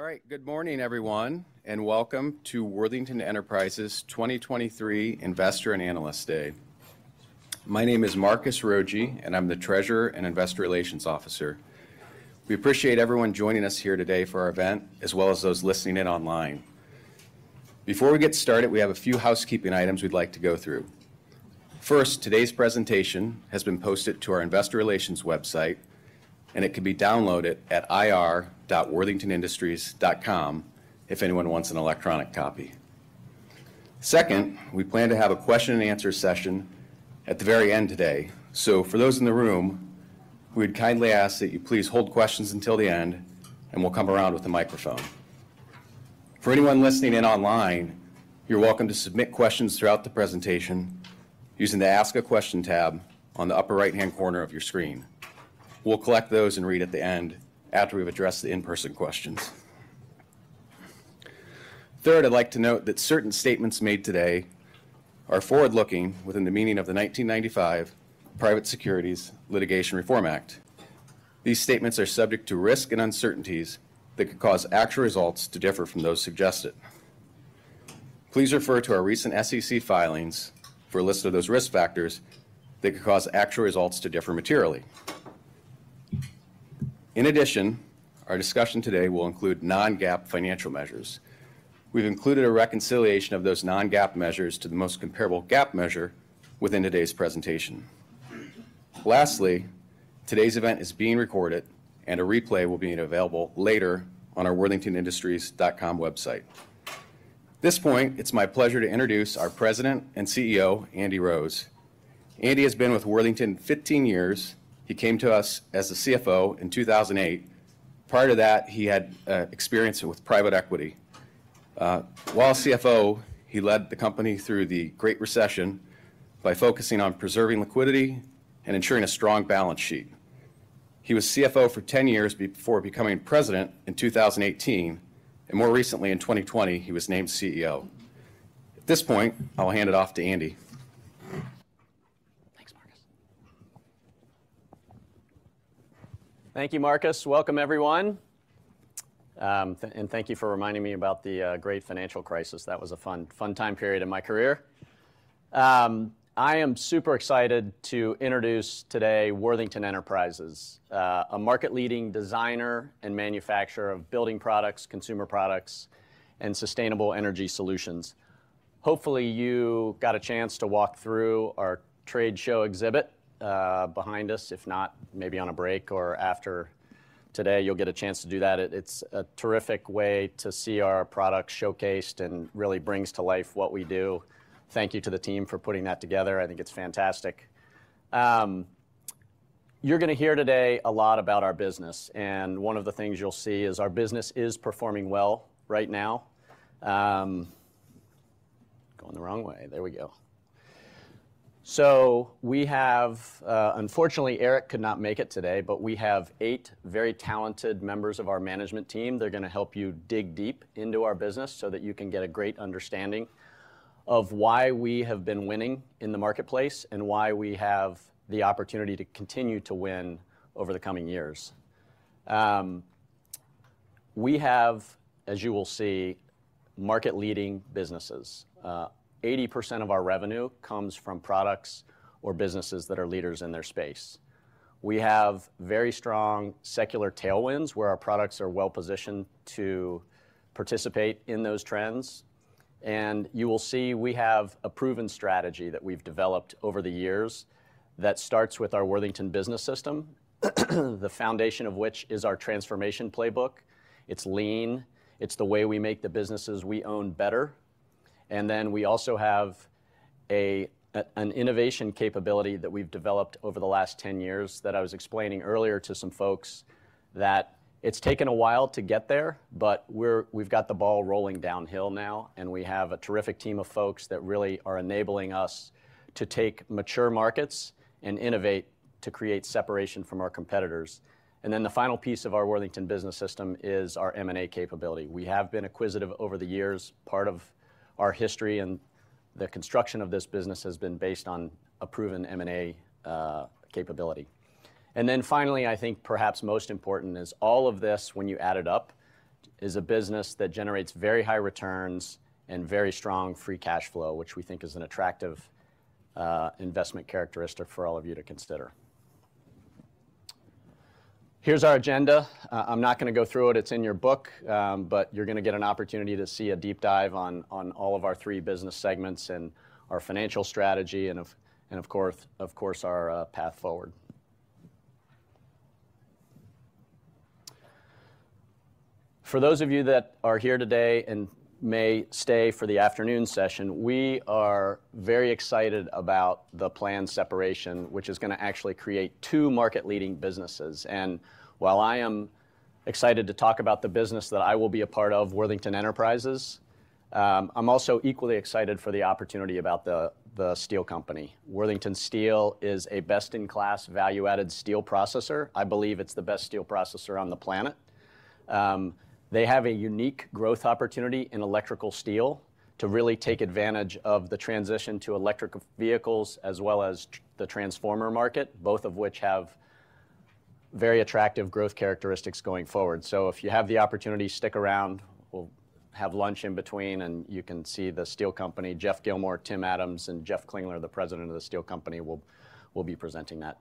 All right, good morning, everyone, and welcome to Worthington Enterprises' 2023 Investor and Analyst Day. My name is Marcus Rogier, and I'm the Treasurer and Investor Relations Officer. We appreciate everyone joining us here today for our event, as well as those listening in online. Before we get started, we have a few housekeeping items we'd like to go through. First, today's presentation has been posted to our investor relations website, and it can be downloaded at ir.worthingtonindustries.com, if anyone wants an electronic copy. Second, we plan to have a question and answer session at the very end today. So for those in the room, we'd kindly ask that you please hold questions until the end, and we'll come around with the microphone. For anyone listening in online, you're welcome to submit questions throughout the presentation using the Ask a Question tab on the upper right-hand corner of your screen. We'll collect those and read at the end after we've addressed the in-person questions. Third, I'd like to note that certain statements made today are forward-looking within the meaning of the 1995 Private Securities Litigation Reform Act. These statements are subject to risk and uncertainties that could cause actual results to differ from those suggested. Please refer to our recent SEC filings for a list of those risk factors that could cause actual results to differ materially. In addition, our discussion today will include non-GAAP financial measures. We've included a reconciliation of those non-GAAP measures to the most comparable GAAP measure within today's presentation. Lastly, today's event is being recorded, and a replay will be available later on our worthingtonindustries.com website. At this point, it's my pleasure to introduce our President and CEO, Andy Rose. Andy has been with Worthington 15 years. He came to us as a CFO in 2008. Prior to that, he had experience with private equity. While CFO, he led the company through the Great Recession by focusing on preserving liquidity and ensuring a strong balance sheet. He was CFO for 10 years before becoming President in 2018, and more recently in 2020, he was named CEO. At this point, I'll hand it off to Andy. Thanks, Marcus. Thank you, Marcus. Welcome, everyone. Thank you for reminding me about the great financial crisis. That was a fun, fun time period in my career. I am super excited to introduce today Worthington Enterprises, a market-leading designer and manufacturer of building products, consumer products, and sustainable energy solutions. Hopefully, you got a chance to walk through our trade show exhibit behind us. If not, maybe on a break or after today, you'll get a chance to do that. It's a terrific way to see our products showcased and really brings to life what we do. Thank you to the team for putting that together. I think it's fantastic. You're gonna hear today a lot about our business, and one of the things you'll see is our business is performing well right now. Going the wrong way. There we go. So we have, unfortunately, Eric could not make it today, but we have eight very talented members of our management team. They're gonna help you dig deep into our business so that you can get a great understanding of why we have been winning in the marketplace and why we have the opportunity to continue to win over the coming years. We have, as you will see, market-leading businesses. Eighty percent of our revenue comes from products or businesses that are leaders in their space. We have very strong secular tailwinds, where our products are well positioned to participate in those trends. And you will see we have a proven strategy that we've developed over the years that starts with our Worthington Business System, the foundation of which is our transformation playbook. It's lean, it's the way we make the businesses we own better. And then we also have an innovation capability that we've developed over the last 10 years, that I was explaining earlier to some folks, that it's taken a while to get there, but we've got the ball rolling downhill now, and we have a terrific team of folks that really are enabling us to take mature markets and innovate to create separation from our competitors. And then the final piece of our Worthington Business System is our M&A capability. We have been acquisitive over the years. Part of our history and the construction of this business has been based on a proven M&A capability. Then finally, I think perhaps most important is all of this, when you add it up, is a business that generates very high returns and very strong free cash flow, which we think is an attractive investment characteristic for all of you to consider. Here's our agenda. I'm not gonna go through it, it's in your book, but you're gonna get an opportunity to see a deep dive on all of our three business segments and our financial strategy, and of course, our path forward. For those of you that are here today and may stay for the afternoon session, we are very excited about the planned separation, which is gonna actually create two market-leading businesses. And while I am excited to talk about the business that I will be a part of, Worthington Enterprises, I'm also equally excited for the opportunity about the, the steel company. Worthington Steel is a best-in-class, value-added steel processor. I believe it's the best steel processor on the planet. They have a unique growth opportunity in electrical steel to really take advantage of the transition to electric vehicles, as well as the transformer market, both of which have very attractive growth characteristics going forward. So if you have the opportunity, stick around, we'll have lunch in between, and you can see the steel company. Geoff Gilmore, Tim Adams, and Jeff Klingler, the president of the steel company, will be presenting that.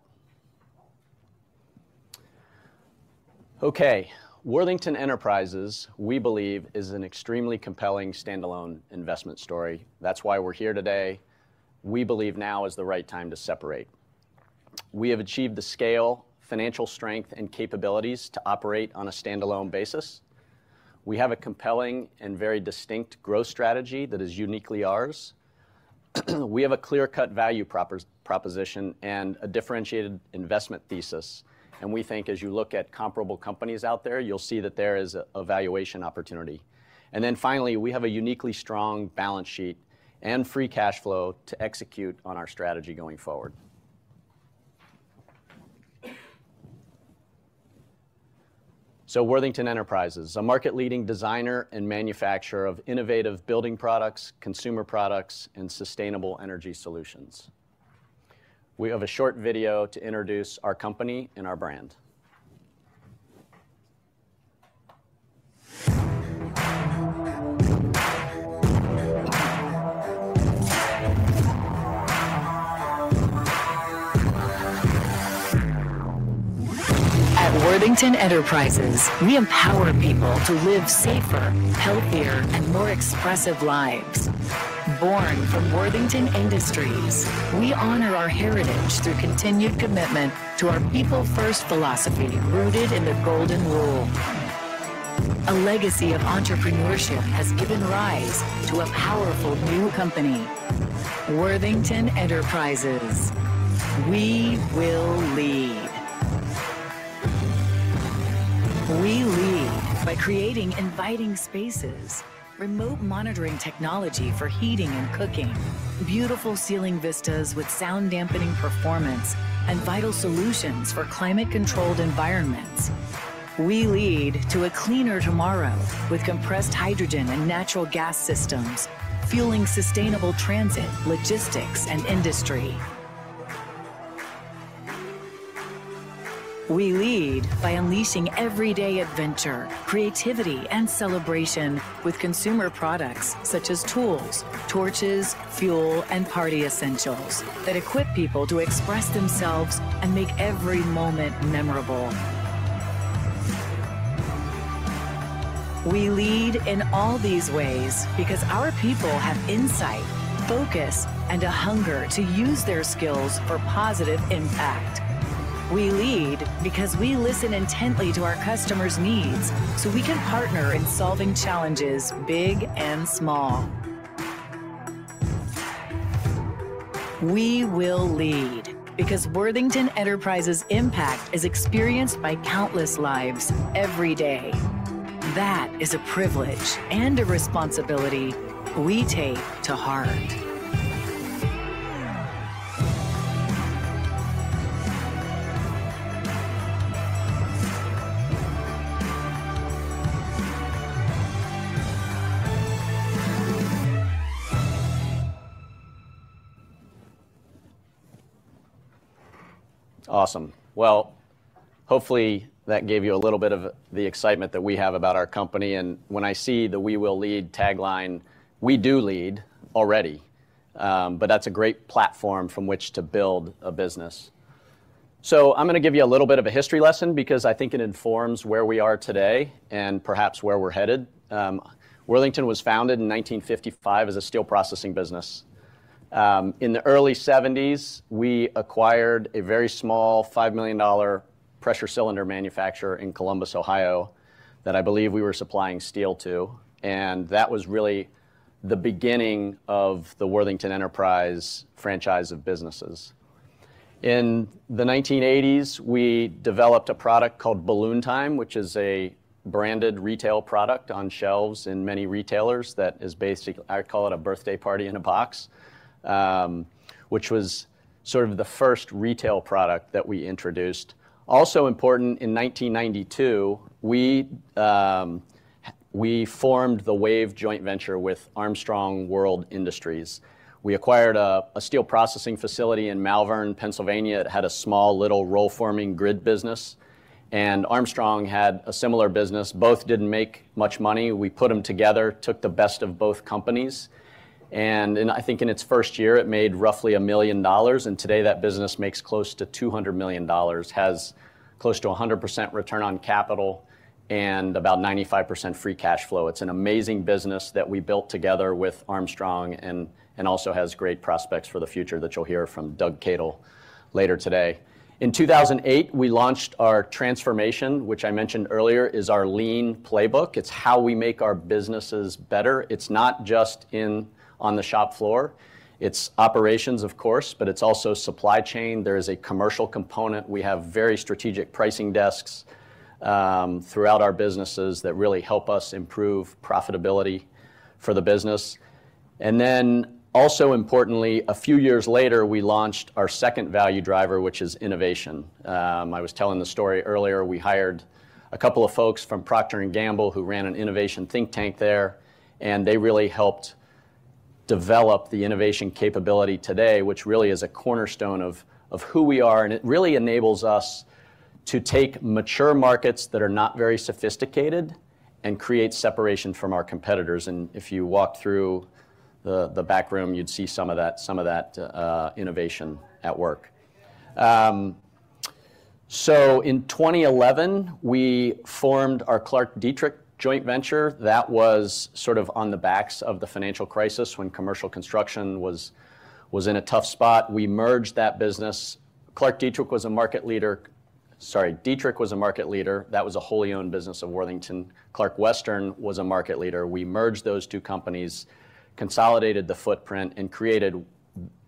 Okay, Worthington Enterprises, we believe, is an extremely compelling standalone investment story. That's why we're here today. We believe now is the right time to separate. We have achieved the scale, financial strength, and capabilities to operate on a standalone basis. We have a compelling and very distinct growth strategy that is uniquely ours. We have a clear-cut value proposition and a differentiated investment thesis, and we think as you look at comparable companies out there, you'll see that there is a valuation opportunity. And then finally, we have a uniquely strong balance sheet and free cash flow to execute on our strategy going forward. So Worthington Enterprises, a market-leading designer and manufacturer of innovative building products, consumer products, and sustainable energy solutions. We have a short video to introduce our company and our brand. At Worthington Enterprises, we empower people to live safer, healthier, and more expressive lives. Born from Worthington Industries, we honor our heritage through continued commitment to our people-first philosophy, rooted in the Golden Rule. A legacy of entrepreneurship has given rise to a powerful new company, Worthington Enterprises. We will lead. We lead by creating inviting spaces, remote monitoring technology for heating and cooking, beautiful ceiling vistas with sound-dampening performance, and vital solutions for climate-controlled environments. We lead to a cleaner tomorrow with compressed hydrogen and natural gas systems, fueling sustainable transit, logistics, and industry. We lead by unleashing everyday adventure, creativity, and celebration with consumer products such as tools, torches, fuel, and party essentials that equip people to express themselves and make every moment memorable. We lead in all these ways because our people have insight, focus, and a hunger to use their skills for positive impact. We lead because we listen intently to our customers' needs, so we can partner in solving challenges, big and small. We will lead because Worthington Enterprises' impact is experienced by countless lives every day. That is a privilege and a responsibility we take to heart. Awesome. Well, hopefully, that gave you a little bit of the excitement that we have about our company, and when I see the "We Will Lead" tagline, we do lead already. That's a great platform from which to build a business. I'm gonna give you a little bit of a history lesson because I think it informs where we are today and perhaps where we're headed. Worthington was founded in 1955 as a steel processing business. In the early 1970s, we acquired a very small, $5,000,000 pressure cylinder manufacturer in Columbus, Ohio, that I believe we were supplying steel to, and that was really the beginning of the Worthington Enterprises franchise of businesses. In the 1980s, we developed a product called Balloon Time, which is a branded retail product on shelves in many retailers that is basic—I call it a birthday party in a box, which was sort of the first retail product that we introduced. Also important, in 1992, we formed the WAVE joint venture with Armstrong World Industries. We acquired a steel processing facility in Malvern, Pennsylvania. It had a small, little roll-forming grid business, and Armstrong had a similar business. Both didn't make much money. We put them together, took the best of both companies, and and I think in its first year, it made roughly $1,000,000, and today, that business makes close to $200,000,000, has close to 100% return on capital and about 95% free cash flow. It's an amazing business that we built together with Armstrong and, and also has great prospects for the future that you'll hear from Doug Cadle later today. In 2008, we launched our transformation, which I mentioned earlier, is our lean playbook. It's how we make our businesses better. It's not just in-- on the shop floor. It's operations, of course, but it's also supply chain. There is a commercial component. We have very strategic pricing desks throughout our businesses that really help us improve profitability for the business. And then, also importantly, a few years later, we launched our second value driver, which is innovation. I was telling the story earlier, we hired a couple of folks from Procter & Gamble who ran an innovation think tank there, and they really helped-... develop the innovation capability today, which really is a cornerstone of, of who we are, and it really enables us to take mature markets that are not very sophisticated and create separation from our competitors. And if you walk through the, the back room, you'd see some of that, some of that, innovation at work. So in 2011, we formed our ClarkDietrich joint venture. That was sort of on the backs of the financial crisis, when commercial construction was, was in a tough spot. We merged that business. ClarkDietrich was a market leader. Sorry, Dietrich was a market leader. That was a wholly owned business of Worthington. ClarkWestern was a market leader. We merged those two companies, consolidated the footprint, and created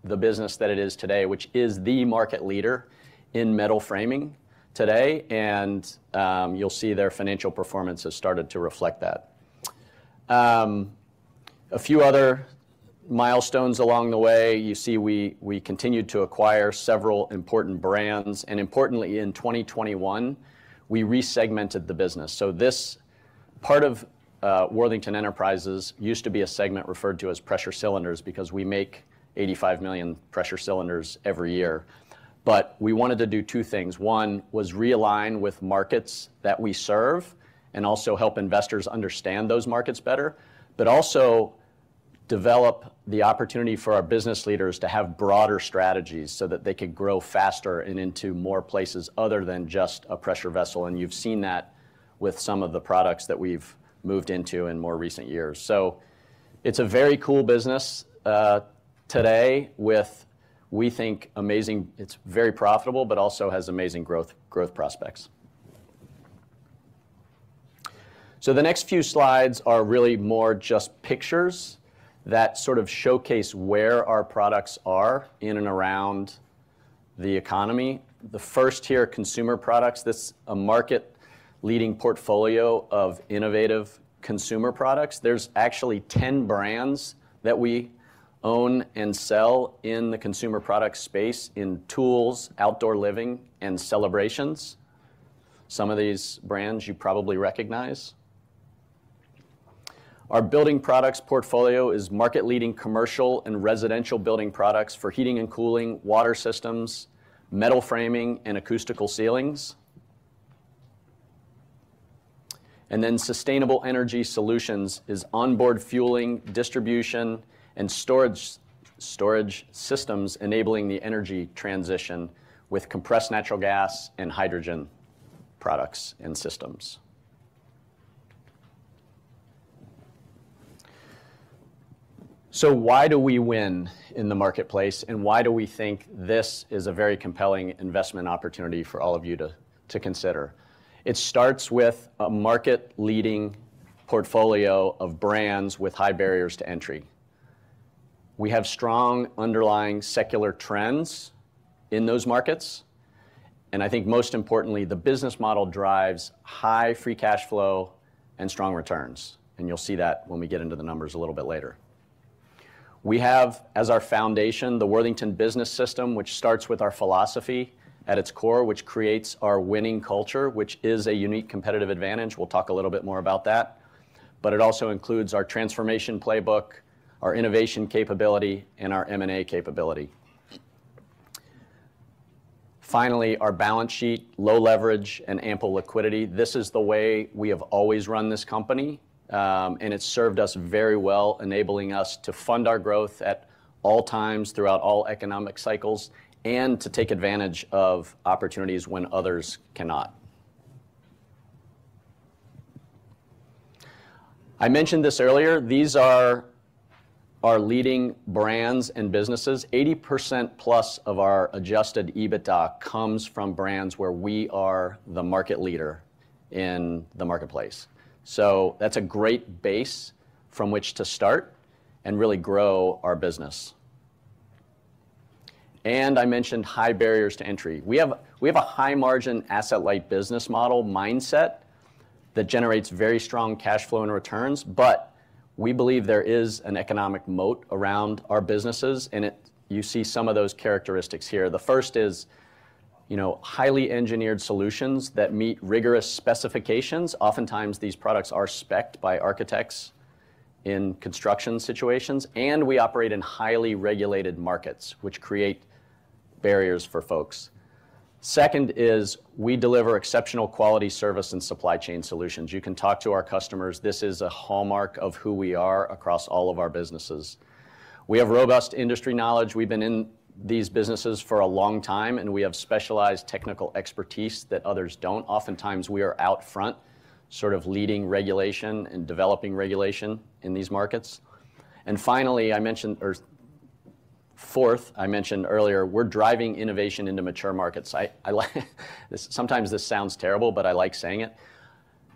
the business that it is today, which is the market leader in metal framing today, and you'll see their financial performance has started to reflect that. A few other milestones along the way. You see, we continued to acquire several important brands, and importantly, in 2021, we resegmented the business. So this part of Worthington Enterprises used to be a segment referred to as Pressure Cylinders, because we make 85,000,000 Pressure Cylinders every year. But we wanted to do two things: One, was realign with markets that we serve and also help investors understand those markets better, but also develop the opportunity for our business leaders to have broader strategies so that they could grow faster and into more places other than just a pressure vessel, and you've seen that with some of the products that we've moved into in more recent years. So it's a very cool business today, with, we think, amazing, it's very profitable, but also has amazing growth prospects. So the next few slides are really more just pictures that sort of showcase where our products are in and around the economy. The first here, consumer products. This, a market-leading portfolio of innovative consumer products. There's actually 10 brands that we own and sell in the consumer products space, in tools, outdoor living, and celebrations. Some of these brands you probably recognize. Our building products portfolio is market-leading commercial and residential building products for heating and cooling, water systems, metal framing, and acoustical ceilings. And then Sustainable Energy Solutions is onboard fueling, distribution, and storage, storage systems, enabling the energy transition with compressed natural gas and hydrogen products and systems. So why do we win in the marketplace, and why do we think this is a very compelling investment opportunity for all of you to, to consider? It starts with a market-leading portfolio of brands with high barriers to entry. We have strong underlying secular trends in those markets, and I think most importantly, the business model drives high free cash flow and strong returns, and you'll see that when we get into the numbers a little bit later. We have, as our foundation, the Worthington Business System, which starts with our philosophy at its core, which creates our winning culture, which is a unique competitive advantage. We'll talk a little bit more about that. But it also includes our transformation playbook, our innovation capability, and our M&A capability. Finally, our balance sheet, low leverage, and ample liquidity. This is the way we have always run this company, and it's served us very well, enabling us to fund our growth at all times throughout all economic cycles and to take advantage of opportunities when others cannot. I mentioned this earlier. These are our leading brands and businesses. 80%+ of our adjusted EBITDA comes from brands where we are the market leader in the marketplace. So that's a great base from which to start and really grow our business. And I mentioned high barriers to entry. We have a high margin, asset-light business model mindset that generates very strong cash flow and returns, but we believe there is an economic moat around our businesses, and it... You see some of those characteristics here. The first is, you know, highly engineered solutions that meet rigorous specifications. Oftentimes, these products are spec'd by architects in construction situations, and we operate in highly regulated markets, which create barriers for folks. Second is, we deliver exceptional quality service and supply chain solutions. You can talk to our customers. This is a hallmark of who we are across all of our businesses. We have robust industry knowledge. We've been in these businesses for a long time, and we have specialized technical expertise that others don't. Oftentimes, we are out front, sort of leading regulation and developing regulation in these markets. Finally, I mentioned—or fourth, I mentioned earlier, we're driving innovation into mature markets. I, I like—sometimes this sounds terrible, but I like saying it.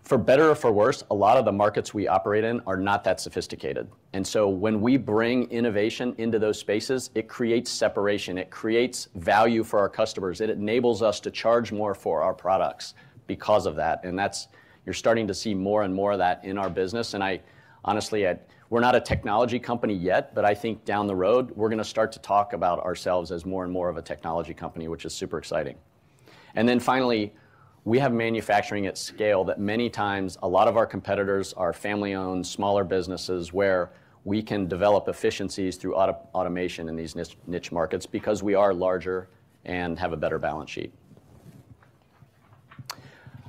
For better or for worse, a lot of the markets we operate in are not that sophisticated. And so when we bring innovation into those spaces, it creates separation, it creates value for our customers, it enables us to charge more for our products because of that, and that's—you're starting to see more and more of that in our business. And I honestly, I—we're not a technology company yet, but I think down the road, we're gonna start to talk about ourselves as more and more of a technology company, which is super exciting. Then finally, we have manufacturing at scale that many times a lot of our competitors are family-owned, smaller businesses, where we can develop efficiencies through automation in these niche markets because we are larger and have a better balance sheet.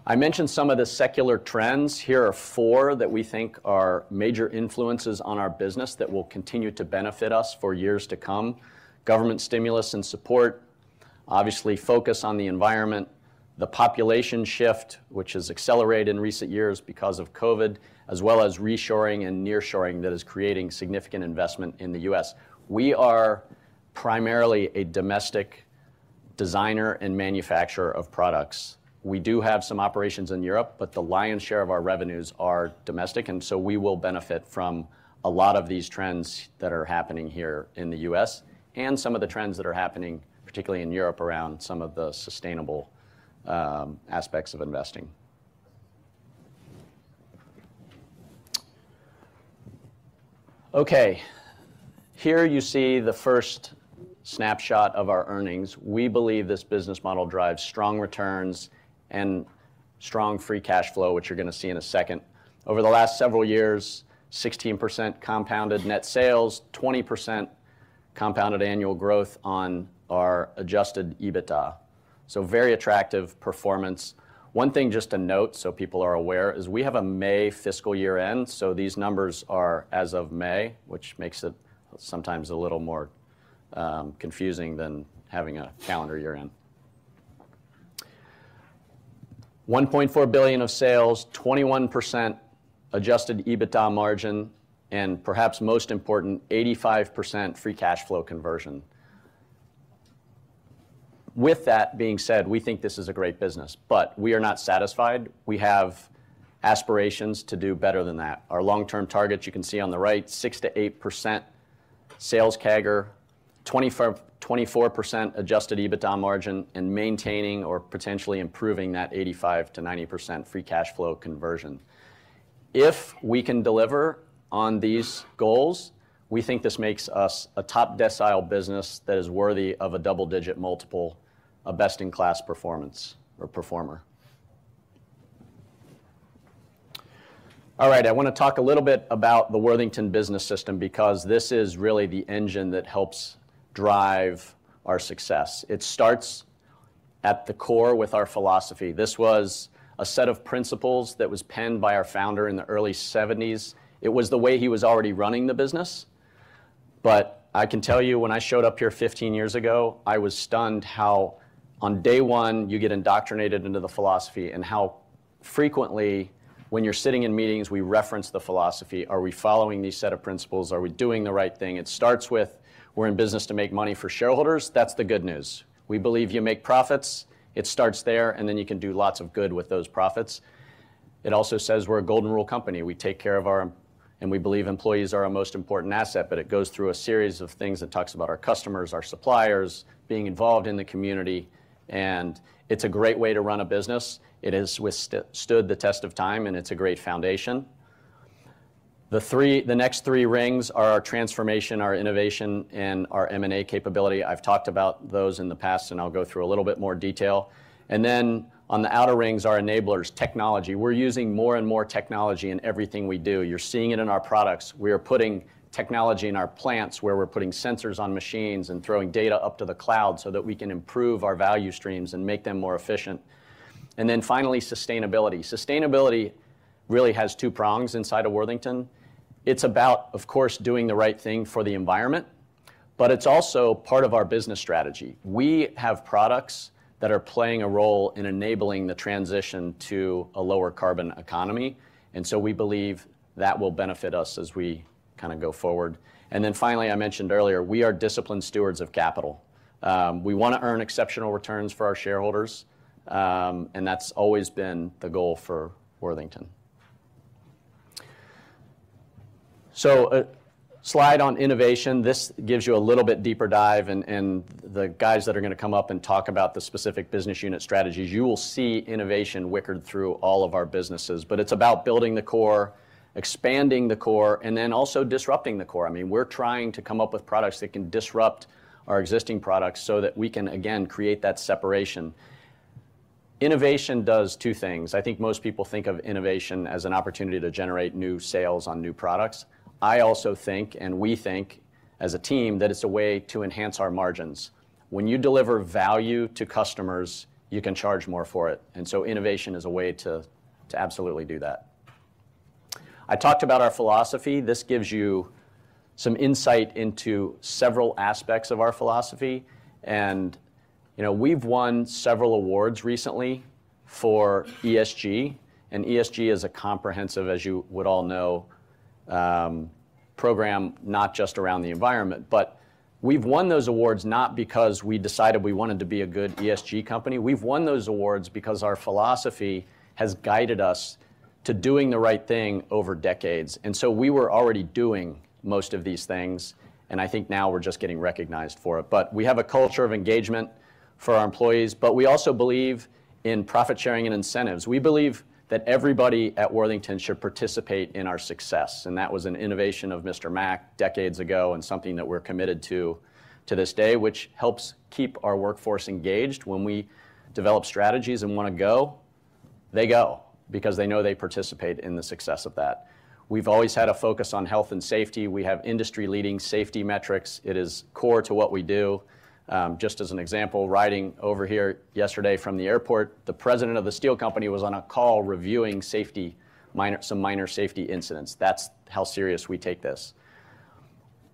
I mentioned some of the secular trends. Here are four that we think are major influences on our business that will continue to benefit us for years to come: government stimulus and support, obviously, focus on the environment, the population shift, which has accelerated in recent years because of COVID, as well as reshoring and nearshoring that is creating significant investment in the U.S. We are primarily a domestic designer and manufacturer of products. We do have some operations in Europe, but the lion's share of our revenues are domestic, and so we will benefit from a lot of these trends that are happening here in the U.S., and some of the trends that are happening, particularly in Europe, around some of the sustainable aspects of investing. Okay, here you see the first snapshot of our earnings. We believe this business model drives strong returns and strong free cash flow, which you're gonna see in a second. Over the last several years, 16% compounded net sales, 20% compounded annual growth on our adjusted EBITDA. So very attractive performance. One thing just to note, so people are aware, is we have a May fiscal year end, so these numbers are as of May, which makes it sometimes a little more confusing than having a calendar year end. $1,400,000,000 of sales, 21% Adjusted EBITDA margin, and perhaps most important, 85% free cash flow conversion. With that being said, we think this is a great business, but we are not satisfied. We have aspirations to do better than that. Our long-term targets, you can see on the right, 6%-8% sales CAGR, 24, 24% Adjusted EBITDA margin, and maintaining or potentially improving that 85%-90% free cash flow conversion. If we can deliver on these goals, we think this makes us a top decile business that is worthy of a double-digit multiple, a best-in-class performance or performer. All right, I wanna talk a little bit about the Worthington business system, because this is really the engine that helps drive our success. It starts at the core with our philosophy. This was a set of principles that was penned by our founder in the early 1970s. It was the way he was already running the business. But I can tell you, when I showed up here 15 years ago, I was stunned how on day one, you get indoctrinated into the philosophy, and how frequently when you're sitting in meetings, we reference the philosophy. Are we following these set of principles? Are we doing the right thing? It starts with, we're in business to make money for shareholders. That's the good news. We believe you make profits. It starts there, and then you can do lots of good with those profits. It also says we're a Golden Rule company. We take care of our... We believe employees are our most important asset, but it goes through a series of things that talks about our customers, our suppliers, being involved in the community, and it's a great way to run a business. It has withstood the test of time, and it's a great foundation. The next three rings are our transformation, our innovation, and our M&A capability. I've talked about those in the past, and I'll go through a little bit more detail. And then on the outer rings, our enablers, technology. We're using more and more technology in everything we do. You're seeing it in our products. We are putting technology in our plants, where we're putting sensors on machines and throwing data up to the cloud so that we can improve our value streams and make them more efficient. And then finally, sustainability. Sustainability really has two prongs inside of Worthington. It's about, of course, doing the right thing for the environment, but it's also part of our business strategy. We have products that are playing a role in enabling the transition to a lower carbon economy, and we believe that will benefit us as we kinda go forward. Finally, I mentioned earlier, we are disciplined stewards of capital. We wanna earn exceptional returns for our shareholders, and that's always been the goal for Worthington. A slide on innovation. This gives you a little bit deeper dive, and the guys that are gonna come up and talk about the specific business unit strategies, you will see innovation wicked through all of our businesses. It's about building the core, expanding the core, and then also disrupting the core. I mean, we're trying to come up with products that can disrupt our existing products so that we can, again, create that separation. Innovation does two things: I think most people think of innovation as an opportunity to generate new sales on new products. I also think, and we think as a team, that it's a way to enhance our margins. When you deliver value to customers, you can charge more for it, and so innovation is a way to, to absolutely do that. I talked about our philosophy. This gives you some insight into several aspects of our philosophy. And, you know, we've won several awards recently for ESG, and ESG is a comprehensive, as you would all know, program, not just around the environment. But we've won those awards not because we decided we wanted to be a good ESG company. We've won those awards because our philosophy has guided us to doing the right thing over decades. So we were already doing most of these things, and I think now we're just getting recognized for it. But we have a culture of engagement for our employees, but we also believe in profit sharing and incentives. We believe that everybody at Worthington should participate in our success, and that was an innovation of Mr. Mac decades ago and something that we're committed to this day, which helps keep our workforce engaged. When we develop strategies and wanna go, they go because they know they participate in the success of that. We've always had a focus on health and safety. We have industry-leading safety metrics. It is core to what we do. Just as an example, riding over here yesterday from the airport, the president of the steel company was on a call reviewing some minor safety incidents. That's how serious we take this.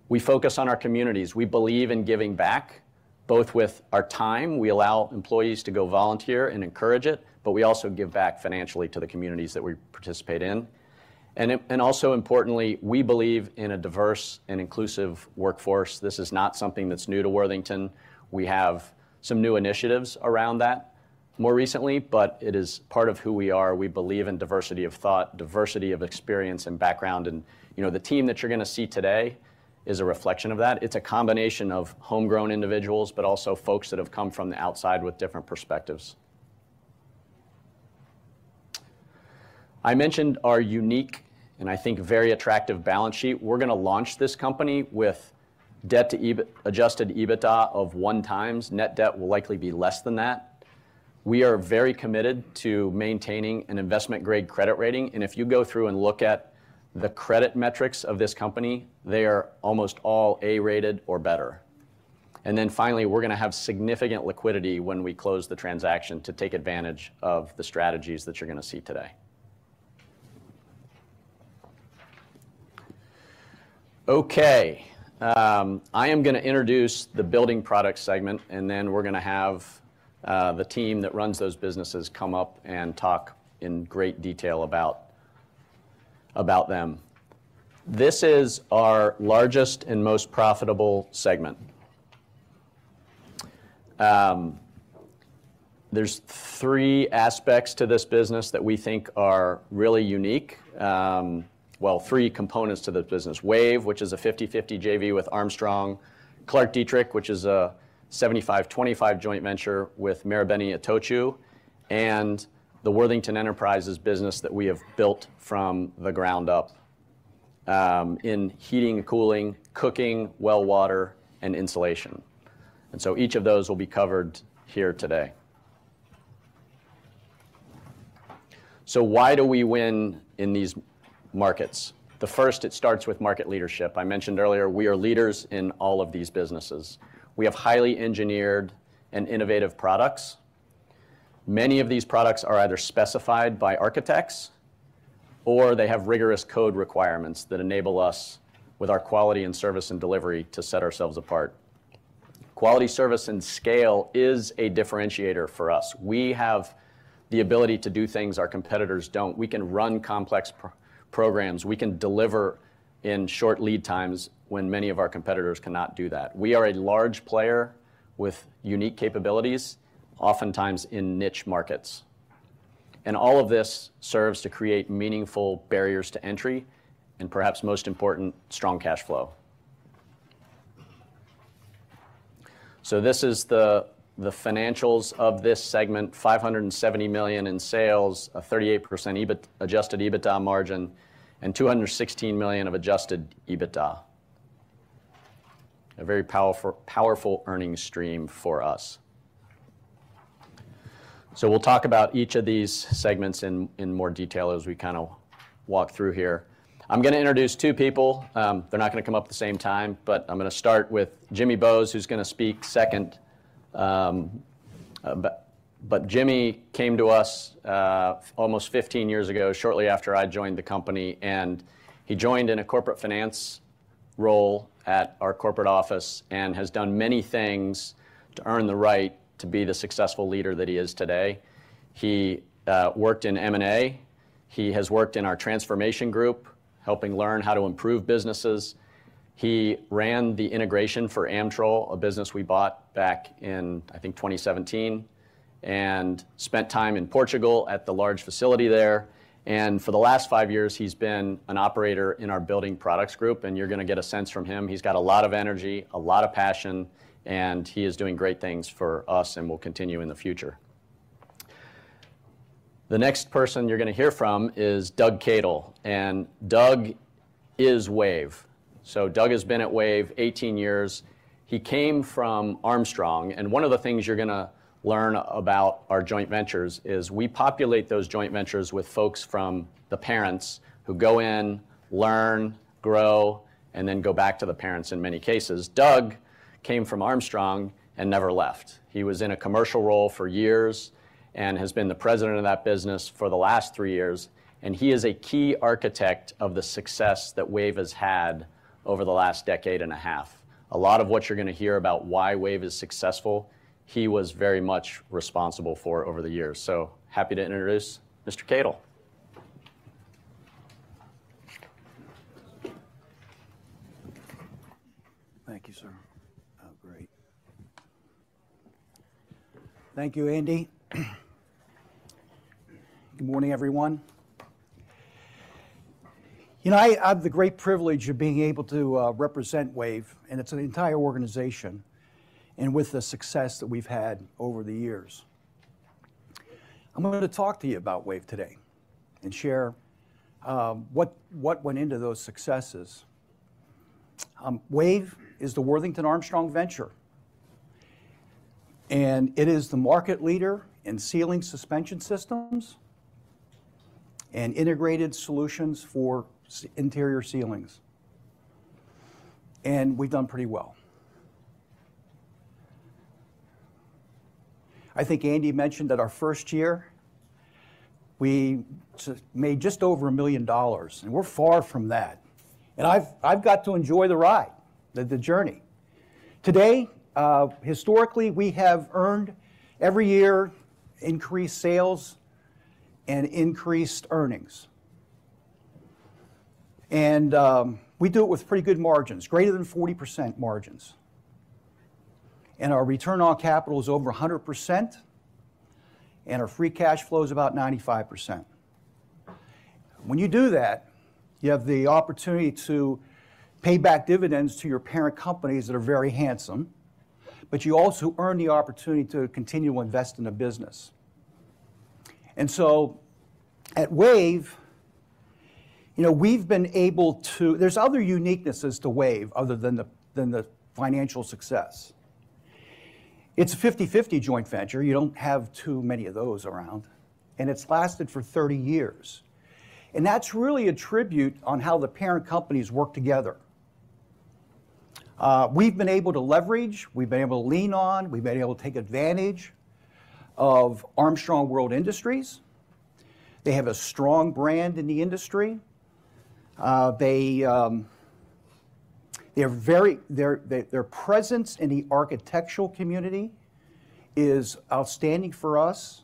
We focus on our communities. We believe in giving back, both with our time, we allow employees to go volunteer and encourage it, but we also give back financially to the communities that we participate in. And also importantly, we believe in a diverse and inclusive workforce. This is not something that's new to Worthington. We have some new initiatives around that more recently, but it is part of who we are. We believe in diversity of thought, diversity of experience and background, and, you know, the team that you're gonna see today is a reflection of that. It's a combination of homegrown individuals, but also folks that have come from the outside with different perspectives. I mentioned our unique, and I think very attractive, balance sheet. We're gonna launch this company with debt to adjusted EBITDA of 1x. Net debt will likely be less than that. We are very committed to maintaining an investment-grade credit rating, and if you go through and look at the credit metrics of this company, they are almost all A-rated or better. And then finally, we're gonna have significant liquidity when we close the transaction to take advantage of the strategies that you're gonna see today. Okay, I am gonna introduce the Building Products segment, and then we're gonna have the team that runs those businesses come up and talk in great detail about them. This is our largest and most profitable segment. There are three aspects to this business that we think are really unique. Well, three components to the business: WAVE, which is a 50/50 JV with Armstrong, ClarkDietrich, which is a 75/25 joint venture with Marubeni-Itochu, and the Worthington Enterprises business that we have built from the ground up, in heating, cooling, cooking, well water, and insulation. Each of those will be covered here today. Why do we win in these markets? The first, it starts with market leadership. I mentioned earlier, we are leaders in all of these businesses. We have highly engineered and innovative products. Many of these products are either specified by architects or they have rigorous code requirements that enable us, with our quality and service and delivery, to set ourselves apart. Quality, service, and scale is a differentiator for us. We have the ability to do things our competitors don't. We can run complex programs. We can deliver in short lead times when many of our competitors cannot do that. We are a large player with unique capabilities, oftentimes in niche markets. And all of this serves to create meaningful barriers to entry, and perhaps most important, strong cash flow. So this is the financials of this segment, $570,000,000 in sales, a 38% adjusted EBITDA margin, and $216,000,000 of adjusted EBITDA. A very powerful, powerful earning stream for us. So we'll talk about each of these segments in more detail as we kinda walk through here. I'm gonna introduce two people. They're not gonna come up at the same time, but I'm gonna start with Jimmy Bowes, who's gonna speak second. But Jimmy came to us almost 15 years ago, shortly after I joined the company, and he joined in a corporate finance role at our corporate office and has done many things to earn the right to be the successful leader that he is today. He worked in M&A. He has worked in our transformation group, helping learn how to improve businesses. He ran the integration for Amtrol, a business we bought back in, I think, 2017, and spent time in Portugal at the large facility there. And for the last 5 years, he's been an operator in our building products group, and you're gonna get a sense from him. He's got a lot of energy, a lot of passion, and he is doing great things for us and will continue in the future. The next person you're gonna hear from is Doug Cadle, and Doug is WAVE. So Doug has been at WAVE 18 years. He came from Armstrong, and one of the things you're gonna learn about our joint ventures is we populate those joint ventures with folks from the parents who go in, learn, grow, and then go back to the parents in many cases. Doug came from Armstrong and never left. He was in a commercial role for years and has been the president of that business for the last 3 years, and he is a key architect of the success that WAVE has had over the last decade and a half. A lot of what you're gonna hear about why WAVE is successful, he was very much responsible for over the years. So happy to introduce Mr. Cadle. Thank you, sir. Oh, great. Thank you, Andy. Good morning, everyone. You know, I have the great privilege of being able to represent WAVE, and it's an entire organization, and with the success that we've had over the years. I'm going to talk to you about WAVE today and share what went into those successes. WAVE is the Worthington Armstrong Venture, and it is the market leader in ceiling suspension systems and integrated solutions for interior ceilings, and we've done pretty well. I think Andy mentioned that our first year, we made just over $1,000,000, and we're far from that. And I've got to enjoy the ride, the journey. Today, historically, we have earned every year increased sales and increased earnings, and we do it with pretty good margins, greater than 40% margins. Our return on capital is over 100%, and our free cash flow is about 95%. When you do that, you have the opportunity to pay back dividends to your parent companies that are very handsome, but you also earn the opportunity to continue to invest in a business. And so at WAVE, you know, we've been able to— There's other uniquenesses to WAVE other than the, than the financial success. It's a 50/50 joint venture. You don't have too many of those around, and it's lasted for 30 years, and that's really a tribute on how the parent companies work together. We've been able to leverage, we've been able to lean on, we've been able to take advantage of Armstrong World Industries. They have a strong brand in the industry. Their presence in the architectural community is outstanding for us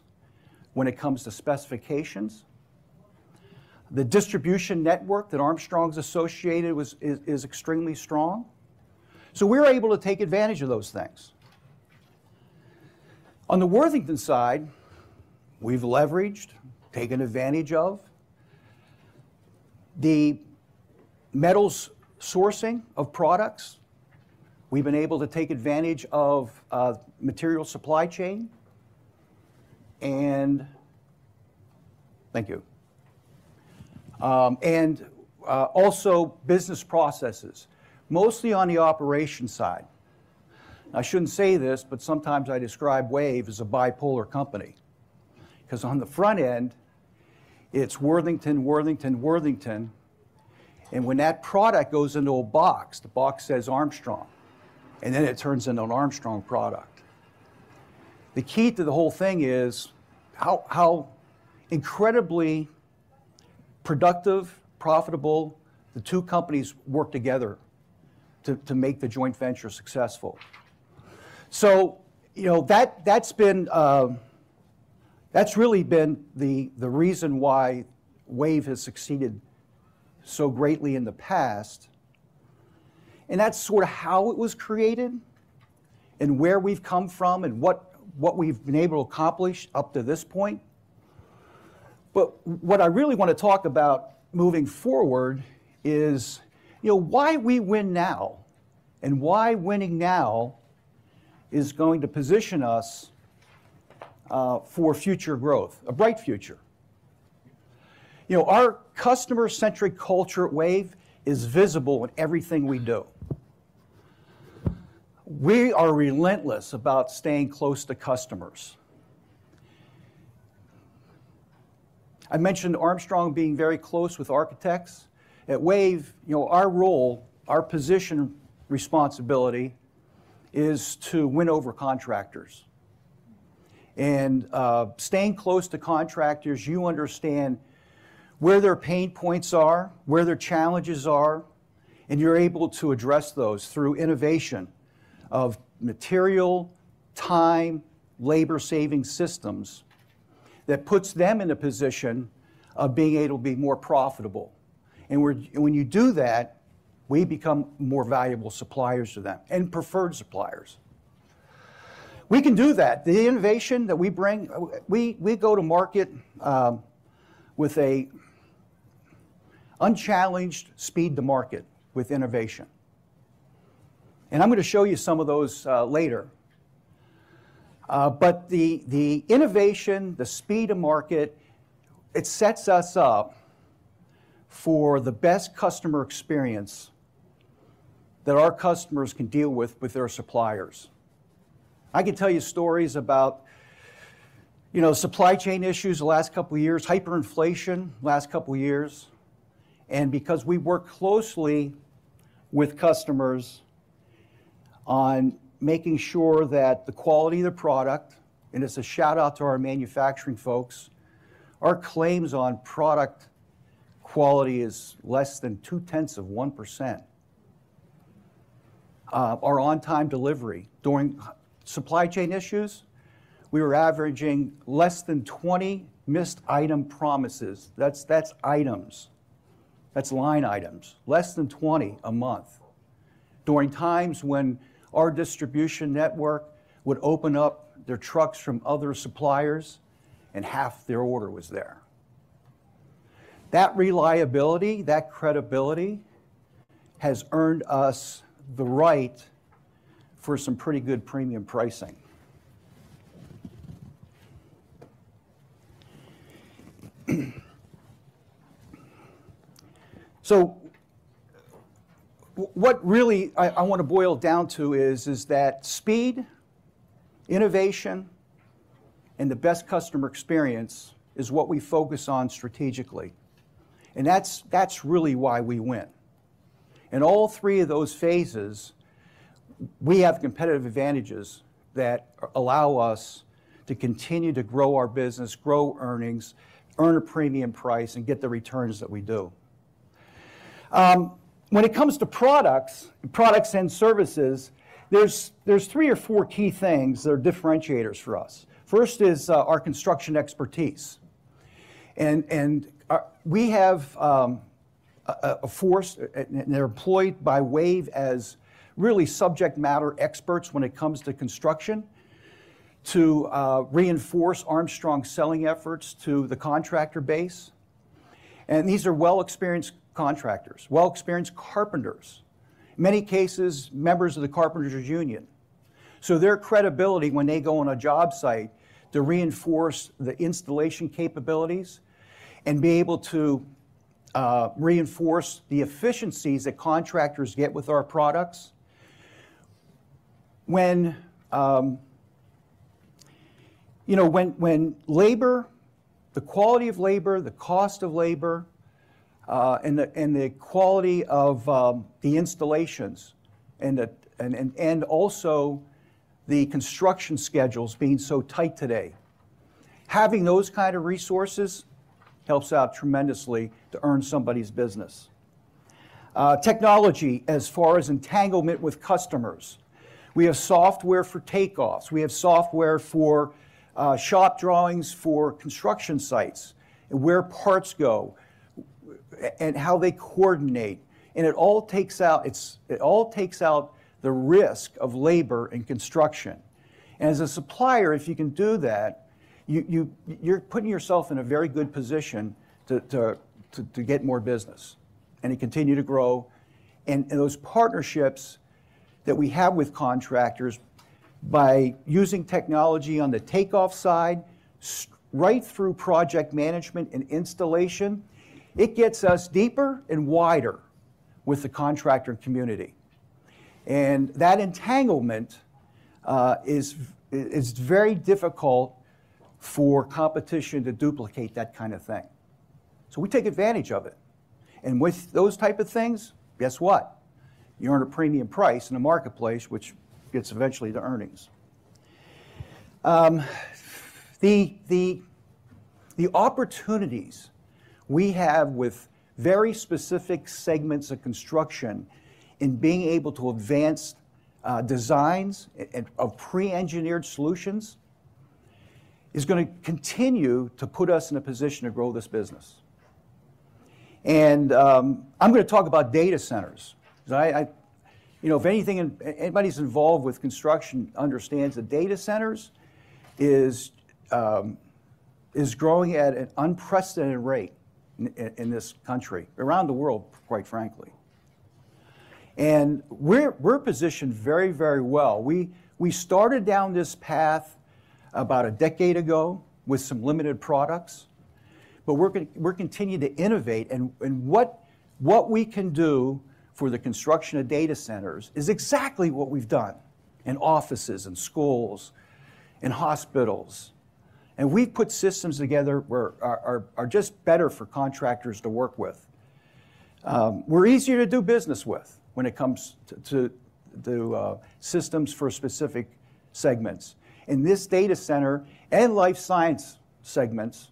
when it comes to specifications. The distribution network that Armstrong's associated with is extremely strong. So we're able to take advantage of those things. On the Worthington side, we've leveraged, taken advantage of the metals sourcing of products. We've been able to take advantage of material supply chain and... Thank you. and also business processes, mostly on the operation side. I shouldn't say this, but sometimes I describe WAVE as a bipolar company, 'cause on the front end, it's Worthington, Worthington, Worthington, and when that product goes into a box, the box says Armstrong, and then it turns into an Armstrong product. The key to the whole thing is how incredibly productive, profitable the two companies work together to make the joint venture successful. You know, that's really been the reason why WAVE has succeeded so greatly in the past, and that's sort of how it was created and where we've come from and what we've been able to accomplish up to this point. What I really want to talk about moving forward is, you know, why we win now, and why winning now is going to position us for future growth, a bright future. You know, our customer-centric culture at WAVE is visible in everything we do. We are relentless about staying close to customers. I mentioned Armstrong being very close with architects. At WAVE, you know, our role, our position responsibility, is to win over contractors. Staying close to contractors, you understand where their pain points are, where their challenges are, and you're able to address those through innovation of material, time, labor-saving systems that puts them in a position of being able to be more profitable. And when you do that, we become more valuable suppliers to them and preferred suppliers. We can do that. The innovation that we bring, we go to market with an unchallenged speed to market with innovation, and I'm gonna show you some of those later. But the innovation, the speed of market, it sets us up for the best customer experience that our customers can deal with with their suppliers. I could tell you stories about, you know, supply chain issues the last couple of years, hyperinflation last couple of years, and because we work closely with customers on making sure that the quality of the product, and it's a shout-out to our manufacturing folks, our claims on product quality is less than 0.2%. Our on-time delivery during supply chain issues, we were averaging less than 20 missed item promises. That's, that's items, that's line items, less than 20 a month.... during times when our distribution network would open up their trucks from other suppliers, and half their order was there. That reliability, that credibility, has earned us the right for some pretty good premium pricing. What I really want to boil down to is that speed, innovation, and the best customer experience is what we focus on strategically, and that's really why we win. In all three of those phases, we have competitive advantages that allow us to continue to grow our business, grow earnings, earn a premium price, and get the returns that we do. When it comes to products, products and services, there's three or four key things that are differentiators for us. First is our construction expertise, and we have a force, and they're employed by WAVE as really subject matter experts when it comes to construction, to reinforce Armstrong's selling efforts to the contractor base, and these are well-experienced contractors, well-experienced carpenters, in many cases, members of the Carpenters Union. So their credibility when they go on a job site to reinforce the installation capabilities and be able to reinforce the efficiencies that contractors get with our products, when you know, when labor, the quality of labor, the cost of labor, and the quality of the installations, and also the construction schedules being so tight today, having those kind of resources helps out tremendously to earn somebody's business. Technology, as far as entanglement with customers, we have software for takeoffs, we have software for shop drawings for construction sites, and where parts go, and how they coordinate, and it all takes out the risk of labor and construction. As a supplier, if you can do that, you're putting yourself in a very good position to get more business and to continue to grow. Those partnerships that we have with contractors by using technology on the takeoff side, right through project management and installation, it gets us deeper and wider with the contractor community, and that entanglement is very difficult for competition to duplicate that kind of thing. We take advantage of it, and with those type of things, guess what? You earn a premium price in the marketplace, which gets eventually to earnings. The opportunities we have with very specific segments of construction in being able to advance designs of pre-engineered solutions is gonna continue to put us in a position to grow this business. I'm gonna talk about data centers. 'Cause, you know, if anything, anybody who's involved with construction understands that data centers is growing at an unprecedented rate in this country, around the world, quite frankly. And we're positioned very, very well. We started down this path about a decade ago with some limited products, but we're continuing to innovate, and what we can do for the construction of data centers is exactly what we've done in offices and schools, in hospitals, and we've put systems together where are just better for contractors to work with. We're easier to do business with when it comes to systems for specific segments. And this data center and life science segments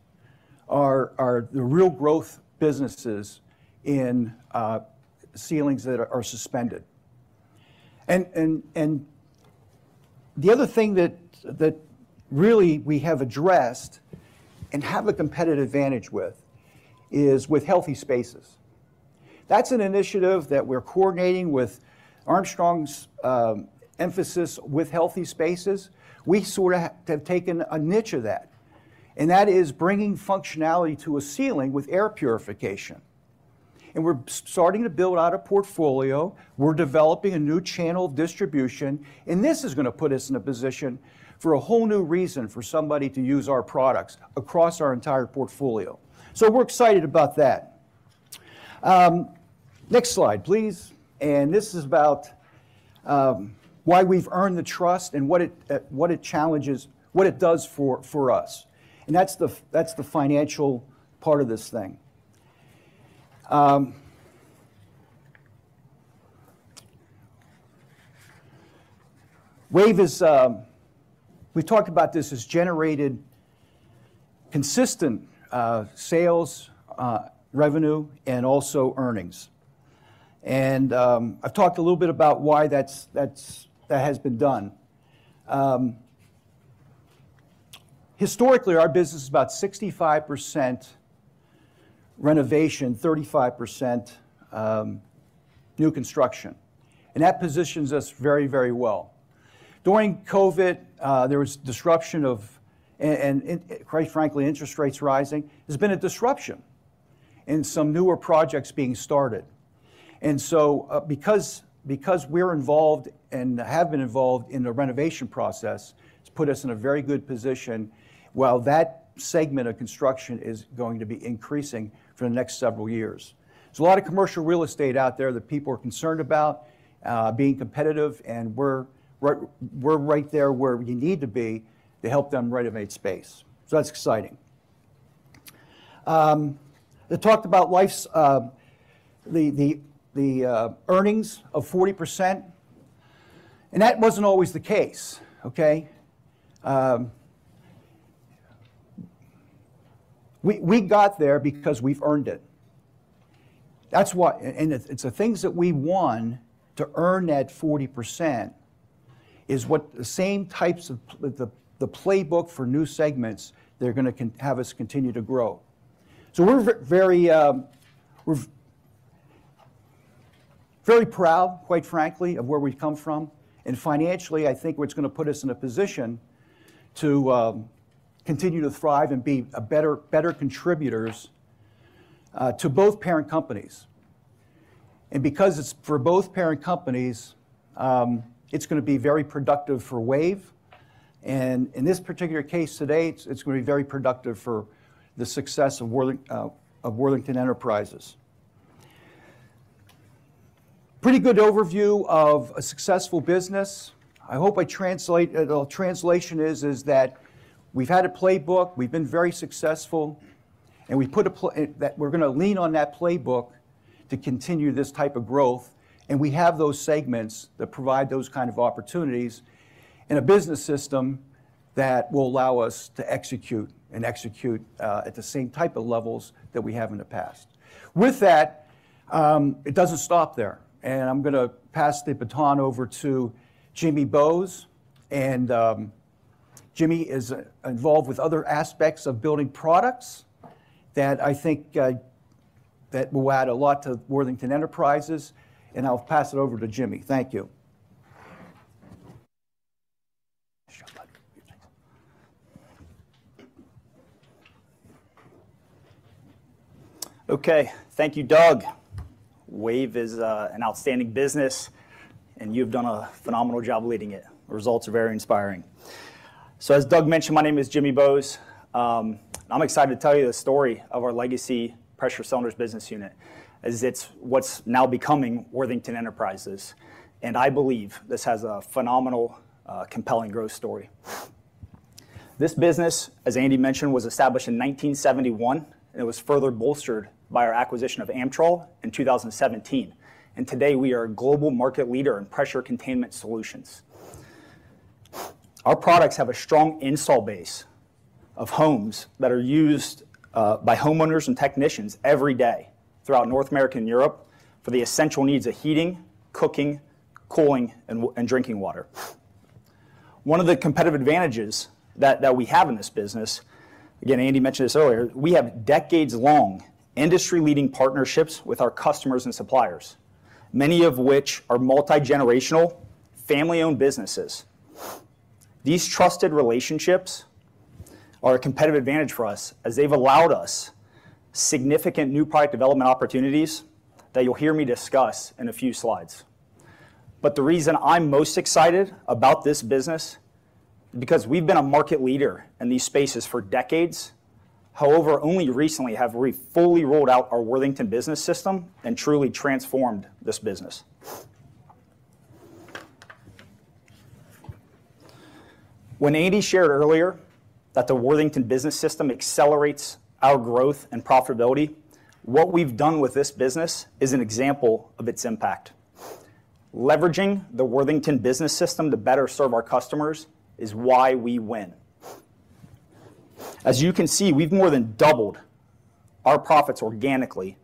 are the real growth businesses in ceilings that are suspended. And the other thing that really we have addressed, and have a competitive advantage with, is with healthy spaces. That's an initiative that we're coordinating with Armstrong's emphasis with healthy spaces. We sort of have taken a niche of that, and that is bringing functionality to a ceiling with air purification, and we're starting to build out a portfolio, we're developing a new channel of distribution, and this is gonna put us in a position for a whole new reason for somebody to use our products across our entire portfolio. So we're excited about that. Next slide, please. And this is about why we've earned the trust and what it does for us, and that's the financial part of this thing. WAVE is... We've talked about this, has generated consistent sales revenue, and also earnings, and I've talked a little bit about why that's, that has been done. Historically, our business is about 65% renovation, 35% new construction, and that positions us very, very well. During COVID, there was disruption of, and quite frankly, interest rates rising, there's been a disruption in some newer projects being started. And so, because we're involved and have been involved in the renovation process, it's put us in a very good position, while that segment of construction is going to be increasing for the next several years. There's a lot of commercial real estate out there that people are concerned about being competitive, and we're right there where we need to be to help them renovate space. So that's exciting. They talked about life's, the, the, the earnings of 40%, and that wasn't always the case, okay? We got there because we've earned it. That's why- and it's the things that we won to earn that 40% is what the same types of the, the playbook for new segments that are gonna con- have us continue to grow. We're very, we're very proud, quite frankly, of where we've come from, and financially, I think it's gonna put us in a position to continue to thrive and be better, better contributors to both parent companies. Because it's for both parent companies, it's gonna be very productive for WAVE, and in this particular case, to date, it's gonna be very productive for the success of Worthington Enterprises. Pretty good overview of a successful business. The translation is that we've had a playbook, we've been very successful, and that we're gonna lean on that playbook to continue this type of growth, and we have those segments that provide those kind of opportunities in a business system that will allow us to execute and execute at the same type of levels that we have in the past. With that, it doesn't stop there, and I'm gonna pass the baton over to Jimmy Bowes, and Jimmy is involved with other aspects of building products that I think that will add a lot to Worthington Enterprises, and I'll pass it over to Jimmy. Thank you. Okay. Thank you, Doug. WAVE is an outstanding business, and you've done a phenomenal job leading it. The results are very inspiring. So as Doug mentioned, my name is Jimmy Bowes, and I'm excited to tell you the story of our legacy Pressure Cylinders business unit as it's what's now becoming Worthington Enterprises, and I believe this has a phenomenal, compelling growth story. This business, as Andy mentioned, was established in 1971, and it was further bolstered by our acquisition of Amtrol in 2017. And today, we are a global market leader in pressure containment solutions. Our products have a strong installed base of homes that are used by homeowners and technicians every day throughout North America and Europe for the essential needs of heating, cooking, cooling, and drinking water. One of the competitive advantages that we have in this business, again, Andy mentioned this earlier, we have decades-long, industry-leading partnerships with our customers and suppliers, many of which are multigenerational, family-owned businesses. These trusted relationships are a competitive advantage for us, as they've allowed us significant new product development opportunities that you'll hear me discuss in a few slides. But the reason I'm most excited about this business, because we've been a market leader in these spaces for decades. However, only recently have we fully rolled out our Worthington Business System and truly transformed this business. When Andy shared earlier that the Worthington Business System accelerates our growth and profitability, what we've done with this business is an example of its impact. Leveraging the Worthington Business System to better serve our customers is why we win. As you can see, we've more than doubled our profits organically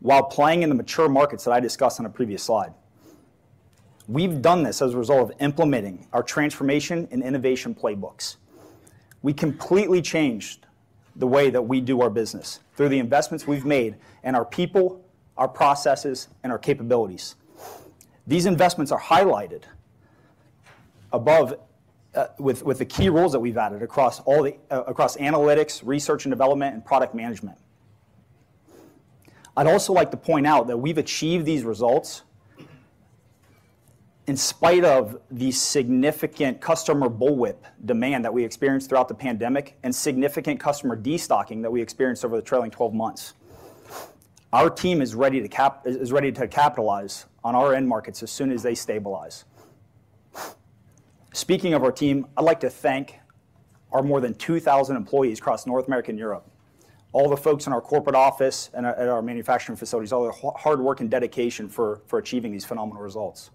while playing in the mature markets that I discussed on a previous slide. We've done this as a result of implementing our transformation and innovation playbooks. We completely changed the way that we do our business through the investments we've made and our people, our processes, and our capabilities. These investments are highlighted above with the key roles that we've added across analytics, research and development, and product management. I'd also like to point out that we've achieved these results in spite of the significant customer bullwhip demand that we experienced throughout the pandemic and significant customer destocking that we experienced over the trailing twelve months. Our team is ready to capitalize on our end markets as soon as they stabilize. Speaking of our team, I'd like to thank our more than 2,000 employees across North America and Europe, all the folks in our corporate office and at our manufacturing facilities, all their hard work and dedication for achieving these phenomenal results.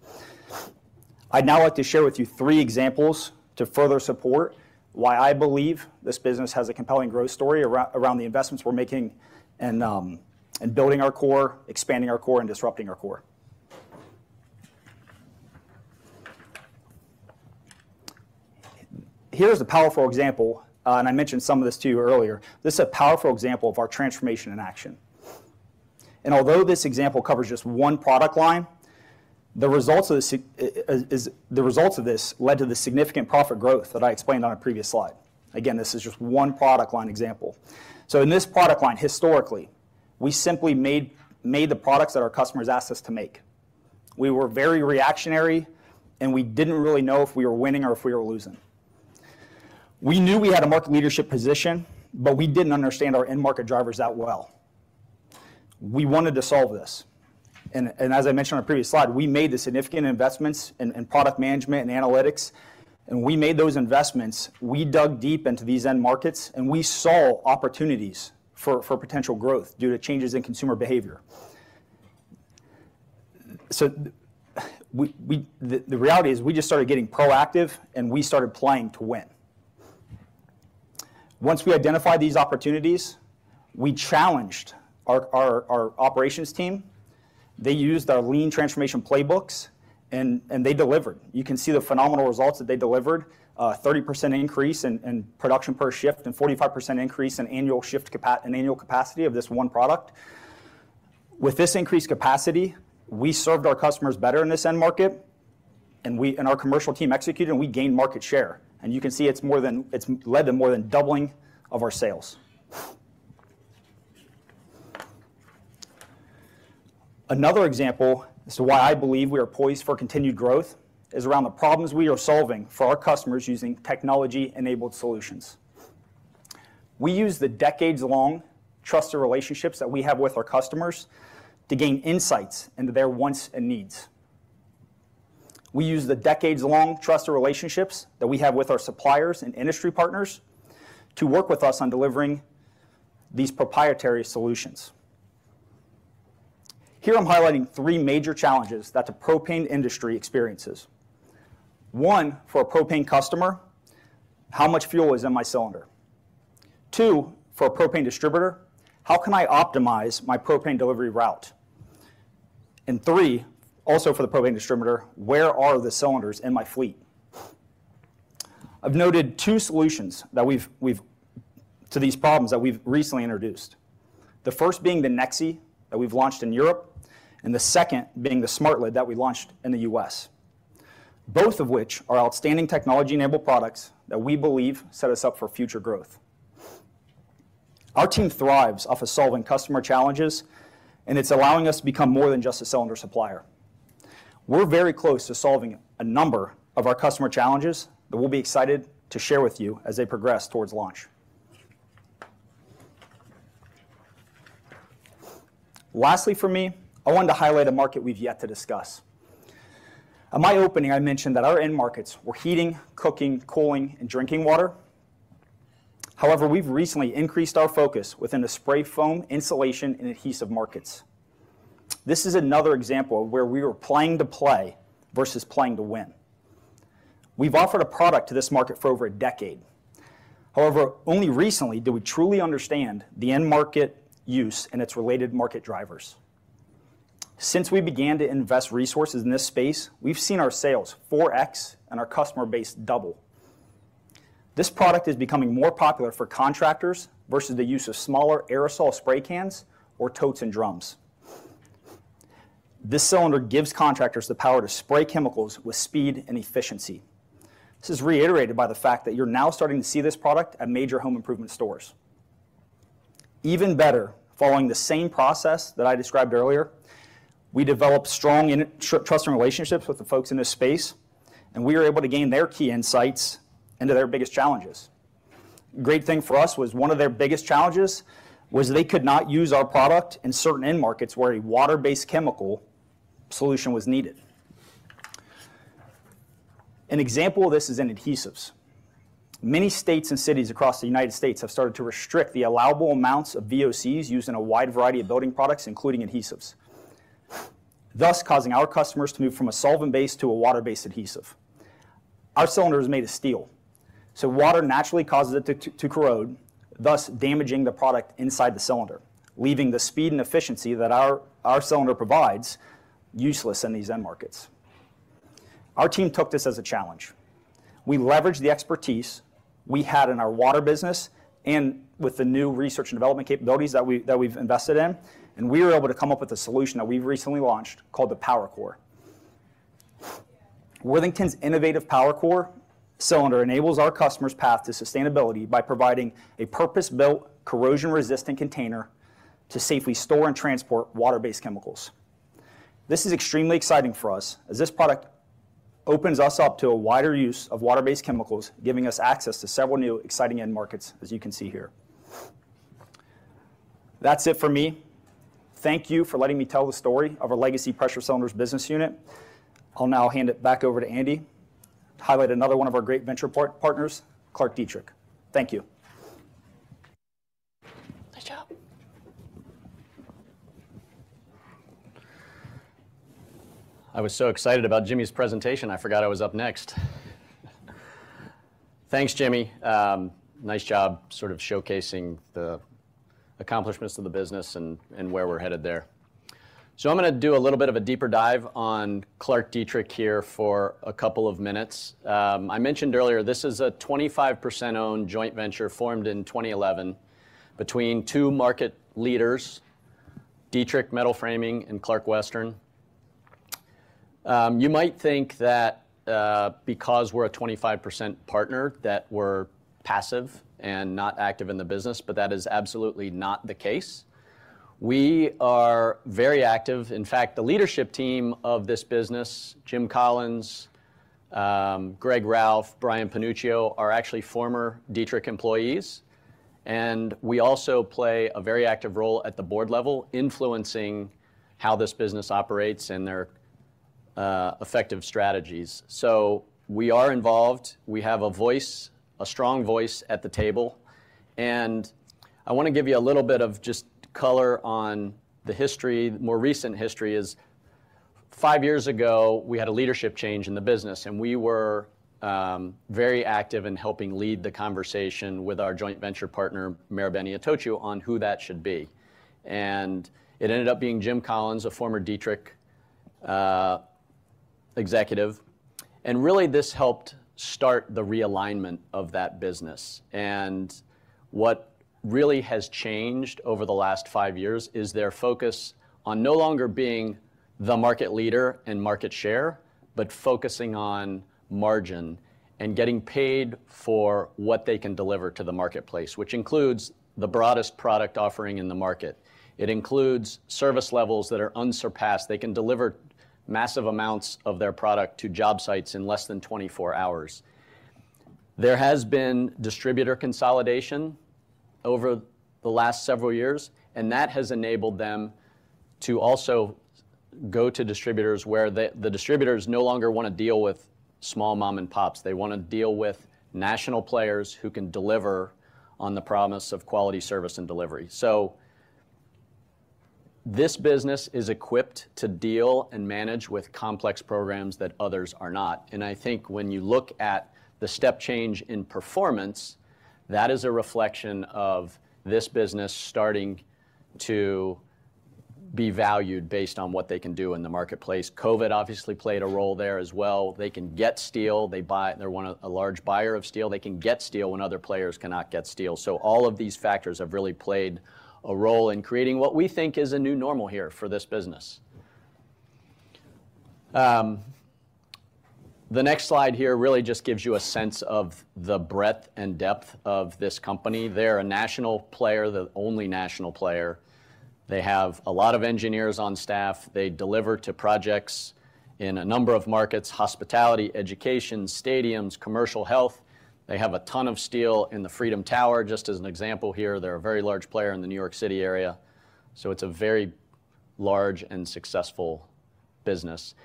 I'd now like to share with you three examples to further support why I believe this business has a compelling growth story around the investments we're making and building our core, expanding our core, and disrupting our core. Here's a powerful example, and I mentioned some of this to you earlier. This is a powerful example of our transformation in action. And although this example covers just one product line, the results of this led to the significant profit growth that I explained on a previous slide. Again, this is just one product line example. In this product line, historically, we simply made the products that our customers asked us to make. We were very reactionary, and we didn't really know if we were winning or if we were losing. We knew we had a market leadership position, but we didn't understand our end market drivers that well. We wanted to solve this, and, as I mentioned on a previous slide, we made the significant investments in product management and analytics, and we made those investments. We dug deep into these end markets, and we saw opportunities for potential growth due to changes in consumer behavior. The reality is we just started getting proactive, and we started playing to win. Once we identified these opportunities, we challenged our operations team. They used our lean transformation playbooks, and they delivered. You can see the phenomenal results that they delivered, 30% increase in production per shift and 45% increase in annual capacity of this one product. With this increased capacity, we served our customers better in this end market, and our commercial team executed, and we gained market share, and you can see it's more than... it's led to more than doubling of our sales. Another example as to why I believe we are poised for continued growth is around the problems we are solving for our customers using technology-enabled solutions. We use the decades-long trusted relationships that we have with our customers to gain insights into their wants and needs. We use the decades-long trusted relationships that we have with our suppliers and industry partners to work with us on delivering these proprietary solutions. Here, I'm highlighting three major challenges that the propane industry experiences. One, for a propane customer, how much fuel is in my cylinder? Two, for a propane distributor, how can I optimize my propane delivery route? Three, also for the propane distributor, where are the cylinders in my fleet? I've noted two solutions to these problems that we've recently introduced. The first being the NEXi that we've launched in Europe, and the second being the SmartLid that we launched in the U.S. Both of which are outstanding technology-enabled products that we believe set us up for future growth. Our team thrives off of solving customer challenges, and it's allowing us to become more than just a cylinder supplier. We're very close to solving a number of our customer challenges that we'll be excited to share with you as they progress towards launch. Lastly, for me, I wanted to highlight a market we've yet to discuss. In my opening, I mentioned that our end markets were heating, cooking, cooling, and drinking water. However, we've recently increased our focus within the spray foam, insulation, and adhesive markets. This is another example of where we were playing to play versus playing to win. We've offered a product to this market for over a decade. However, only recently did we truly understand the end market use and its related market drivers. Since we began to invest resources in this space, we've seen our sales 4x and our customer base double. This product is becoming more popular for contractors versus the use of smaller aerosol spray cans or totes and drums. This cylinder gives contractors the power to spray chemicals with speed and efficiency. This is reiterated by the fact that you're now starting to see this product at major home improvement stores. Even better, following the same process that I described earlier, we developed strong trusting relationships with the folks in this space, and we were able to gain their key insights into their biggest challenges. Great thing for us was one of their biggest challenges was they could not use our product in certain end markets where a water-based chemical solution was needed. An example of this is in adhesives. Many states and cities across the United States have started to restrict the allowable amounts of VOCs used in a wide variety of building products, including adhesives, thus causing our customers to move from a solvent base to a water-based adhesive. Our cylinder is made of steel, so water naturally causes it to corrode, thus damaging the product inside the cylinder, leaving the speed and efficiency that our cylinder provides useless in these end markets. Our team took this as a challenge. We leveraged the expertise we had in our water business and with the new research and development capabilities that we've invested in, and we were able to come up with a solution that we've recently launched called the PowerCore. Worthington's innovative PowerCore cylinder enables our customers' path to sustainability by providing a purpose-built, corrosion-resistant container to safely store and transport water-based chemicals. This is extremely exciting for us, as this product opens us up to a wider use of water-based chemicals, giving us access to several new exciting end markets, as you can see here. That's it for me. Thank you for letting me tell the story of our legacy Pressure Cylinders Business Unit. I'll now hand it back over to Andy to highlight another one of our great venture partners, ClarkDietrich. Thank you. Good job. I was so excited about Jimmy's presentation, I forgot I was up next. Thanks, Jimmy. Nice job sort of showcasing the accomplishments of the business and, and where we're headed there. So I'm gonna do a little bit of a deeper dive on ClarkDietrich here for a couple of minutes. I mentioned earlier, this is a 25% owned joint venture formed in 2011 between two market leaders, Dietrich Metal Framing and Clark Western. You might think that, because we're a 25% partner, that we're passive and not active in the business, but that is absolutely not the case. We are very active. In fact, the leadership team of this business, Jim Collins, Greg Ralph, Brian Panuccio, are actually former Dietrich employees, and we also play a very active role at the board level, influencing how this business operates and their effective strategies. So we are involved. We have a voice, a strong voice at the table. And I wanna give you a little bit of just color on the history. The more recent history is, five years ago, we had a leadership change in the business, and we were very active in helping lead the conversation with our joint venture partner, Marubeni-Itochu, on who that should be. And it ended up being Jim Collins, a former Dietrich executive. And really, this helped start the realignment of that business. What really has changed over the last five years is their focus on no longer being the market leader in market share, but focusing on margin and getting paid for what they can deliver to the marketplace, which includes the broadest product offering in the market. It includes service levels that are unsurpassed. They can deliver massive amounts of their product to job sites in less than 24 hours. There has been distributor consolidation over the last several years, and that has enabled them to also go to distributors where the distributors no longer wanna deal with small mom and pops. They wanna deal with national players who can deliver on the promise of quality service and delivery. This business is equipped to deal and manage with complex programs that others are not. I think when you look at the step change in performance, that is a reflection of this business starting to be valued based on what they can do in the marketplace. COVID obviously played a role there as well. They can get steel, they buy—they're one of a large buyer of steel. They can get steel when other players cannot get steel. So all of these factors have really played a role in creating what we think is a new normal here for this business. The next slide here really just gives you a sense of the breadth and depth of this company. They're a national player, the only national player. They have a lot of engineers on staff. They deliver to projects in a number of markets: hospitality, education, stadiums, commercial health. They have a ton of steel in the Freedom Tower, just as an example here. They're a very large player in the New York City area, so it's a very large and successful business.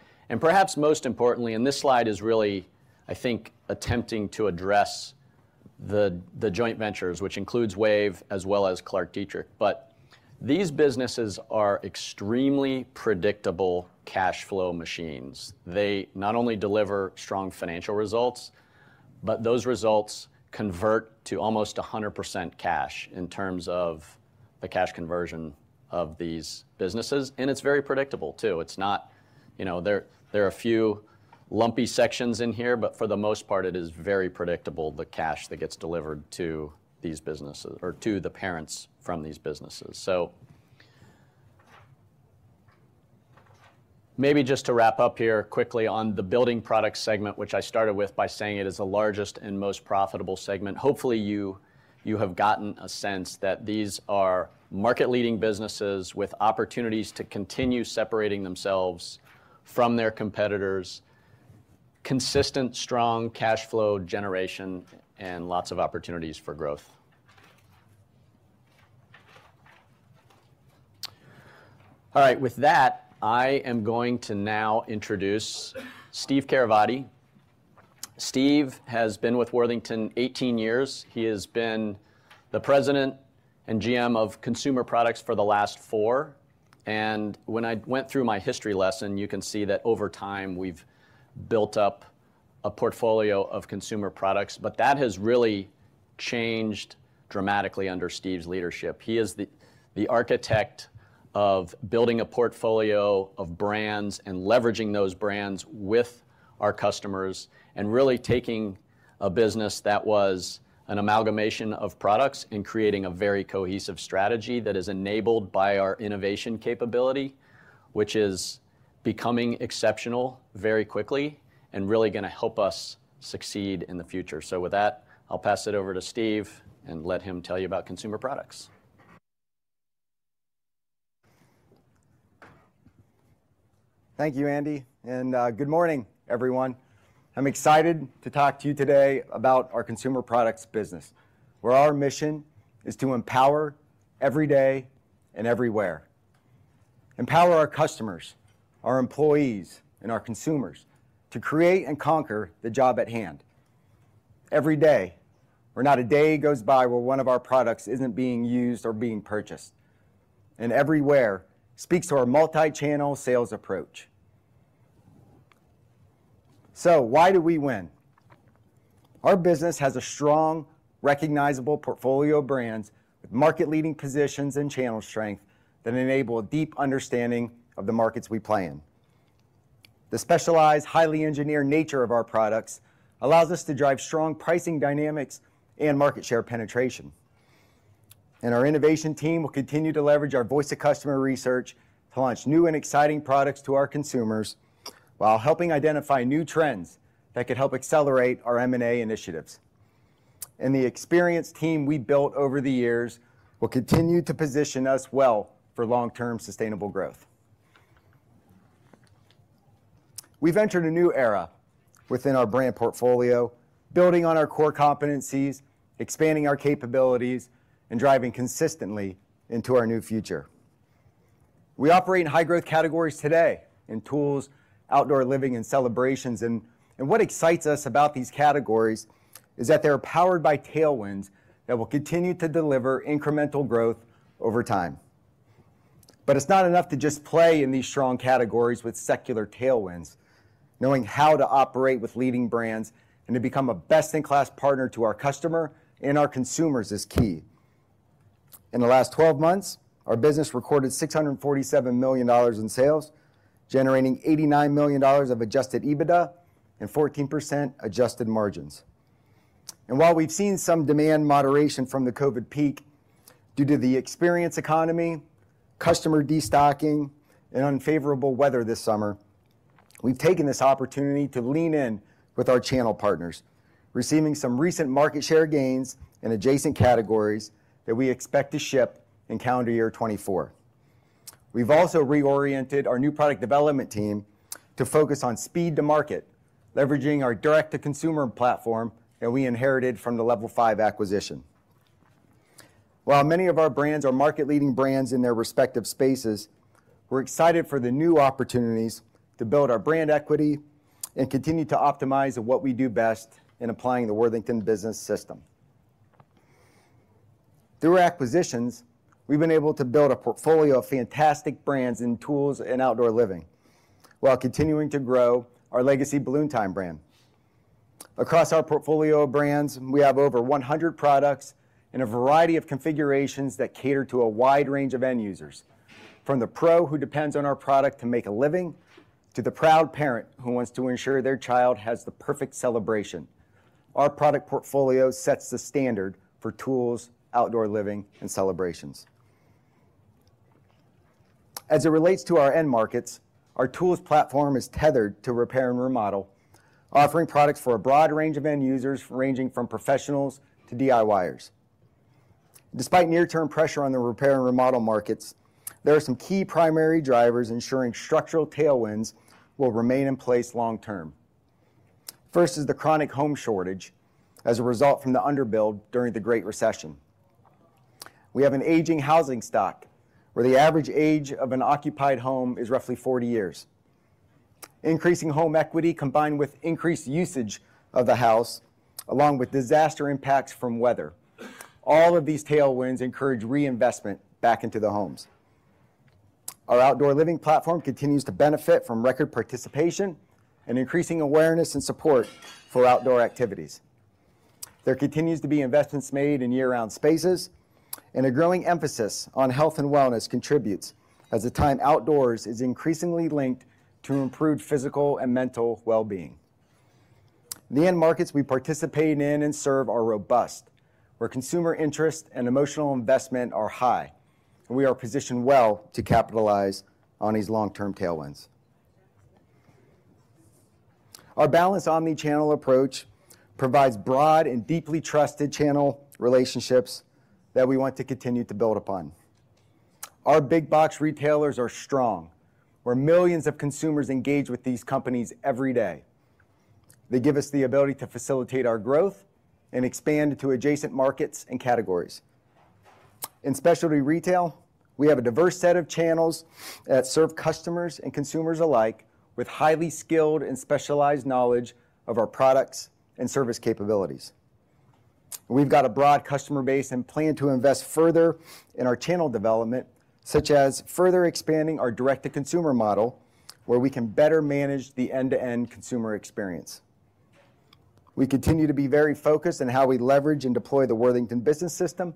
Perhaps most importantly, this slide is really, I think, attempting to address the joint ventures, which includes WAVE as well as ClarkDietrich, but these businesses are extremely predictable cash flow machines. They not only deliver strong financial results, but those results convert to almost 100% cash in terms of the cash conversion of these businesses, and it's very predictable, too. It's not... You know, there are a few lumpy sections in here, but for the most part, it is very predictable, the cash that gets delivered to these businesses or to the parents from these businesses. So, maybe just to wrap up here quickly on the building product segment, which I started with by saying it is the largest and most profitable segment. Hopefully, you have gotten a sense that these are market-leading businesses with opportunities to continue separating themselves from their competitors, consistent, strong cash flow generation, and lots of opportunities for growth. All right. With that, I am going to now introduce Steve Caravati. Steve has been with Worthington 18 years. He has been the President and GM of Consumer Products for the last 4. And when I went through my history lesson, you can see that over time, we've built up a portfolio of consumer products, but that has really changed dramatically under Steve's leadership. He is the architect of building a portfolio of brands and leveraging those brands with our customers, and really taking a business that was an amalgamation of products and creating a very cohesive strategy that is enabled by our innovation capability, which is becoming exceptional very quickly and really gonna help us succeed in the future. So with that, I'll pass it over to Steve and let him tell you about consumer products. Thank you, Andy, and good morning, everyone. I'm excited to talk to you today about our consumer products business, where our mission is to empower every day and everywhere. Empower our customers, our employees, and our consumers to create and conquer the job at hand. Every day, where not a day goes by where one of our products isn't being used or being purchased, and everywhere speaks to our multi-channel sales approach. So why do we win? Our business has a strong, recognizable portfolio of brands, with market-leading positions and channel strength that enable a deep understanding of the markets we play in. The specialized, highly engineered nature of our products allows us to drive strong pricing dynamics and market share penetration. Our innovation team will continue to leverage our voice-to-customer research to launch new and exciting products to our consumers, while helping identify new trends that could help accelerate our M&A initiatives. The experienced team we built over the years will continue to position us well for long-term sustainable growth. We've entered a new era within our brand portfolio, building on our core competencies, expanding our capabilities, and driving consistently into our new future. We operate in high-growth categories today, in tools, outdoor living, and celebrations, and what excites us about these categories is that they are powered by tailwinds that will continue to deliver incremental growth over time. But it's not enough to just play in these strong categories with secular tailwinds. Knowing how to operate with leading brands and to become a best-in-class partner to our customer and our consumers is key. In the last twelve months, our business recorded $647,000,000 in sales, generating $89,000,000 of adjusted EBITDA and 14% adjusted margins. While we've seen some demand moderation from the COVID peak, due to the experience economy, customer destocking, and unfavorable weather this summer, we've taken this opportunity to lean in with our channel partners, receiving some recent market share gains in adjacent categories that we expect to ship in calendar year 2024. We've also reoriented our new product development team to focus on speed to market, leveraging our direct-to-consumer platform that we inherited from the Level5 acquisition. While many of our brands are market-leading brands in their respective spaces, we're excited for the new opportunities to build our brand equity and continue to optimize at what we do best in applying the Worthington Business System. Through our acquisitions, we've been able to build a portfolio of fantastic brands in tools and outdoor living, while continuing to grow our legacy Balloon Time brand. Across our portfolio of brands, we have over 100 products in a variety of configurations that cater to a wide range of end users. From the pro who depends on our product to make a living, to the proud parent who wants to ensure their child has the perfect celebration, our product portfolio sets the standard for tools, outdoor living, and celebrations. As it relates to our end markets, our tools platform is tethered to repair and remodel, offering products for a broad range of end users, ranging from professionals to DIYers. Despite near-term pressure on the repair and remodel markets, there are some key primary drivers ensuring structural tailwinds will remain in place long term. First is the chronic home shortage as a result from the underbuild during the Great Recession. We have an aging housing stock, where the average age of an occupied home is roughly 40 years. Increasing home equity, combined with increased usage of the house, along with disaster impacts from weather, all of these tailwinds encourage reinvestment back into the homes. Our outdoor living platform continues to benefit from record participation and increasing awareness and support for outdoor activities. There continues to be investments made in year-round spaces, and a growing emphasis on health and wellness contributes, as the time outdoors is increasingly linked to improved physical and mental well-being. The end markets we participate in and serve are robust, where consumer interest and emotional investment are high, and we are positioned well to capitalize on these long-term tailwinds. Our balanced omni-channel approach provides broad and deeply trusted channel relationships that we want to continue to build upon. Our big box retailers are strong, where millions of consumers engage with these companies every day. They give us the ability to facilitate our growth and expand into adjacent markets and categories. In specialty retail, we have a diverse set of channels that serve customers and consumers alike, with highly skilled and specialized knowledge of our products and service capabilities. We've got a broad customer base and plan to invest further in our channel development, such as further expanding our direct-to-consumer model, where we can better manage the end-to-end consumer experience. We continue to be very focused on how we leverage and deploy the Worthington Business System,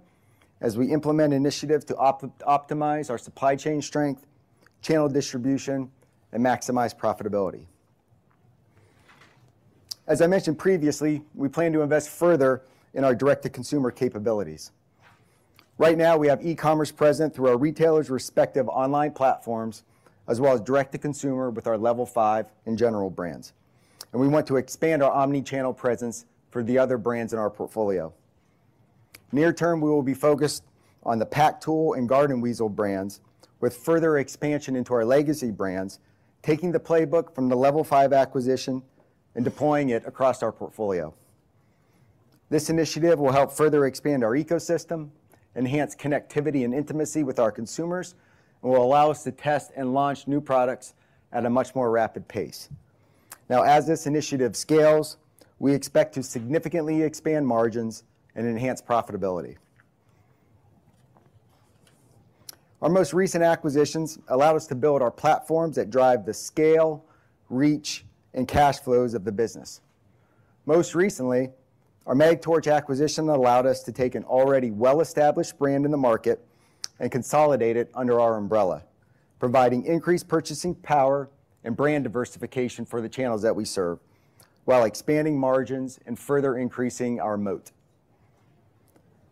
as we implement initiatives to optimize our supply chain strength, channel distribution, and maximize profitability. As I mentioned previously, we plan to invest further in our direct-to-consumer capabilities. Right now, we have e-commerce present through our retailers' respective online platforms, as well as direct to consumer with our Level5 and General brands. We want to expand our omni-channel presence for the other brands in our portfolio. Near term, we will be focused on the PacTool and Garden Weasel brands, with further expansion into our legacy brands, taking the playbook from the Level5 acquisition and deploying it across our portfolio. This initiative will help further expand our ecosystem, enhance connectivity and intimacy with our consumers, and will allow us to test and launch new products at a much more rapid pace. Now, as this initiative scales, we expect to significantly expand margins and enhance profitability.... Our most recent acquisitions allowed us to build our platforms that drive the scale, reach, and cash flows of the business. Most recently, our Mag-Torch acquisition allowed us to take an already well-established brand in the market and consolidate it under our umbrella, providing increased purchasing power and brand diversification for the channels that we serve, while expanding margins and further increasing our moat.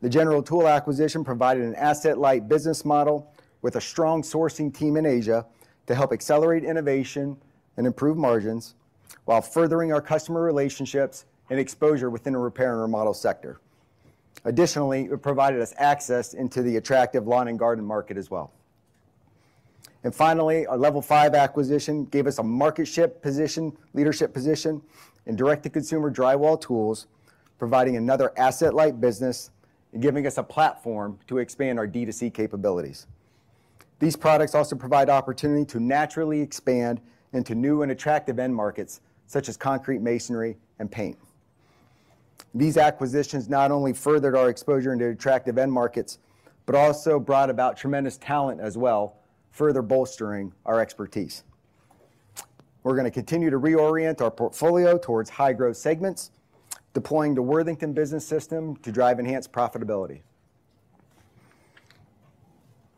The General Tools acquisition provided an asset-light business model with a strong sourcing team in Asia to help accelerate innovation and improve margins, while furthering our customer relationships and exposure within the repair and remodel sector. Additionally, it provided us access into the attractive lawn and garden market as well. Finally, our Level5 Tools acquisition gave us a marketship position, leadership position in direct-to-consumer drywall tools, providing another asset-light business and giving us a platform to expand our D2C capabilities. These products also provide opportunity to naturally expand into new and attractive end markets, such as concrete masonry and paint. These acquisitions not only furthered our exposure into attractive end markets, but also brought about tremendous talent as well, further bolstering our expertise. We're gonna continue to reorient our portfolio towards high-growth segments, deploying the Worthington Business System to drive enhanced profitability.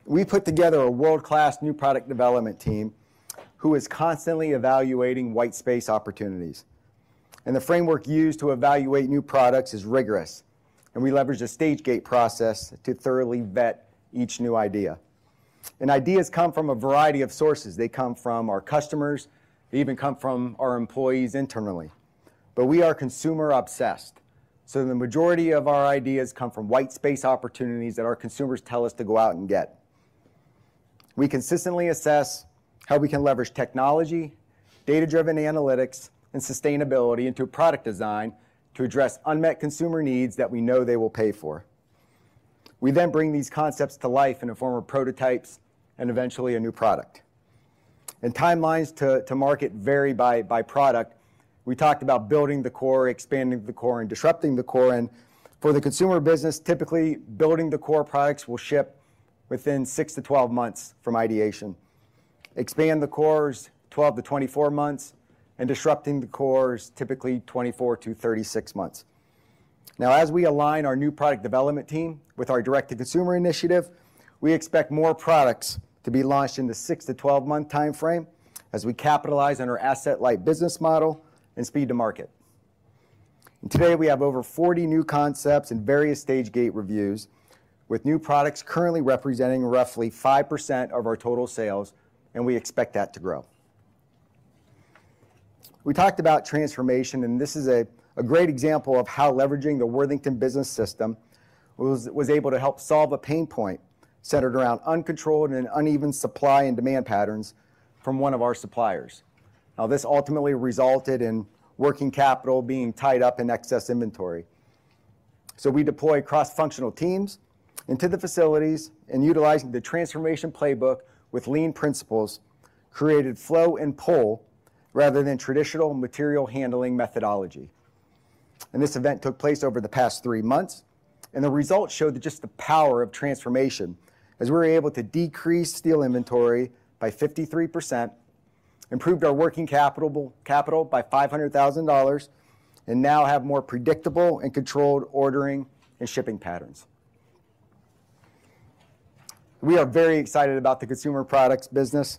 We put together a world-class new product development team who is constantly evaluating white space opportunities, and the framework used to evaluate new products is rigorous, and we leverage a stage gate process to thoroughly vet each new idea. Ideas come from a variety of sources. They come from our customers, they even come from our employees internally. We are consumer-obsessed, so the majority of our ideas come from white space opportunities that our consumers tell us to go out and get. We consistently assess how we can leverage technology, data-driven analytics, and sustainability into product design to address unmet consumer needs that we know they will pay for. We then bring these concepts to life in the form of prototypes and eventually a new product. Timelines to market vary by product. We talked about building the core, expanding the core, and disrupting the core, and for the consumer business, typically, building the core products will ship within 6-12 months from ideation. Expand the core is 12-24 months, and disrupting the core is typically 24-36 months. Now, as we align our new product development team with our direct-to-consumer initiative, we expect more products to be launched in the 6-12-month timeframe as we capitalize on our asset-light business model and speed to market. Today, we have over 40 new concepts in various stage gate reviews, with new products currently representing roughly 5% of our total sales, and we expect that to grow. We talked about transformation, and this is a great example of how leveraging the Worthington Business System was able to help solve a pain point centered around uncontrolled and uneven supply and demand patterns from one of our suppliers. Now, this ultimately resulted in working capital being tied up in excess inventory. So we deployed cross-functional teams into the facilities, and utilizing the transformation playbook with lean principles, created flow and pull rather than traditional material handling methodology. This event took place over the past three months, and the results showed just the power of transformation, as we were able to decrease steel inventory by 53%, improved our working capital by $500,000, and now have more predictable and controlled ordering and shipping patterns. We are very excited about the consumer products business.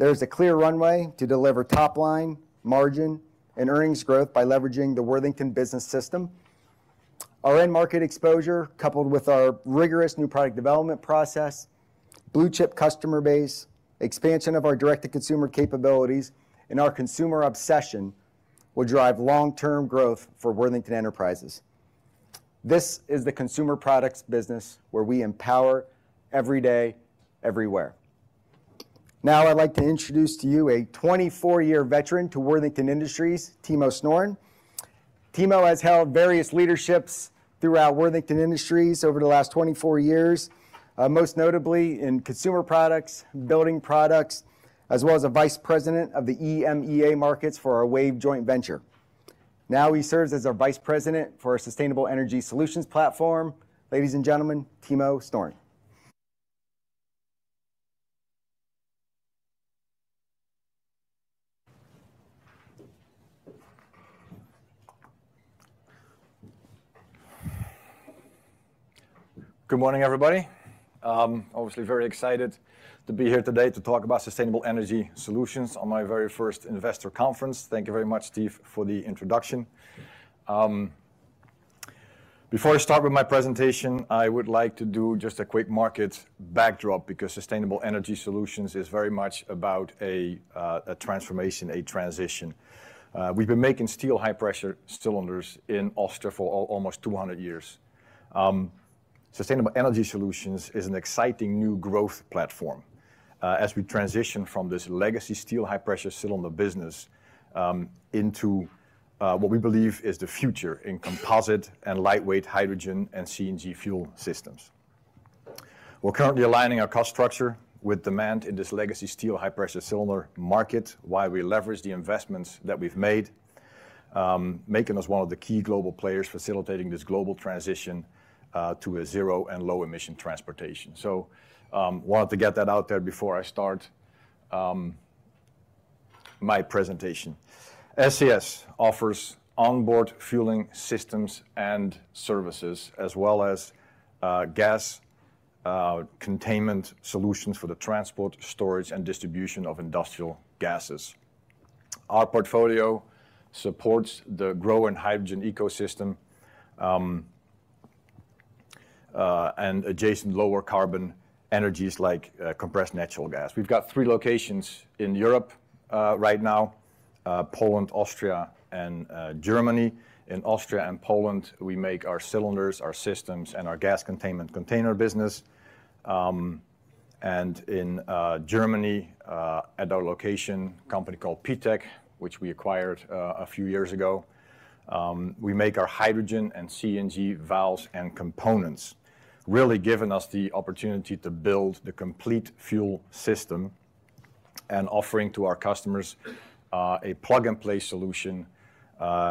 There's a clear runway to deliver top line, margin, and earnings growth by leveraging the Worthington Business System. Our end market exposure, coupled with our rigorous new product development process, blue-chip customer base, expansion of our direct-to-consumer capabilities, and our consumer obsession will drive long-term growth for Worthington Enterprises. This is the consumer products business where we empower every day, everywhere. Now, I'd like to introduce to you a 24-year veteran to Worthington Industries, Timo Snoeren. Timo has held various leaderships throughout Worthington Industries over the last 24 years, most notably in consumer products, building products, as well as a vice president of the EMEA markets for our WAVE joint venture. Now, he serves as our vice president for our Sustainable Energy Solutions platform. Ladies and gentlemen, Timo Snoeren. Good morning, everybody. Obviously very excited to be here today to talk about Sustainable Energy Solutions on my very first investor conference. Thank you very much, Steve, for the introduction. Before I start with my presentation, I would like to do just a quick market backdrop, because Sustainable Energy Solutions is very much about a transformation, a transition. We've been making steel high-Pressure Cylinders in Austria for almost 200 years. Sustainable Energy Solutions is an exciting new growth platform, as we transition from this legacy steel high-pressure cylinder business into what we believe is the future in composite and lightweight hydrogen and CNG fuel systems. We're currently aligning our cost structure with demand in this legacy steel high-pressure cylinder market, while we leverage the investments that we've made... making us one of the key global players facilitating this global transition to a zero and low emission transportation. So, wanted to get that out there before I start my presentation. SES offers onboard fueling systems and services, as well as gas containment solutions for the transport, storage, and distribution of industrial gases. Our portfolio supports the growing hydrogen ecosystem and adjacent lower carbon energies like compressed natural gas. We've got three locations in Europe right now, Poland, Austria, and Germany. In Austria and Poland, we make our cylinders, our systems, and our gas containment container business. In Germany, at our location, a company called PTEC, which we acquired a few years ago, we make our hydrogen and CNG valves and components, really giving us the opportunity to build the complete fuel system and offering to our customers a plug-and-play solution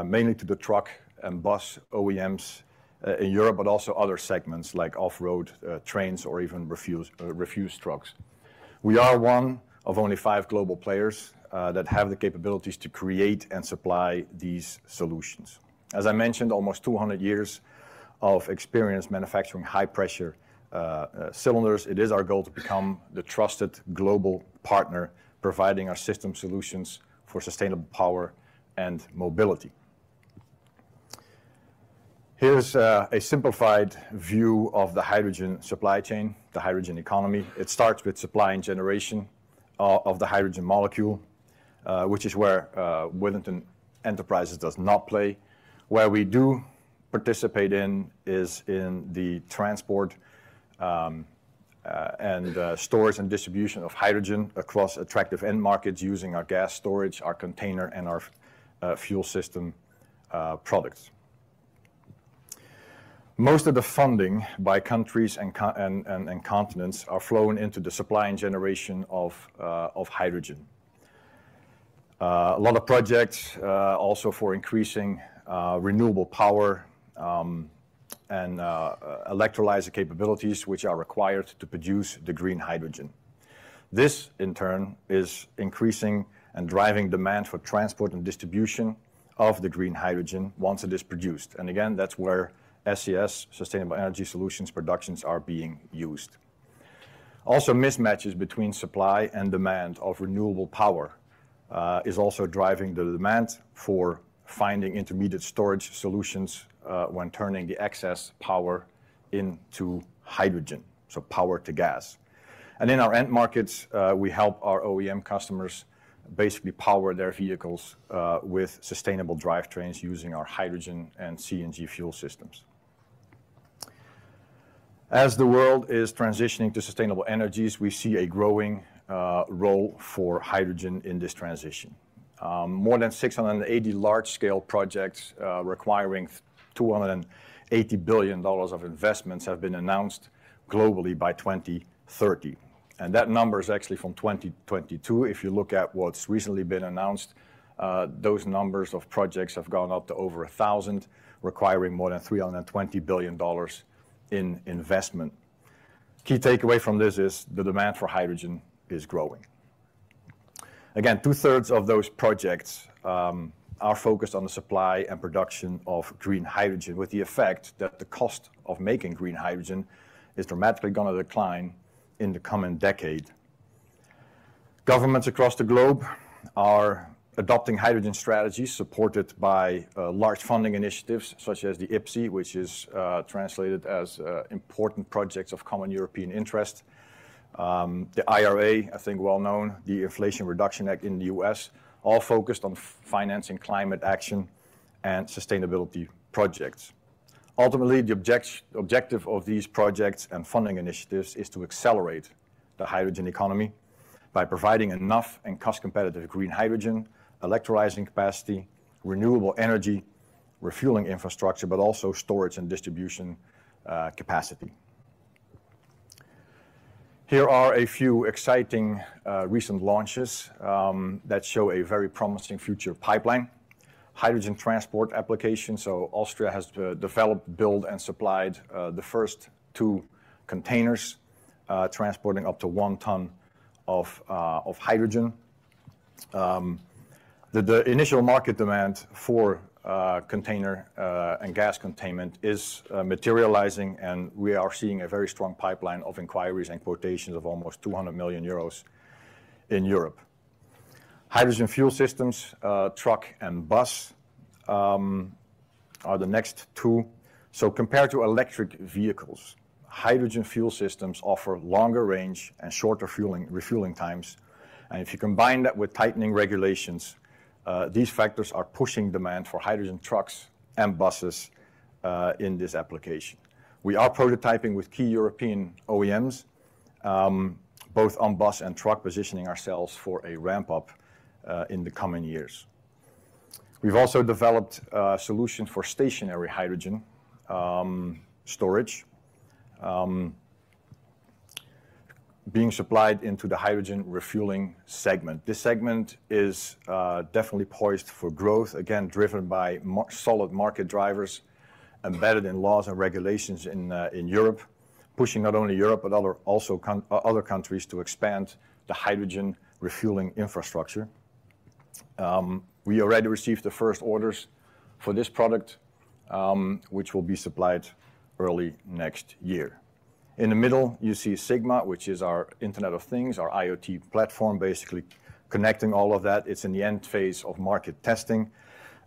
mainly to the truck and bus OEMs in Europe, but also other segments like off-road, trains or even refuse trucks. We are one of only five global players that have the capabilities to create and supply these solutions. As I mentioned, almost 200 years of experience manufacturing high-pressure cylinders. It is our goal to become the trusted global partner, providing our system solutions for sustainable power and mobility. Here's a simplified view of the hydrogen supply chain, the hydrogen economy. It starts with supply and generation of the hydrogen molecule, which is where Worthington Enterprises does not play. Where we do participate in is in the transport and storage and distribution of hydrogen across attractive end markets using our gas storage, our container, and our fuel system products. Most of the funding by countries and continents are flowing into the supply and generation of hydrogen. A lot of projects also for increasing renewable power and electrolyzer capabilities, which are required to produce the green hydrogen. This, in turn, is increasing and driving demand for transport and distribution of the green hydrogen once it is produced. And again, that's where SES, Sustainable Energy Solutions, productions are being used. Also, mismatches between supply and demand of renewable power is also driving the demand for finding intermediate storage solutions when turning the excess power into hydrogen, so power to gas. And in our end markets, we help our OEM customers basically power their vehicles with sustainable drivetrains using our hydrogen and CNG fuel systems. As the world is transitioning to sustainable energies, we see a growing role for hydrogen in this transition. More than 680 large-scale projects requiring $280,000,000,000of investments have been announced globally by 2030, and that number is actually from 2022. If you look at what's recently been announced, those numbers of projects have gone up to over 1,000, requiring more than $320,000,000,000 in investment. Key takeaway from this is the demand for hydrogen is growing. Again, two-thirds of those projects are focused on the supply and production of green hydrogen, with the effect that the cost of making green hydrogen is dramatically gonna decline in the coming decade. Governments across the globe are adopting hydrogen strategies supported by large funding initiatives such as the IPCEI, which is translated as Important Projects of Common European Interest. The IRA, I think well-known, the Inflation Reduction Act in the U.S., all focused on financing climate action and sustainability projects. Ultimately, the objective of these projects and funding initiatives is to accelerate the hydrogen economy by providing enough and cost-competitive green hydrogen, electrolyzing capacity, renewable energy, refueling infrastructure, but also storage and distribution capacity. Here are a few exciting recent launches that show a very promising future pipeline. Hydrogen transport application. Austria has developed, built, and supplied the first 2 containers transporting up to 1 ton of hydrogen. The initial market demand for container and gas containment is materializing, and we are seeing a very strong pipeline of inquiries and quotations of almost 200,000,000 euros in Europe. Hydrogen fuel systems, truck and bus, are the next two. Compared to electric vehicles, hydrogen fuel systems offer longer range and shorter refueling times, and if you combine that with tightening regulations, these factors are pushing demand for hydrogen trucks and buses in this application. We are prototyping with key European OEMs, both on bus and truck, positioning ourselves for a ramp-up in the coming years. We've also developed a solution for stationary hydrogen storage. being supplied into the hydrogen refueling segment. This segment is definitely poised for growth, again, driven by solid market drivers embedded in laws and regulations in Europe, pushing not only Europe, but other countries to expand the hydrogen refueling infrastructure. We already received the first orders for this product, which will be supplied early next year. In the middle, you see Sigma, which is our Internet of Things, our IoT platform, basically connecting all of that. It's in the end phase of market testing,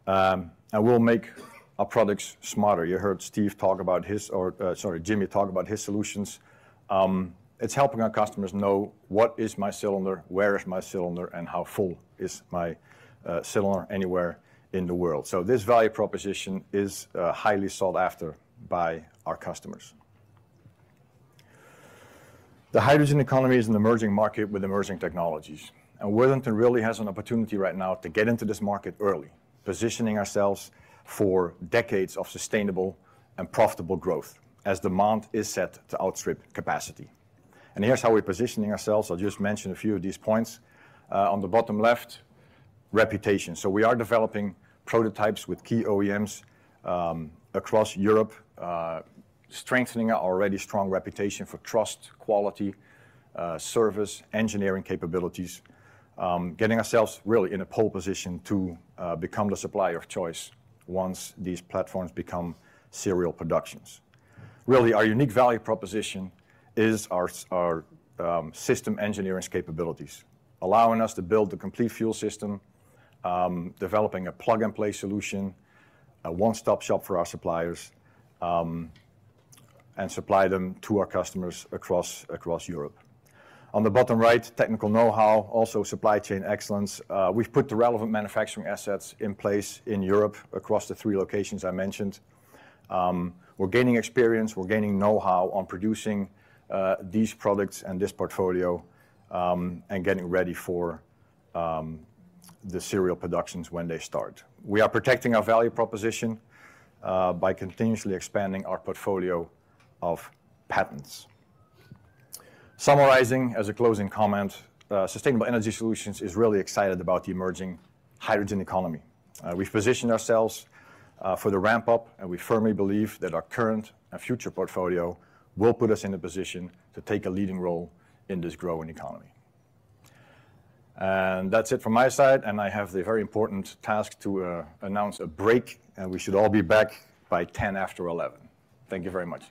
and will make our products smarter. You heard Steve talk about his, or, sorry, Jimmy talk about his solutions. It's helping our customers know, what is my cylinder? Where is my cylinder? And how full is my cylinder anywhere in the world? So this value proposition is highly sought after by our customers. The hydrogen economy is an emerging market with emerging technologies, and Worthington really has an opportunity right now to get into this market early, positioning ourselves for decades of sustainable and profitable growth as demand is set to outstrip capacity. And here's how we're positioning ourselves. I'll just mention a few of these points. On the bottom left, reputation. So we are developing prototypes with key OEMs across Europe, strengthening our already strong reputation for trust, quality, service, engineering capabilities, getting ourselves really in a pole position to become the supplier of choice once these platforms become serial productions. Really, our unique value proposition is our system engineering capabilities, allowing us to build the complete fuel system, developing a plug-and-play solution, a one-stop shop for our suppliers, and supply them to our customers across Europe. On the bottom right, technical know-how, also supply chain excellence. We've put the relevant manufacturing assets in place in Europe across the three locations I mentioned. We're gaining experience, we're gaining know-how on producing these products and this portfolio, and getting ready for the serial productions when they start. We are protecting our value proposition by continuously expanding our portfolio of patents. Summarizing, as a closing comment, Sustainable Energy Solutions is really excited about the emerging hydrogen economy. We've positioned ourselves for the ramp-up, and we firmly believe that our current and future portfolio will put us in a position to take a leading role in this growing economy. And that's it from my side, and I have the very important task to announce a break, and we should all be back by 11:10. Thank you very much. ...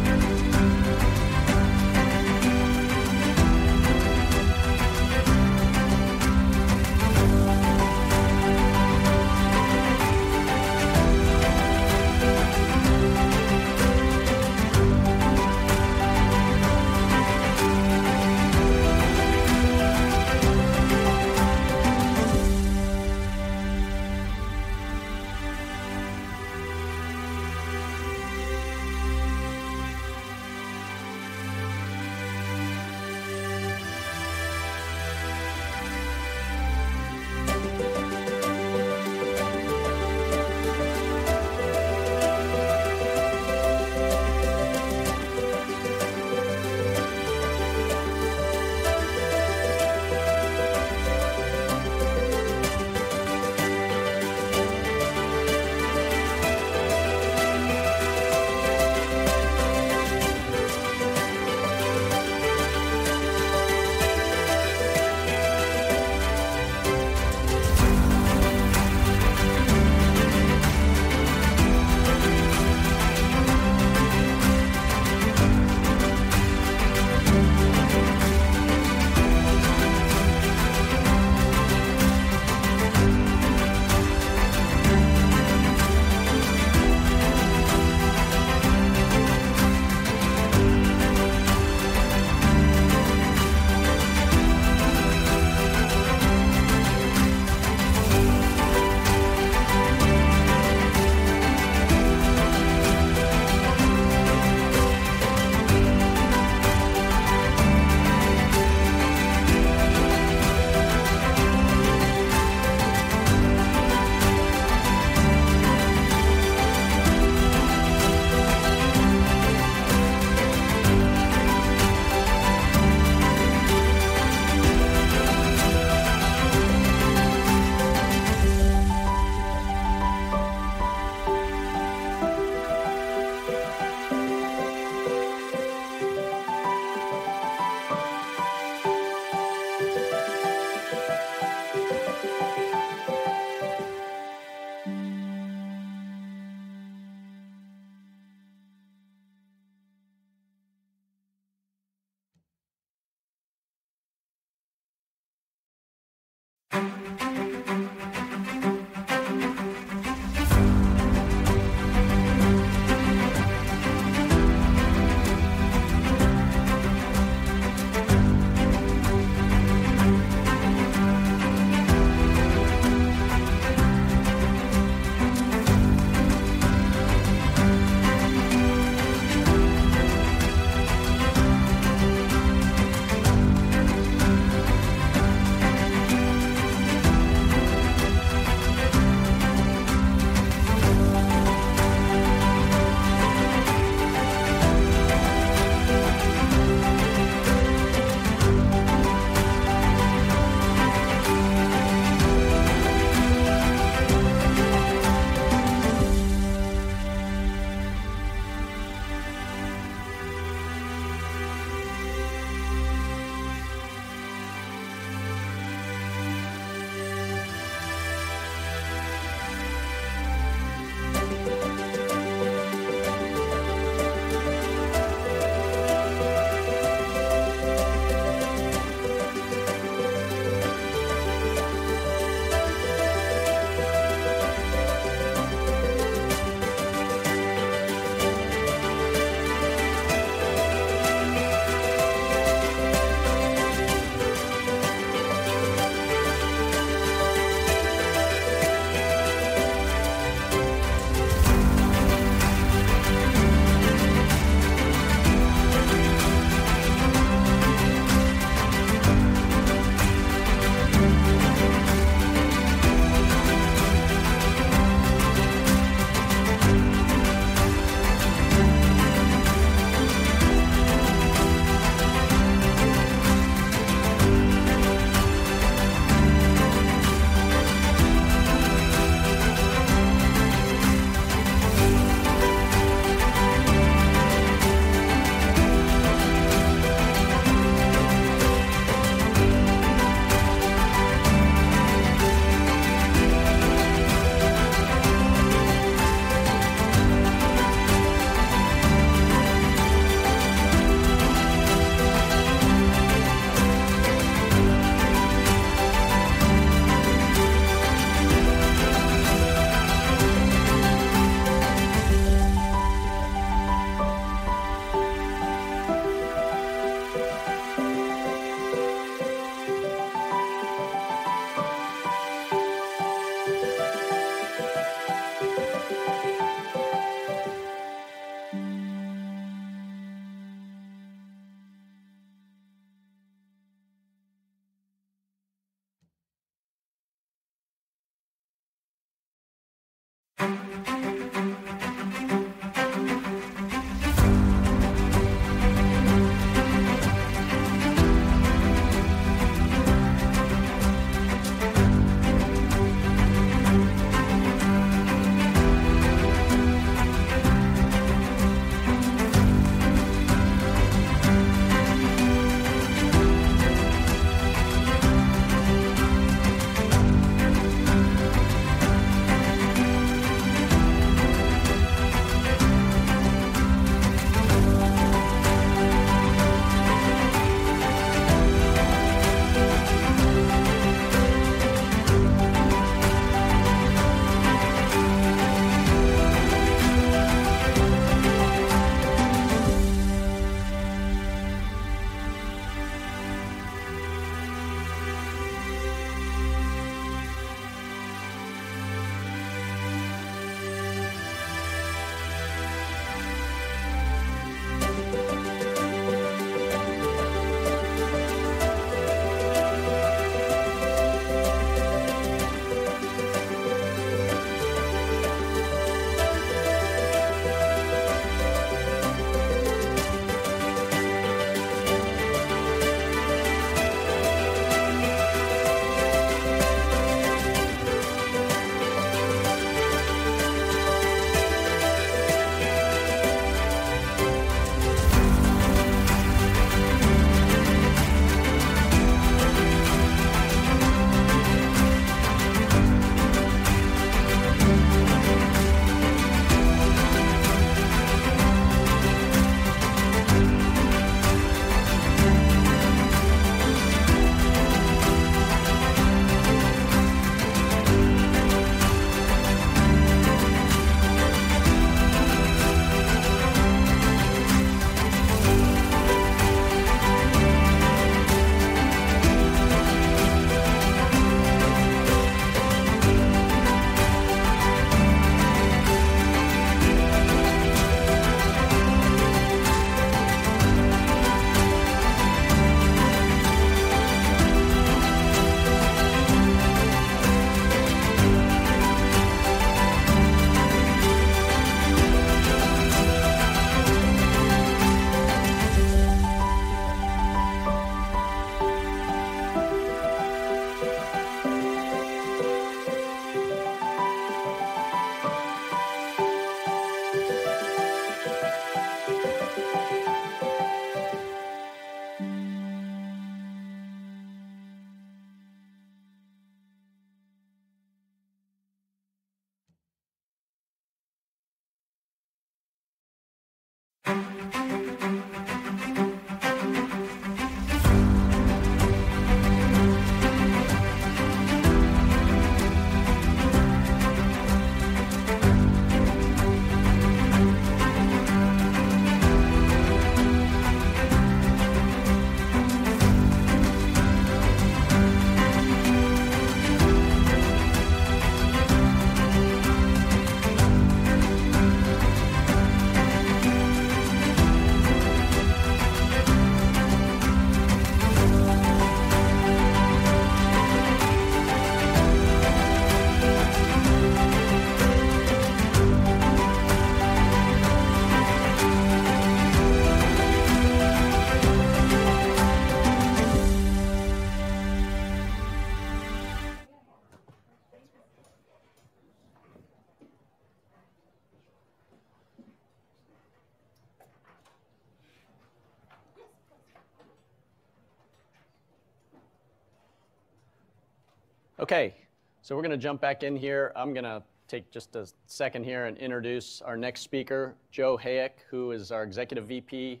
Okay, so we're gonna jump back in here. I'm gonna take just a second here and introduce our next speaker, Joe Hayek, who is our Executive VP,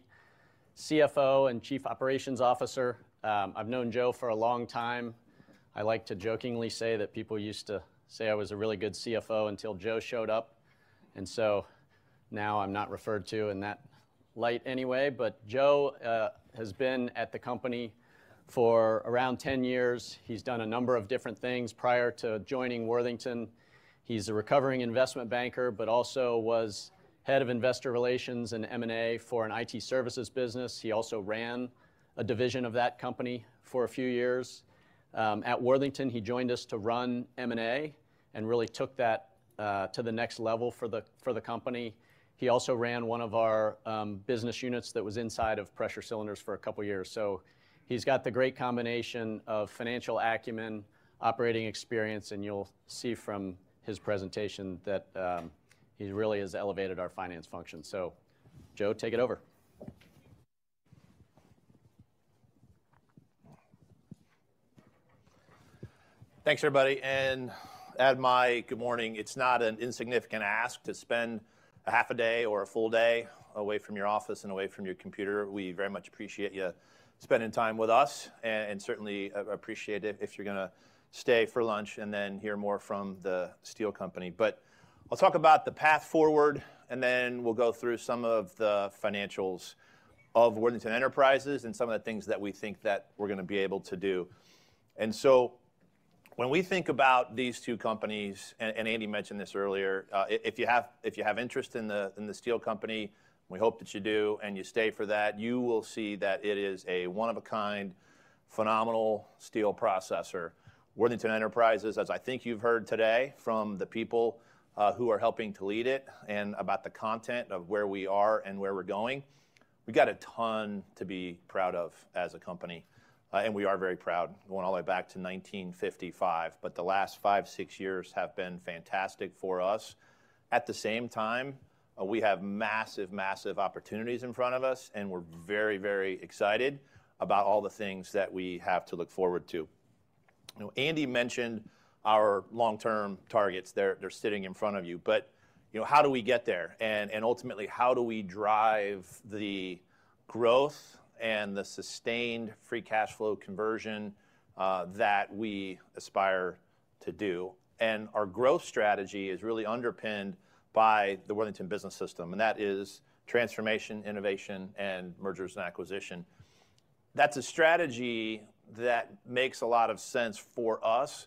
CFO, and Chief Operations Officer. I've known Joe for a long time. I like to jokingly say that people used to say I was a really good CFO until Joe showed up, and so now I'm not referred to in that light anyway. But Joe has been at the company for around 10 years. He's done a number of different things prior to joining Worthington. He's a recovering investment banker, but also was Head of Investor Relations and M&A for an IT services business. He also ran a division of that company for a few years. At Worthington, he joined us to run M&A and really took that to the next level for the company. He also ran one of our business units that was inside of Pressure Cylinders for a couple of years. So he's got the great combination of financial acumen, operating experience, and you'll see from his presentation that he really has elevated our finance function. So, Joe, take it over. Thanks, everybody. And add my good morning. It's not an insignificant ask to spend a half a day or a full day away from your office and away from your computer. We very much appreciate you spending time with us, and certainly appreciate it if you're gonna stay for lunch and then hear more from the steel company. But I'll talk about the path forward, and then we'll go through some of the financials of Worthington Enterprises and some of the things that we think that we're gonna be able to do. So when we think about these two companies, and Andy mentioned this earlier, if you have interest in the steel company, we hope that you do, and you stay for that, you will see that it is a one-of-a-kind, phenomenal steel processor. Worthington Enterprises, as I think you've heard today from the people who are helping to lead it and about the content of where we are and where we're going, we've got a ton to be proud of as a company, and we are very proud. We went all the way back to 1955, but the last five, six years have been fantastic for us. At the same time, we have massive, massive opportunities in front of us, and we're very, very excited about all the things that we have to look forward to. Now, Andy mentioned our long-term targets. They're, they're sitting in front of you, but, you know, how do we get there? And, and ultimately, how do we drive the growth and the sustained free cash flow conversion that we aspire to do? Our growth strategy is really underpinned by the Worthington Business System, and that is transformation, innovation, and mergers and acquisition. That's a strategy that makes a lot of sense for us,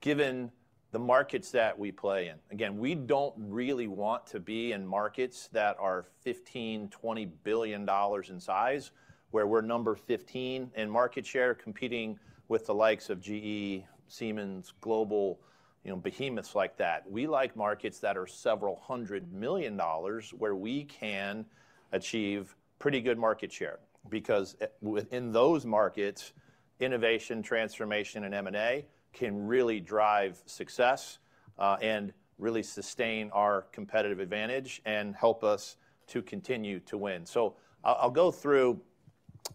given the markets that we play in. Again, we don't really want to be in markets that are $15,000,000,000, $20,000,000,000 in size, where we're number 15 in market share, competing with the likes of GE, Siemens, global, you know, behemoths like that. We like markets that are several hundred million dollars, where we can achieve pretty good market share. Because, you know, within those markets, innovation, transformation, and M&A can really drive success, and really sustain our competitive advantage and help us to continue to win. I'll go through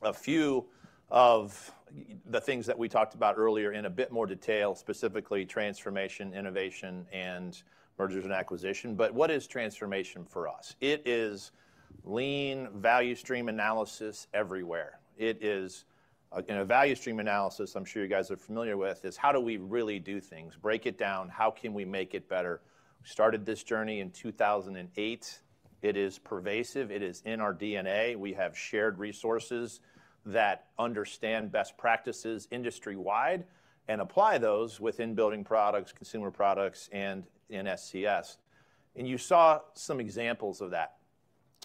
a few of the things that we talked about earlier in a bit more detail, specifically transformation, innovation, and mergers and acquisition. What is transformation for us? It is lean value stream analysis everywhere. It is, you know, value stream analysis, I'm sure you guys are familiar with, is how do we really do things? Break it down, how can we make it better? We started this journey in 2008. It is pervasive. It is in our DNA. We have shared resources that understand best practices industry-wide and apply those within building products, consumer products, and in SES. You saw some examples of that,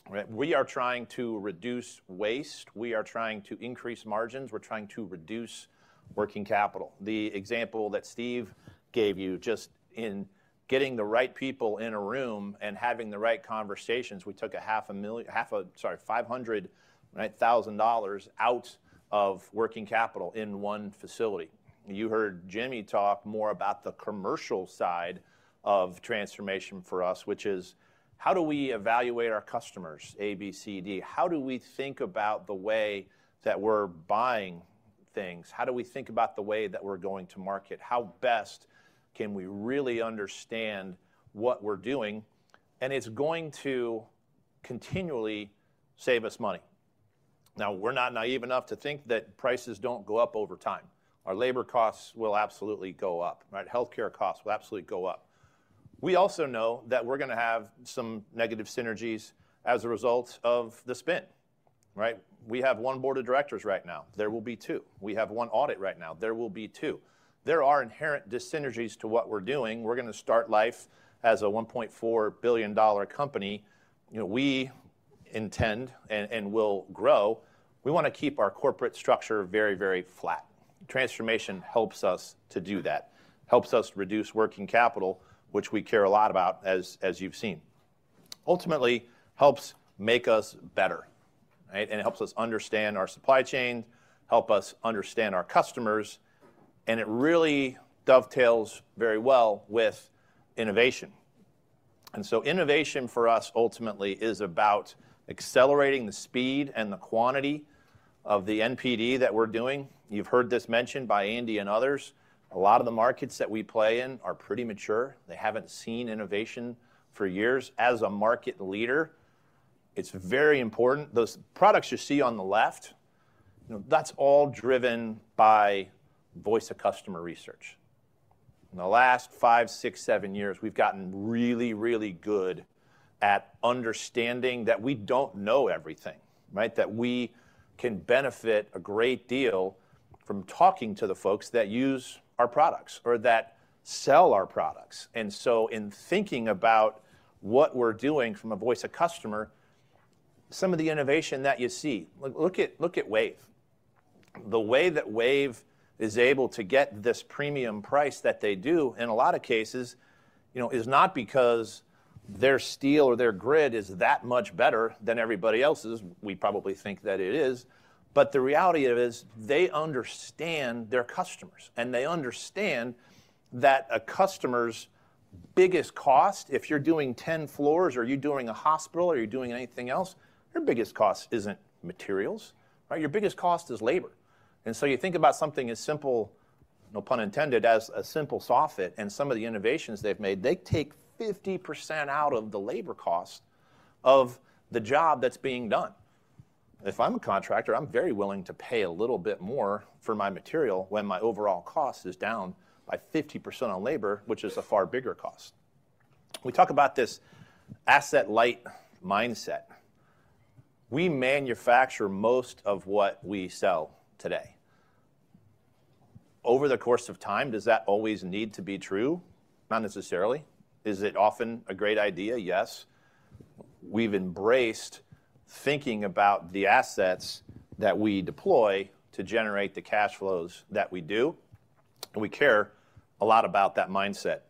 right? We are trying to reduce waste, we are trying to increase margins, we're trying to reduce working capital. The example that Steve gave you, just in getting the right people in a room and having the right conversations, we took $500,000 out of working capital in one facility. You heard Jimmy talk more about the commercial side of transformation for us, which is: How do we evaluate our customers, A, B, C, D? How do we think about the way that we're buying things? How do we think about the way that we're going to market? How best can we really understand what we're doing? And it's going to continually save us money... Now, we're not naive enough to think that prices don't go up over time. Our labor costs will absolutely go up, right? Healthcare costs will absolutely go up. We also know that we're gonna have some negative synergies as a result of the spin, right? We have one board of directors right now, there will be two. We have one audit right now, there will be two. There are inherent dis-synergies to what we're doing. We're gonna start life as a $1,400,000,000 company. You know, we intend and, and will grow. We wanna keep our corporate structure very, very flat. Transformation helps us to do that, helps us reduce working capital, which we care a lot about, as, as you've seen. Ultimately, helps make us better, right? And it helps us understand our supply chain, help us understand our customers, and it really dovetails very well with innovation. And so innovation for us, ultimately, is about accelerating the speed and the quantity of the NPD that we're doing. You've heard this mentioned by Andy and others. A lot of the markets that we play in are pretty mature. They haven't seen innovation for years. As a market leader, it's very important. Those products you see on the left, you know, that's all driven by voice of customer research. In the last 5, 6, 7 years, we've gotten really, really good at understanding that we don't know everything, right? That we can benefit a great deal from talking to the folks that use our products or that sell our products. And so in thinking about what we're doing from a voice of customer, some of the innovation that you see... Like, look at, look at WAVE. The way that WAVE is able to get this premium price that they do, in a lot of cases, you know, is not because their steel or their grid is that much better than everybody else's. We probably think that it is, but the reality of it is, they understand their customers, and they understand that a customer's biggest cost, if you're doing 10 floors, or you're doing a hospital, or you're doing anything else, your biggest cost isn't materials, right? Your biggest cost is labor. And so you think about something as simple, no pun intended, as a simple soffit and some of the innovations they've made. They take 50% out of the labor cost of the job that's being done. If I'm a contractor, I'm very willing to pay a little bit more for my material when my overall cost is down by 50% on labor, which is a far bigger cost. We talk about this asset-light mindset. We manufacture most of what we sell today. Over the course of time, does that always need to be true? Not necessarily. Is it often a great idea? Yes. We've embraced thinking about the assets that we deploy to generate the cash flows that we do, and we care a lot about that mindset.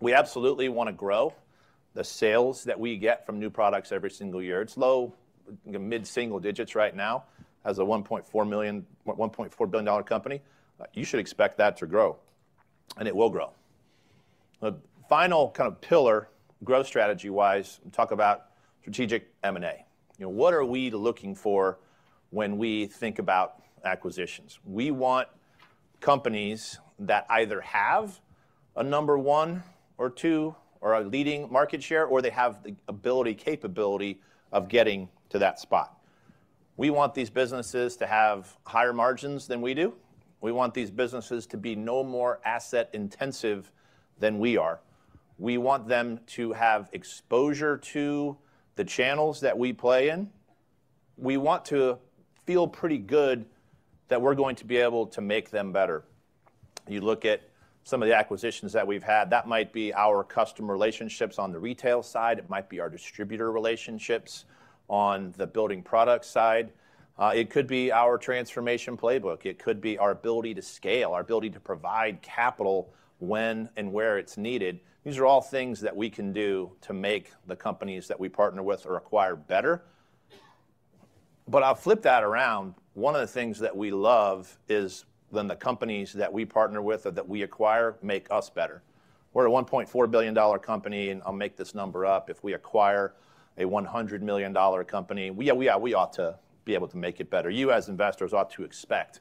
We absolutely wanna grow the sales that we get from new products every single year. It's low, mid-single digits right now. As a $1,400,000,000 company, you should expect that to grow, and it will grow. The final kind of pillar, growth strategy-wise, we talk about strategic M&A. You know, what are we looking for when we think about acquisitions? We want companies that either have a number one or two or a leading market share, or they have the ability, capability of getting to that spot. We want these businesses to have higher margins than we do. We want these businesses to be no more asset-intensive than we are. We want them to have exposure to the channels that we play in. We want to feel pretty good that we're going to be able to make them better. You look at some of the acquisitions that we've had, that might be our customer relationships on the retail side, it might be our distributor relationships on the building product side, it could be our transformation playbook, it could be our ability to scale, our ability to provide capital when and where it's needed. These are all things that we can do to make the companies that we partner with or acquire better. But I'll flip that around. One of the things that we love is when the companies that we partner with or that we acquire make us better. We're a $1,400,000,000 company, and I'll make this number up, if we acquire a $100,000,000 company, we, yeah, we ought to be able to make it better. You, as investors, ought to expect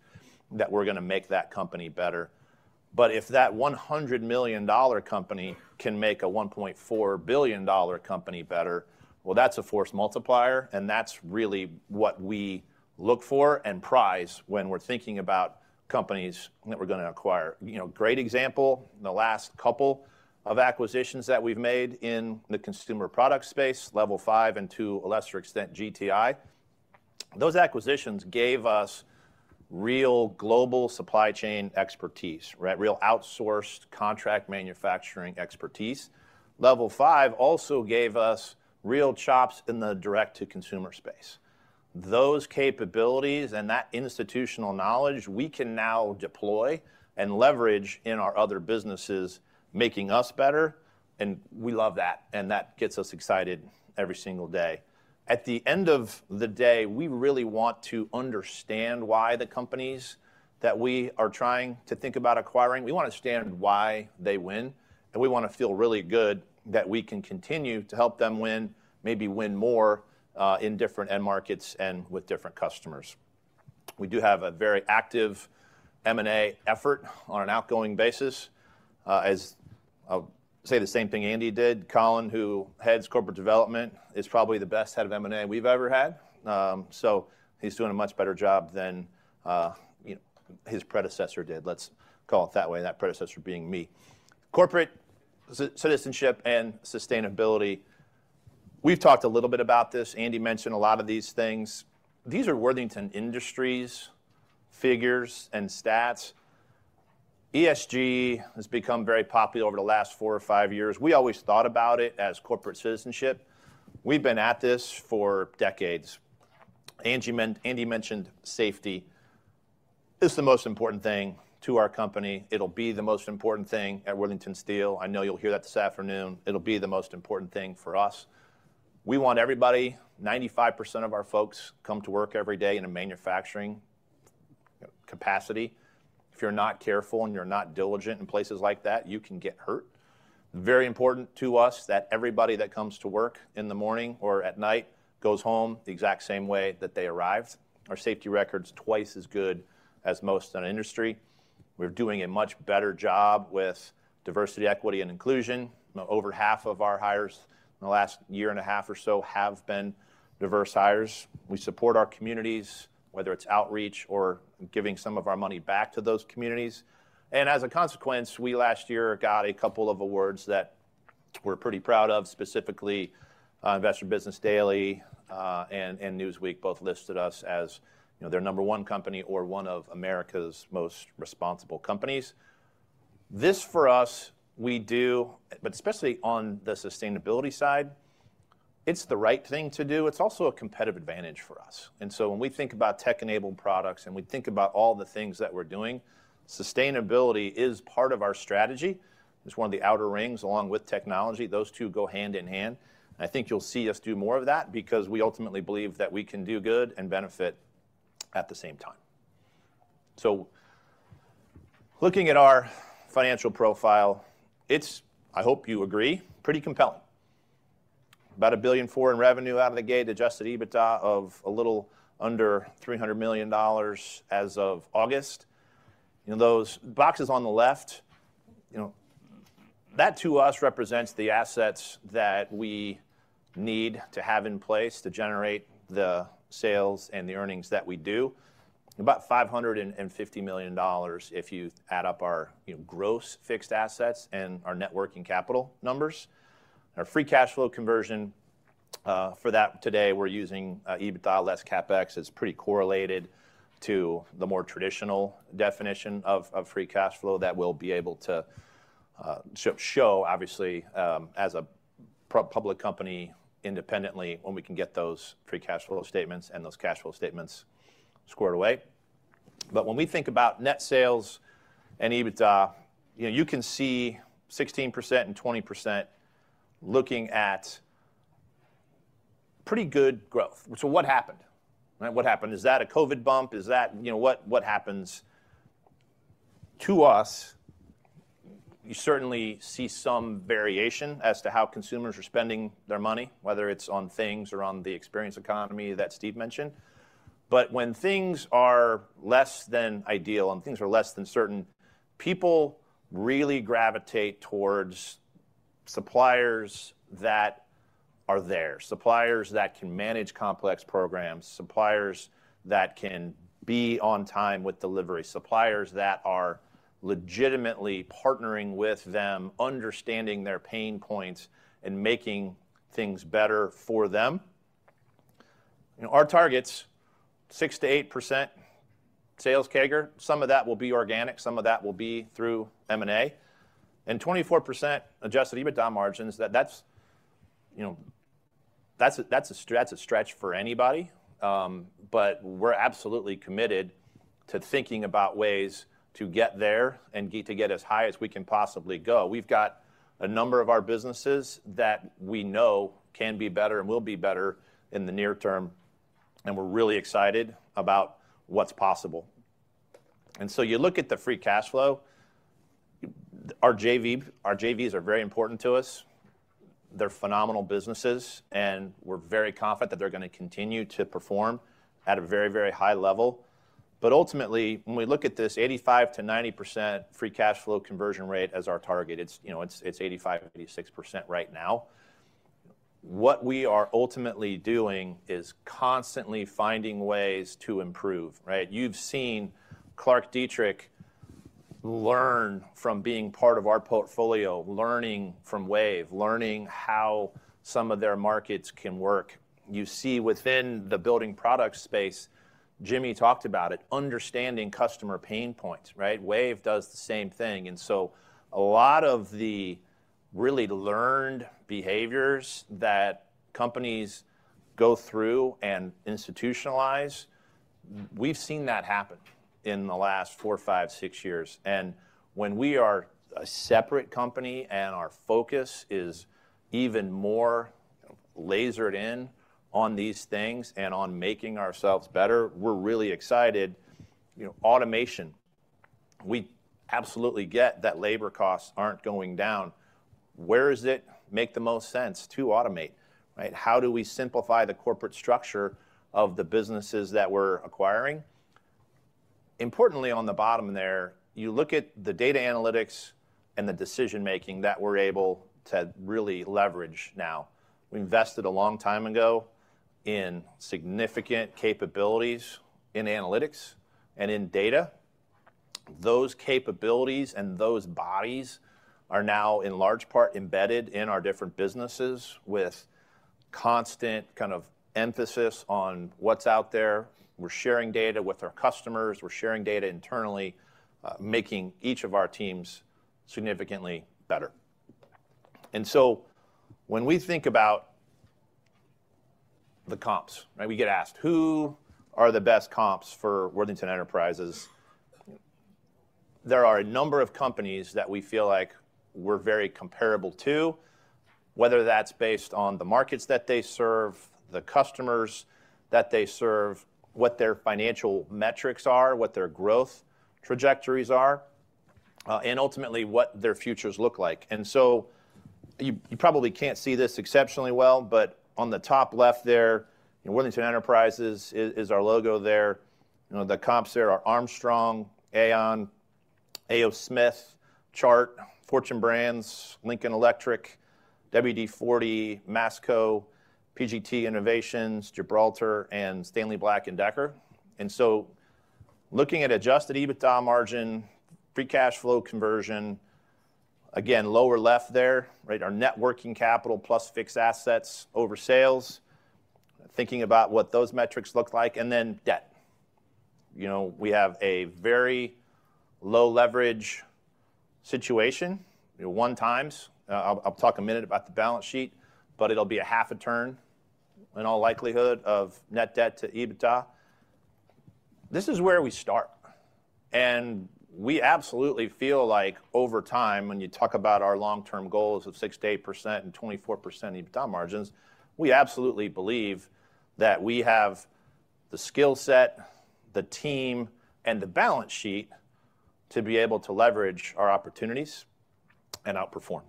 that we're gonna make that company better. But if that $100,000,0company can make a $1,400,000,000 company better, well, that's a force multiplier, and that's really what we look for and prize when we're thinking about companies that we're gonna acquire. You know, great example, the last couple of acquisitions that we've made in the consumer product space, Level 5, and to a lesser extent, GTI, those acquisitions gave us real global supply chain expertise, right? Real outsourced contract manufacturing expertise. Level 5 also gave us real chops in the direct-to-consumer space. Those capabilities and that institutional knowledge, we can now deploy and leverage in our other businesses, making us better, and we love that, and that gets us excited every single day. At the end of the day, we really want to understand why the companies that we are trying to think about acquiring, we want to understand why they win, and we wanna feel really good that we can continue to help them win, maybe win more, in different end markets and with different customers.... We do have a very active M&A effort on an outgoing basis. As I'll say the same thing Andy did, Colin, who heads Corporate Development, is probably the best head of M&A we've ever had. So he's doing a much better job than, you know, his predecessor did. Let's call it that way, that predecessor being me. Corporate citizenship and sustainability, we've talked a little bit about this. Andy mentioned a lot of these things. These are Worthington Industries figures and stats. ESG has become very popular over the last four or five years. We always thought about it as corporate citizenship. We've been at this for decades. Andy mentioned safety. It's the most important thing to our company. It'll be the most important thing at Worthington Steel. I know you'll hear that this afternoon. It'll be the most important thing for us. We want everybody, 95% of our folks come to work every day in a manufacturing capacity. If you're not careful, and you're not diligent in places like that, you can get hurt. Very important to us that everybody that comes to work in the morning or at night goes home the exact same way that they arrived. Our safety record's twice as good as most in the industry. We're doing a much better job with diversity, equity, and inclusion. Over half of our hires in the last year and a half or so have been diverse hires. We support our communities, whether it's outreach or giving some of our money back to those communities. And as a consequence, we last year got a couple of awards that we're pretty proud of. Specifically, Investor's Business Daily and Newsweek both listed us as, you know, their number one company or one of America's most responsible companies. This, for us, we do... But especially on the sustainability side, it's the right thing to do. It's also a competitive advantage for us. And so when we think about tech-enabled products, and we think about all the things that we're doing, sustainability is part of our strategy. It's one of the outer rings, along with technology. Those two go hand in hand. I think you'll see us do more of that because we ultimately believe that we can do good and benefit at the same time. So looking at our financial profile, it's, I hope you agree, pretty compelling. About $1,400,000,000 in revenue out of the gate, adjusted EBITDA of a little under $300,000,000 as of August. You know, those boxes on the left, you know, that, to us, represents the assets that we need to have in place to generate the sales and the earnings that we do. About $550,000,000, if you add up our, you know, gross fixed assets and our net working capital numbers. Our free cash flow conversion, for that today, we're using, EBITDA less CapEx. It's pretty correlated to the more traditional definition of free cash flow that we'll be able to show obviously as a public company independently when we can get those free cash flow statements and those cash flow statements squared away. But when we think about net sales and EBITDA, you know, you can see 16% and 20% looking at pretty good growth. So what happened? Right, what happened? Is that a COVID bump? Is that... You know, what, what happens? To us, you certainly see some variation as to how consumers are spending their money, whether it's on things or on the experience economy that Steve mentioned. But when things are less than ideal and things are less than certain, people really gravitate towards suppliers that are there, suppliers that can manage complex programs, suppliers that can be on time with delivery, suppliers that are legitimately partnering with them, understanding their pain points, and making things better for them. You know, our targets, 6%-8% sales CAGR. Some of that will be organic, some of that will be through M&A, and 24% adjusted EBITDA margins, that's, you know, that's a, that's a stretch for anybody. But we're absolutely committed to thinking about ways to get there and to get as high as we can possibly go. We've got a number of our businesses that we know can be better and will be better in the near term, and we're really excited about what's possible. And so you look at the free cash flow, our JVs are very important to us. They're phenomenal businesses, and we're very confident that they're gonna continue to perform at a very, very high level. But ultimately, when we look at this 85%-90% free cash flow conversion rate as our target, it's, you know, it's 85%, 86% right now. What we are ultimately doing is constantly finding ways to improve, right? You've seen ClarkDietrich learn from being part of our portfolio, learning from Wave, learning how some of their markets can work. You see within the building product space, Jimmy talked about it, understanding customer pain points, right? Wave does the same thing. And so a lot of the really learned behaviors that companies go through and institutionalize, we've seen that happen in the last four, five, six years. When we are a separate company, and our focus is even more lasered in on these things and on making ourselves better, we're really excited. You know, automation. We absolutely get that labor costs aren't going down. Where does it make the most sense to automate, right? How do we simplify the corporate structure of the businesses that we're acquiring? Importantly, on the bottom there, you look at the data analytics and the decision-making that we're able to really leverage now. We invested a long time ago in significant capabilities in analytics and in data. Those capabilities and those bodies are now, in large part, embedded in our different businesses, with constant kind of emphasis on what's out there. We're sharing data with our customers, we're sharing data internally, making each of our teams significantly better. And so, when we think about the comps, right? We get asked: "Who are the best comps for Worthington Enterprises?" There are a number of companies that we feel like we're very comparable to, whether that's based on the markets that they serve, the customers that they serve, what their financial metrics are, what their growth trajectories are, and ultimately, what their futures look like. And so you, you probably can't see this exceptionally well, but on the top left there, you know, Worthington Enterprises is our logo there. You know, the comps there are Armstrong, AAON, A.O. Smith, Chart, Fortune Brands, Lincoln Electric, WD-40, Masco, PGT Innovations, Gibraltar, and Stanley Black & Decker. And so, looking at adjusted EBITDA margin, free cash flow conversion, again, lower left there, right? Our net working capital plus fixed assets over sales, thinking about what those metrics look like, and then debt. You know, we have a very low leverage situation, you know, 1x. I'll talk a minute about the balance sheet, but it'll be a 0.5 turn, in all likelihood, of net debt to EBITDA. This is where we start, and we absolutely feel like, over time, when you talk about our long-term goals of 6%-8% and 24% EBITDA margins, we absolutely believe that we have the skill set, the team, and the balance sheet to be able to leverage our opportunities and outperform.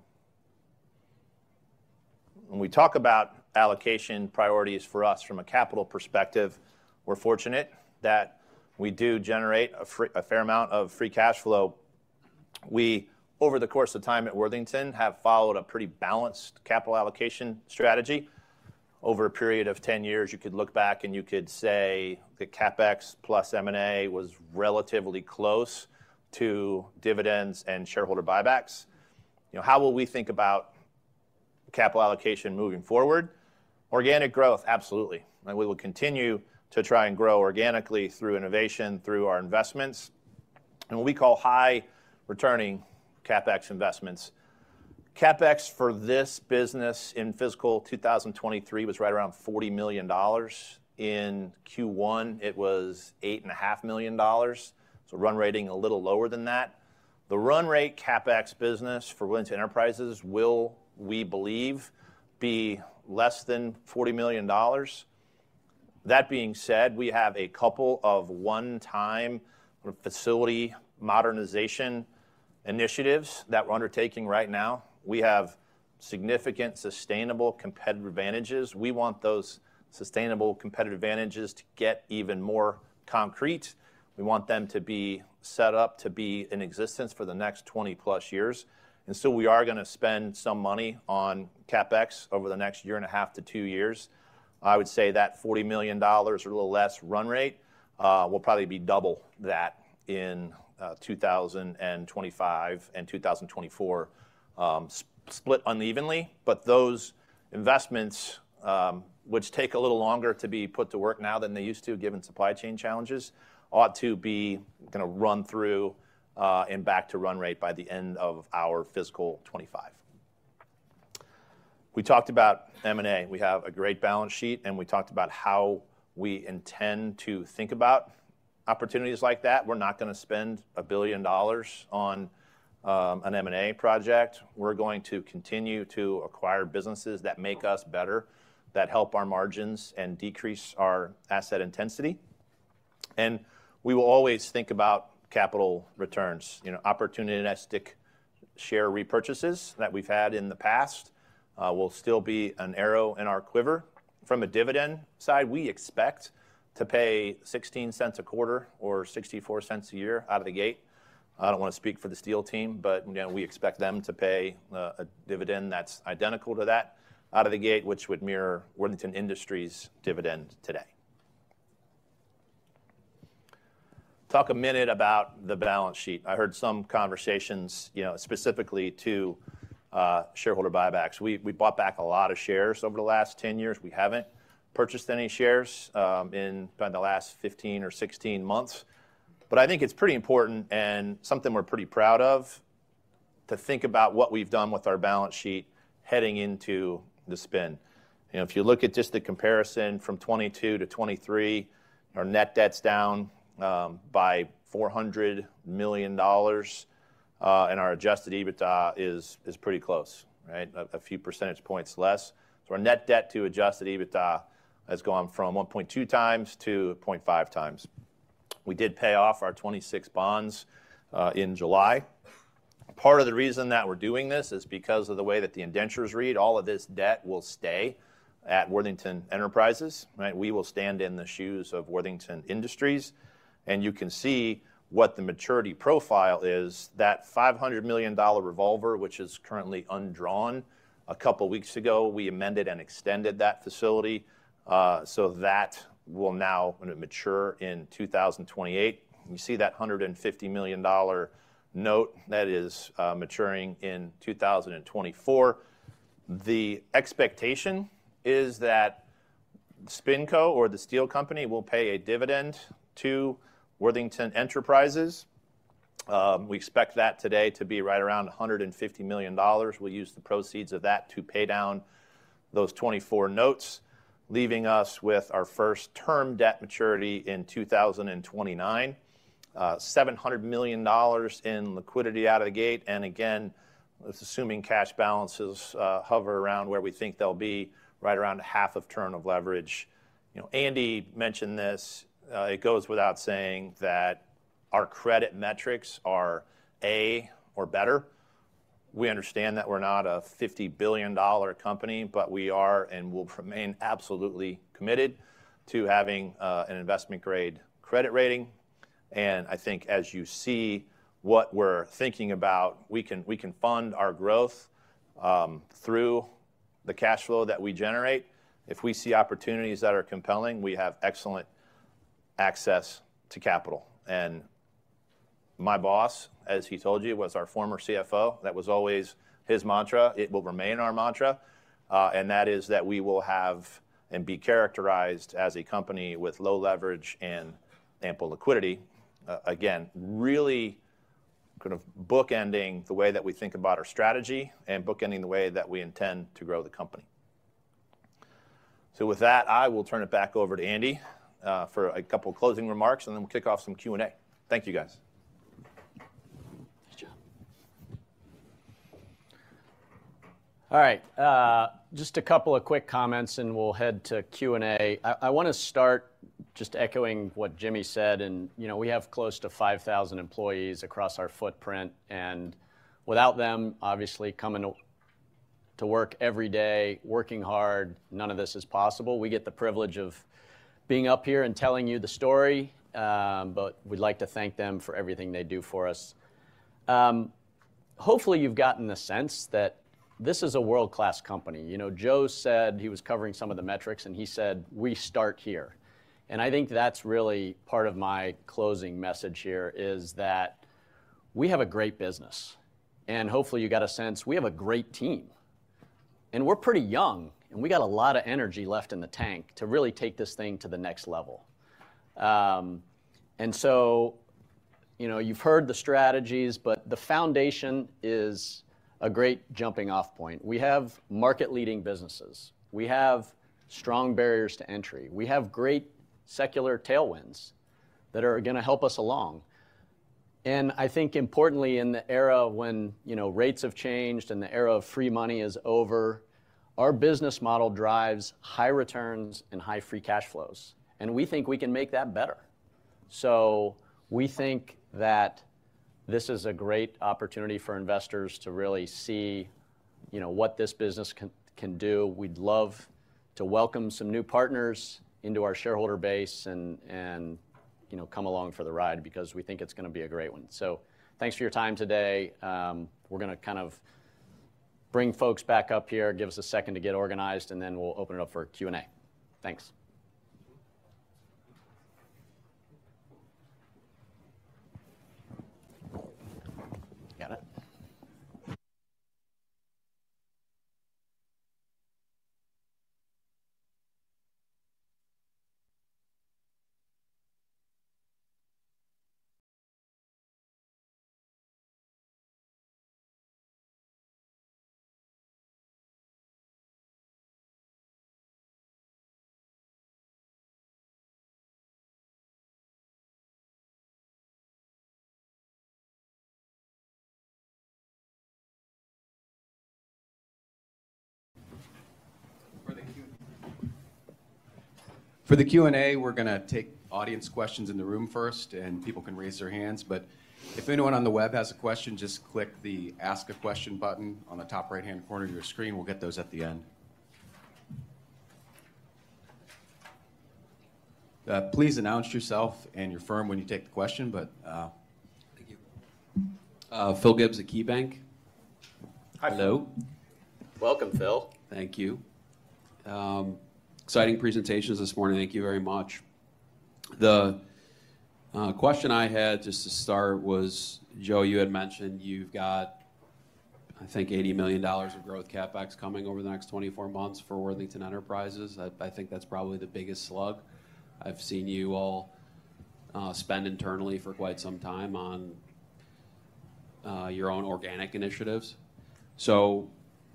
When we talk about allocation priorities for us from a capital perspective, we're fortunate that we do generate a fair amount of free cash flow. We, over the course of time at Worthington, have followed a pretty balanced capital allocation strategy. Over a period of 10 years, you could look back and you could say that CapEx plus M&A was relatively close to dividends and shareholder buybacks. You know, how will we think about capital allocation moving forward? Organic growth, absolutely, and we will continue to try and grow organically through innovation, through our investments, and what we call high-returning CapEx investments. CapEx for this business in fiscal 2023 was right around $40,000,000. In Q1, it was $8,500,000, so run rate a little lower than that. The run rate CapEx business for Worthington Enterprises will, we believe, be less than $40,000,000. That being said, we have a couple of one-time facility modernization initiatives that we're undertaking right now. We have significant, sustainable competitive advantages. We want those sustainable competitive advantages to get even more concrete. We want them to be set up to be in existence for the next 20+ years, and so we are gonna spend some money on CapEx over the next year and a half to two years. I would say that $40,000,000 or a little less run rate will probably be double that in 2025 and 2024, split unevenly. But those investments, which take a little longer to be put to work now than they used to, given supply chain challenges, ought to be gonna run through and back to run rate by the end of our fiscal 2025. We talked about M&A. We have a great balance sheet, and we talked about how we intend to think about opportunities like that. We're not gonna spend $1,000,000,000 on an M&A project. We're going to continue to acquire businesses that make us better, that help our margins and decrease our asset intensity. We will always think about capital returns. You know, opportunistic share repurchases that we've had in the past will still be an arrow in our quiver. From a dividend side, we expect to pay $0.16 a quarter or $0.64 a year out of the gate. I don't want to speak for the Steel team, but, you know, we expect them to pay a dividend that's identical to that out of the gate, which would mirror Worthington Industries' dividend today. Talk a minute about the balance sheet. I heard some conversations, you know, specifically to shareholder buybacks. We bought back a lot of shares over the last 10 years. We haven't purchased any shares in about the last 15 or 16 months. But I think it's pretty important, and something we're pretty proud of, to think about what we've done with our balance sheet heading into the spin. You know, if you look at just the comparison from 2022 to 2023, our net debt's down by $400,000,000, and our adjusted EBITDA is pretty close, right? A few percentage points less. So our net debt to adjusted EBITDA has gone from 1.2 times to 0.5 times. We did pay off our 2026 bonds in July. Part of the reason that we're doing this is because of the way that the indentures read. All of this debt will stay at Worthington Enterprises, right? We will stand in the shoes of Worthington Industries, and you can see what the maturity profile is. That $500,000,000 revolver, which is currently undrawn, a couple weeks ago, we amended and extended that facility, so that will now mature in 2028. You see that $150,000,000 note, that is, maturing in 2024. The expectation is that SpinCo or the steel company will pay a dividend to Worthington Enterprises. We expect that today to be right around $150,000,000. We'll use the proceeds of that to pay down those 2024 notes, leaving us with our first term debt maturity in 2029. $700,000,000 in liquidity out of the gate, and again, that's assuming cash balances, hover around where we think they'll be, right around half of turn of leverage. You know, Andy mentioned this. It goes without saying that our credit metrics are A or better. We understand that we're not a $50,000,000,000 company, but we are, and we'll remain absolutely committed to having an investment-grade credit rating. I think as you see what we're thinking about, we can, we can fund our growth through the cash flow that we generate. If we see opportunities that are compelling, we have excellent access to capital. My boss, as he told you, was our former CFO. That was always his mantra. It will remain our mantra, and that is that we will have and be characterized as a company with low leverage and ample liquidity. Again, really kind of bookending the way that we think about our strategy, and bookending the way that we intend to grow the company. With that, I will turn it back over to Andy, for a couple closing remarks, and then we'll kick off some Q&A. Thank you, guys. Good job. All right, just a couple of quick comments, and we'll head to Q&A. I wanna start just echoing what Jimmy said, and, you know, we have close to 5,000 employees across our footprint, and without them, obviously coming to work every day, working hard, none of this is possible. We get the privilege of being up here and telling you the story, but we'd like to thank them for everything they do for us. Hopefully, you've gotten the sense that this is a world-class company. You know, Joe said he was covering some of the metrics, and he said, "We start here." And I think that's really part of my closing message here, is that we have a great business. And hopefully, you got a sense we have a great team. We're pretty young, and we got a lot of energy left in the tank to really take this thing to the next level. You know, you've heard the strategies, but the foundation is a great jumping-off point. We have market-leading businesses. We have strong barriers to entry. We have great secular tailwinds that are gonna help us along. And I think importantly, in the era when, you know, rates have changed and the era of free money is over, our business model drives high returns and high free cash flows, and we think we can make that better. So we think that this is a great opportunity for investors to really see, you know, what this business can do. We'd love to welcome some new partners into our shareholder base and, you know, come along for the ride because we think it's gonna be a great one. So thanks for your time today. We're gonna kind of bring folks back up here. Give us a second to get organized, and then we'll open it up for Q&A. Thanks. Got it? For the Q&A, we're gonna take audience questions in the room first, and people can raise their hands. But if anyone on the web has a question, just click the Ask a Question button on the top right-hand corner of your screen; we'll get those at the end. Please announce yourself and your firm when you take the question, but... Thank you. Phil Gibbs at KeyBanc. Hi. Hello. Welcome, Phil. Thank you. Exciting presentations this morning. Thank you very much. The question I had just to start was, Joe, you had mentioned you've got, I think, $80,000,000 of growth CapEx coming over the next 24 months for Worthington Enterprises. I think that's probably the biggest slug. I've seen you all spend internally for quite some time on your own organic initiatives. So,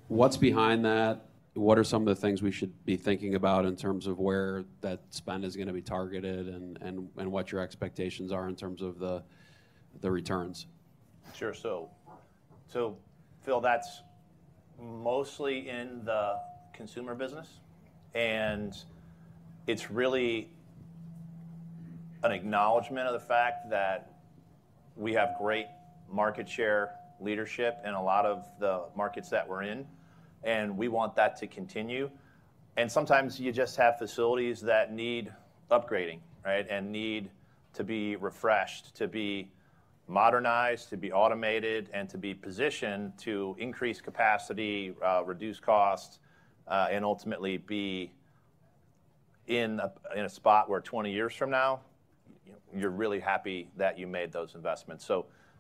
what's behind that? What are some of the things we should be thinking about in terms of where that spend is gonna be targeted, and what your expectations are in terms of the returns? Sure. So, Phil, that's mostly in the consumer business, and it's really an acknowledgment of the fact that we have great market share leadership in a lot of the markets that we're in, and we want that to continue. And sometimes you just have facilities that need upgrading, right? And need to be refreshed, to be modernized, to be automated, and to be positioned to increase capacity, reduce costs, and ultimately be in a spot where 20 years from now, you're really happy that you made those investments.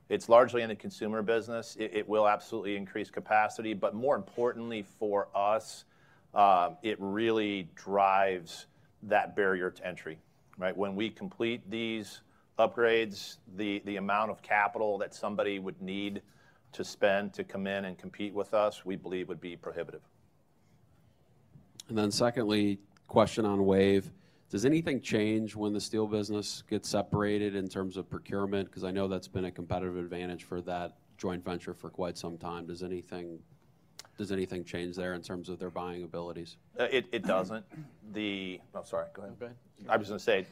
So it's largely in the consumer business. It will absolutely increase capacity, but more importantly for us, it really drives that barrier to entry, right? When we complete these upgrades, the amount of capital that somebody would need to spend to come in and compete with us, we believe, would be prohibitive. Then secondly, question on WAVE: Does anything change when the steel business gets separated in terms of procurement? 'Cause I know that's been a competitive advantage for that joint venture for quite some time. Does anything, does anything change there in terms of their buying abilities? It doesn't. Oh, sorry, go ahead. Go ahead. I was gonna say,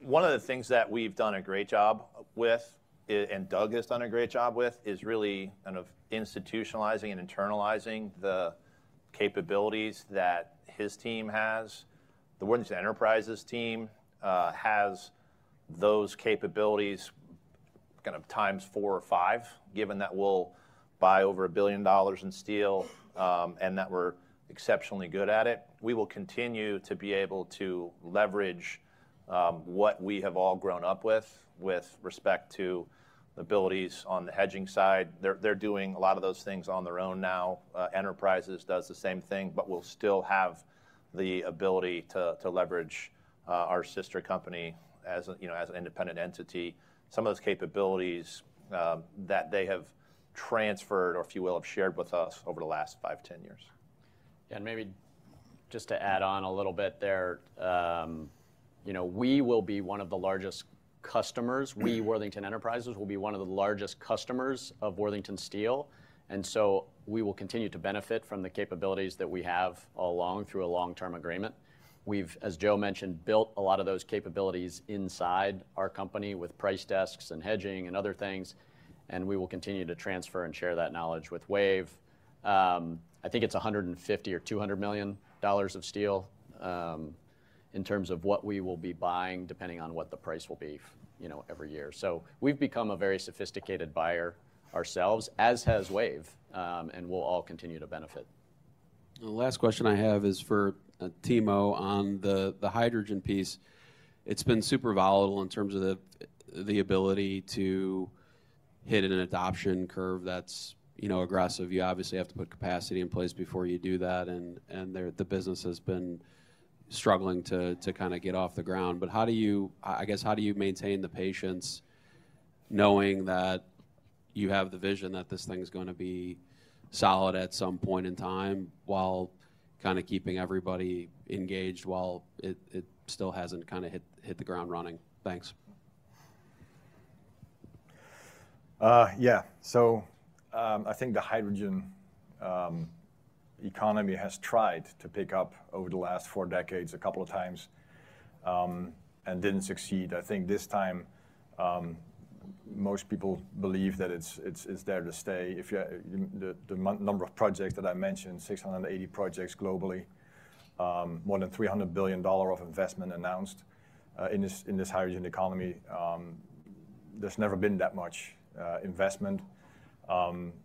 one of the things that we've done a great job with, and Doug has done a great job with, is really kind of institutionalizing and internalizing the capabilities that his team has. The Worthington Enterprises team has those capabilities kind of times four or five, given that we'll buy over $1,000,000,000 in steel, and that we're exceptionally good at it. We will continue to be able to leverage what we have all grown up with, with respect to the abilities on the hedging side. They're doing a lot of those things on their own now. Enterprises does the same thing, but we'll still have the ability to leverage our sister company as a, you know, as an independent entity. Some of those capabilities, that they have transferred, or if you will, have shared with us over the last 5-10 years. Maybe just to add on a little bit there, you know, we will be one of the largest customers. We, Worthington Enterprises, will be one of the largest customers of Worthington Steel, and we will continue to benefit from the capabilities that we have along, through a long-term agreement. We've, as Joe mentioned, built a lot of those capabilities inside our company with price desks and hedging and other things, and we will continue to transfer and share that knowledge with WAVE. I think it's $150,000,000 or $200,000,000 of steel, in terms of what we will be buying, depending on what the price will be, you know, every year. We've become a very sophisticated buyer ourselves, as has WAVE, and we'll all continue to benefit. The last question I have is for Timo on the hydrogen piece. It's been super volatile in terms of the ability to hit an adoption curve that's, you know, aggressive. You obviously have to put capacity in place before you do that, and the business has been struggling to kinda get off the ground. But how do you... I guess, how do you maintain the patience, knowing that you have the vision that this thing's gonna be solid at some point in time, while kinda keeping everybody engaged, while it still hasn't kinda hit the ground running? Thanks. Yeah. So, I think the hydrogen economy has tried to pick up over the last four decades a couple of times, and didn't succeed. I think this time, most people believe that it's, it's, it's there to stay. If you- the, the mo- number of projects that I mentioned, 680 projects globally, more than $300,000,000,000 of investment announced, in this, in this hydrogen economy. There's never been that much, investment.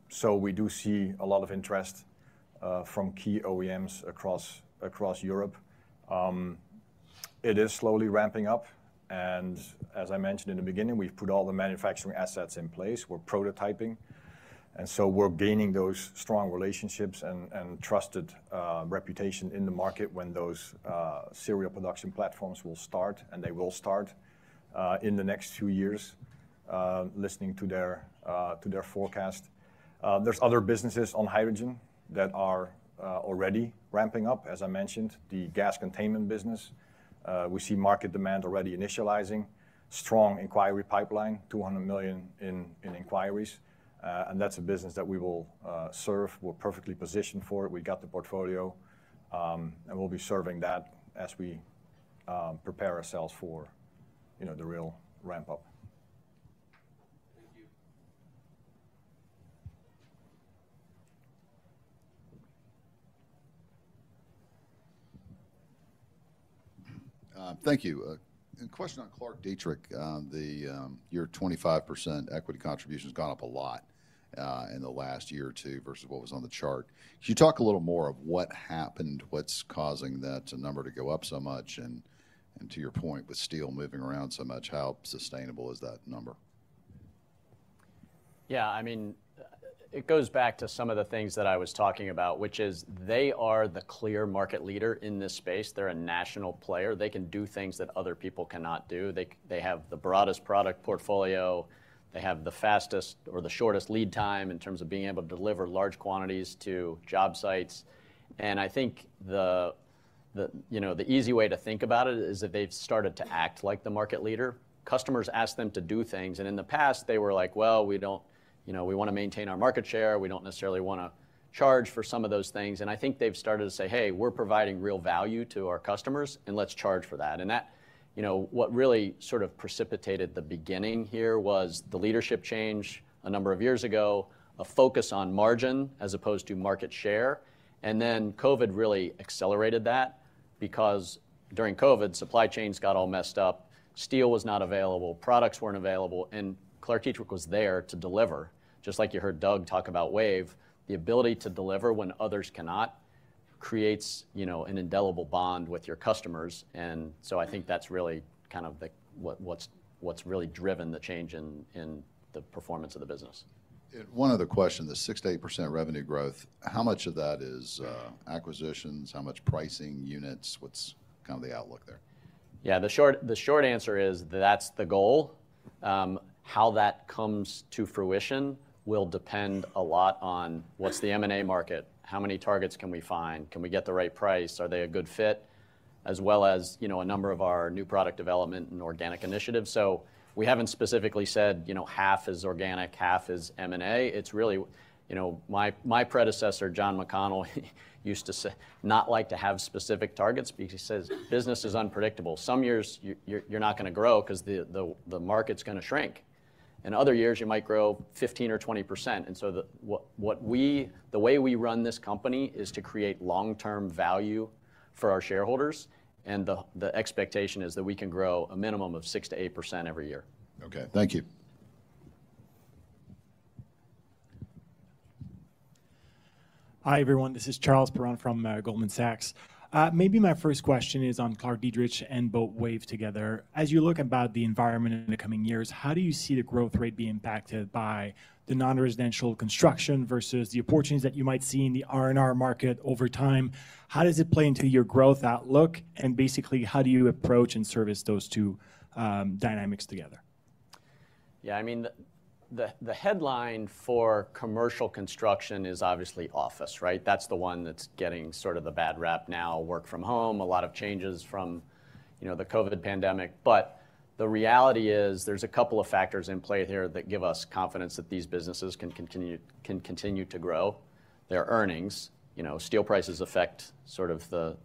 So we do see a lot of interest, from key OEMs across, across Europe. It is slowly ramping up, and as I mentioned in the beginning, we've put all the manufacturing assets in place. We're prototyping, and so we're gaining those strong relationships and trusted reputation in the market when those serial production platforms will start, and they will start in the next two years, listening to their forecast. There's other businesses on hydrogen that are already ramping up. As I mentioned, the gas containment business, we see market demand already initializing. Strong inquiry pipeline, $200,000,000 in inquiries, and that's a business that we will serve. We're perfectly positioned for it. We got the portfolio, and we'll be serving that as we prepare ourselves for, you know, the real ramp-up. Thank you. Thank you. Question on ClarkDietrich. Your 25% equity contribution has gone up a lot in the last year or two versus what was on the chart. Can you talk a little more of what happened, what's causing that number to go up so much? And to your point, with steel moving around so much, how sustainable is that number?... Yeah, I mean, it goes back to some of the things that I was talking about, which is they are the clear market leader in this space. They're a national player. They can do things that other people cannot do. They have the broadest product portfolio, they have the fastest or the shortest lead time in terms of being able to deliver large quantities to job sites. And I think the, you know, the easy way to think about it is that they've started to act like the market leader. Customers ask them to do things, and in the past, they were like: "Well, we don't, you know, we wanna maintain our market share, we don't necessarily wanna charge for some of those things." And I think they've started to say: "Hey, we're providing real value to our customers, and let's charge for that." And that, you know, what really sort of precipitated the beginning here was the leadership change a number of years ago, a focus on margin as opposed to market share, and then COVID really accelerated that. Because during COVID, supply chains got all messed up, steel was not available, products weren't available, and ClarkDietrich was there to deliver, just like you heard Doug talk about WAVE. The ability to deliver when others cannot creates, you know, an indelible bond with your customers, and so I think that's really kind of what's really driven the change in the performance of the business. One other question, the 6%-8% revenue growth, how much of that is, acquisitions? How much pricing, units? What's kind of the outlook there? Yeah, the short answer is that's the goal. How that comes to fruition will depend a lot on what's the M&A market, how many targets can we find, can we get the right price, are they a good fit, as well as, you know, a number of our new product development and organic initiatives. We haven't specifically said, you know, half is organic, half is M&A. It's really... You know, my predecessor, John McConnell, used to say not to like to have specific targets, because he says business is unpredictable. Some years, you're not gonna grow, 'cause the market's gonna shrink. In other years, you might grow 15% or 20%. So, the way we run this company is to create long-term value for our shareholders, and the expectation is that we can grow a minimum of 6%-8% every year. Okay, thank you. Hi, everyone, this is Charles Perron from Goldman Sachs. Maybe my first question is on ClarkDietrich and WAVE together. As you look about the environment in the coming years, how do you see the growth rate being impacted by the non-residential construction versus the opportunities that you might see in the R&R market over time? How does it play into your growth outlook, and basically, how do you approach and service those two dynamics together? Yeah, I mean, the headline for commercial construction is obviously office, right? That's the one that's getting sort of the bad rep now. Work from home, a lot of changes from, you know, the COVID pandemic. But the reality is, there's a couple of factors in play here that give us confidence that these businesses can continue, can continue to grow their earnings. You know, steel prices affect sort of the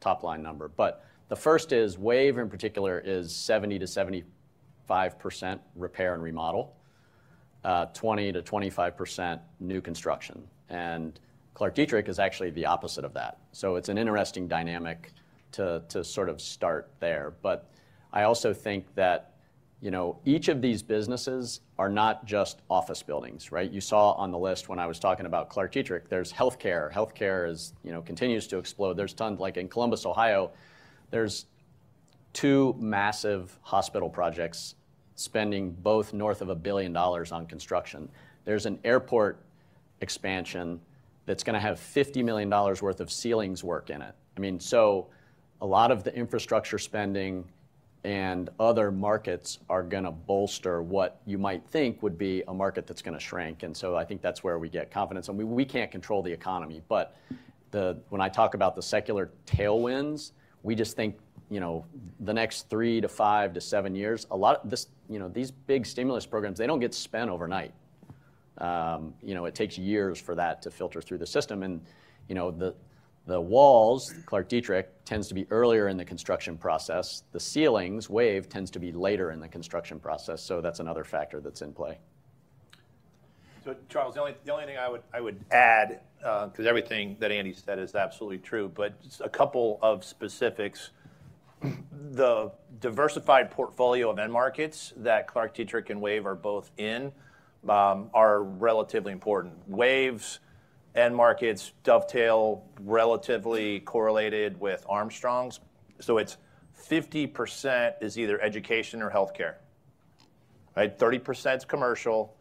top-line number. But the first is WAVE, in particular, is 70%-75% repair and remodel, twenty to twenty-five percent new construction, and ClarkDietrich is actually the opposite of that. So it's an interesting dynamic to, to sort of start there. But I also think that, you know, each of these businesses are not just office buildings, right? You saw on the list when I was talking about ClarkDietrich, there's healthcare. Healthcare is... you know, continues to explode. There's tons—like in Columbus, Ohio, there's two massive hospital projects spending both north of $1,000,000,000 on construction. There's an airport expansion that's gonna have $50,000,000 worth of ceilings work in it. I mean, so a lot of the infrastructure spending and other markets are gonna bolster what you might think would be a market that's gonna shrink, and so I think that's where we get confidence. And we, we can't control the economy, but the—when I talk about the secular tailwinds, we just think, you know, the next three to five to seven years, a lot of this... You know, these big stimulus programs, they don't get spent overnight. You know, it takes years for that to filter through the system. You know, the walls, ClarkDietrich, tends to be earlier in the construction process. The ceilings, WAVE, tends to be later in the construction process, so that's another factor that's in play. So Charles, the only thing I would add, 'cause everything that Andy said is absolutely true, but just a couple of specifics. The diversified portfolio of end markets that ClarkDietrich and WAVE are both in are relatively important. WAVE's end markets dovetail relatively correlated with Armstrong's. So it's 50% is either education or healthcare. Right? 30% commercial,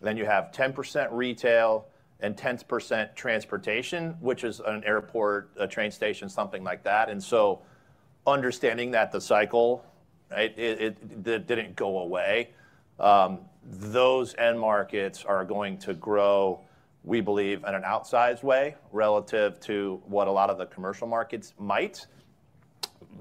then you have 10% retail and 10% transportation, which is an airport, a train station, something like that. And so understanding that the cycle, right, it didn't go away, those end markets are going to grow, we believe, in an outsized way, relative to what a lot of the commercial markets might.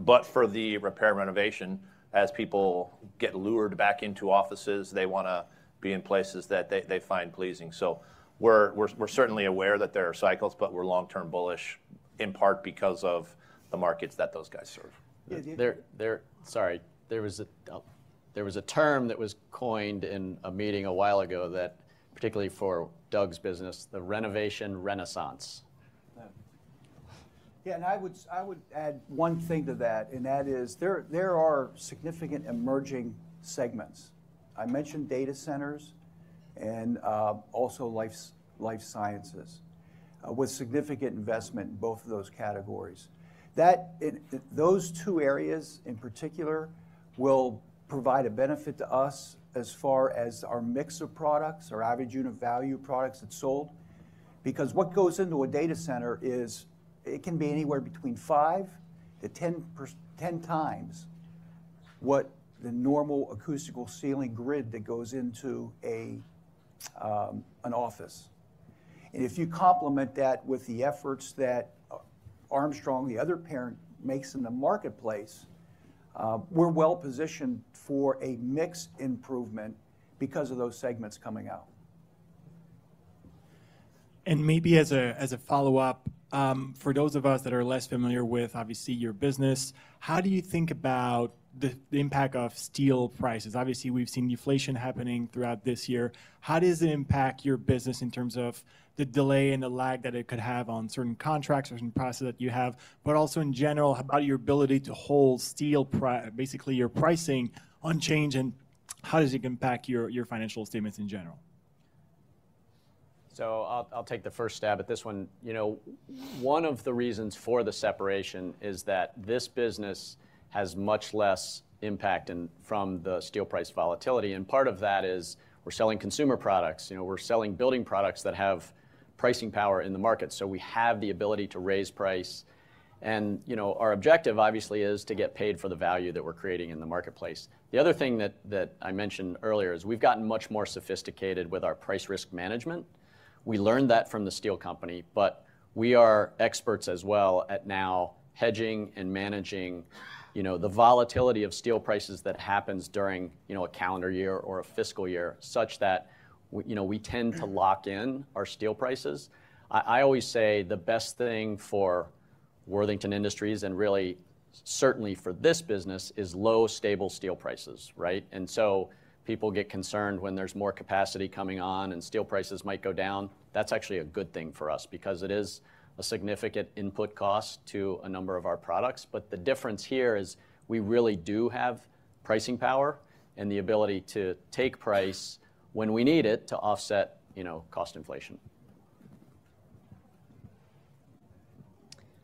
But for the repair renovation, as people get lured back into offices, they wanna be in places that they find pleasing. So we're certainly aware that there are cycles, but we're long-term bullish, in part because of the markets that those guys serve. Sorry, there was a term that was coined in a meeting a while ago that, particularly for Doug's business, the renovation renaissance. Yeah, and I would add one thing to that, and that is, there are significant emerging segments. I mentioned data centers and also life sciences with significant investment in both of those categories. Those two areas, in particular, will provide a benefit to us as far as our mix of products, our average unit value products that sold. Because what goes into a data center is, it can be anywhere between 5-10 times what the normal acoustical ceiling grid that goes into an office. And if you complement that with the efforts that Armstrong, the other parent, makes in the marketplace, we're well-positioned for a mixed improvement because of those segments coming out. Maybe as a follow-up, for those of us that are less familiar with, obviously, your business, how do you think about the impact of steel prices? Obviously, we've seen deflation happening throughout this year. How does it impact your business in terms of the delay and the lag that it could have on certain contracts or certain prices that you have, but also in general, about your ability to hold steel pri- basically, your pricing unchanged, and how does it impact your financial statements in general? So I'll, I'll take the first stab at this one. You know, one of the reasons for the separation is that this business has much less impact in- from the steel price volatility, and part of that is we're selling consumer products. You know, we're selling building products that have pricing power in the market, so we have the ability to raise price. And, you know, our objective, obviously, is to get paid for the value that we're creating in the marketplace. The other thing that, that I mentioned earlier is we've gotten much more sophisticated with our price risk management. We learned that from the steel company, but we are experts as well at now hedging and managing, you know, the volatility of steel prices that happens during, you know, a calendar year or a fiscal year, such that you know, we tend to lock in our steel prices. I always say the best thing for Worthington Industries, and really, certainly for this business, is low, stable steel prices, right? And so people get concerned when there's more capacity coming on and steel prices might go down. That's actually a good thing for us because it is a significant input cost to a number of our products. But the difference here is, we really do have pricing power and the ability to take price when we need it to offset, you know, cost inflation.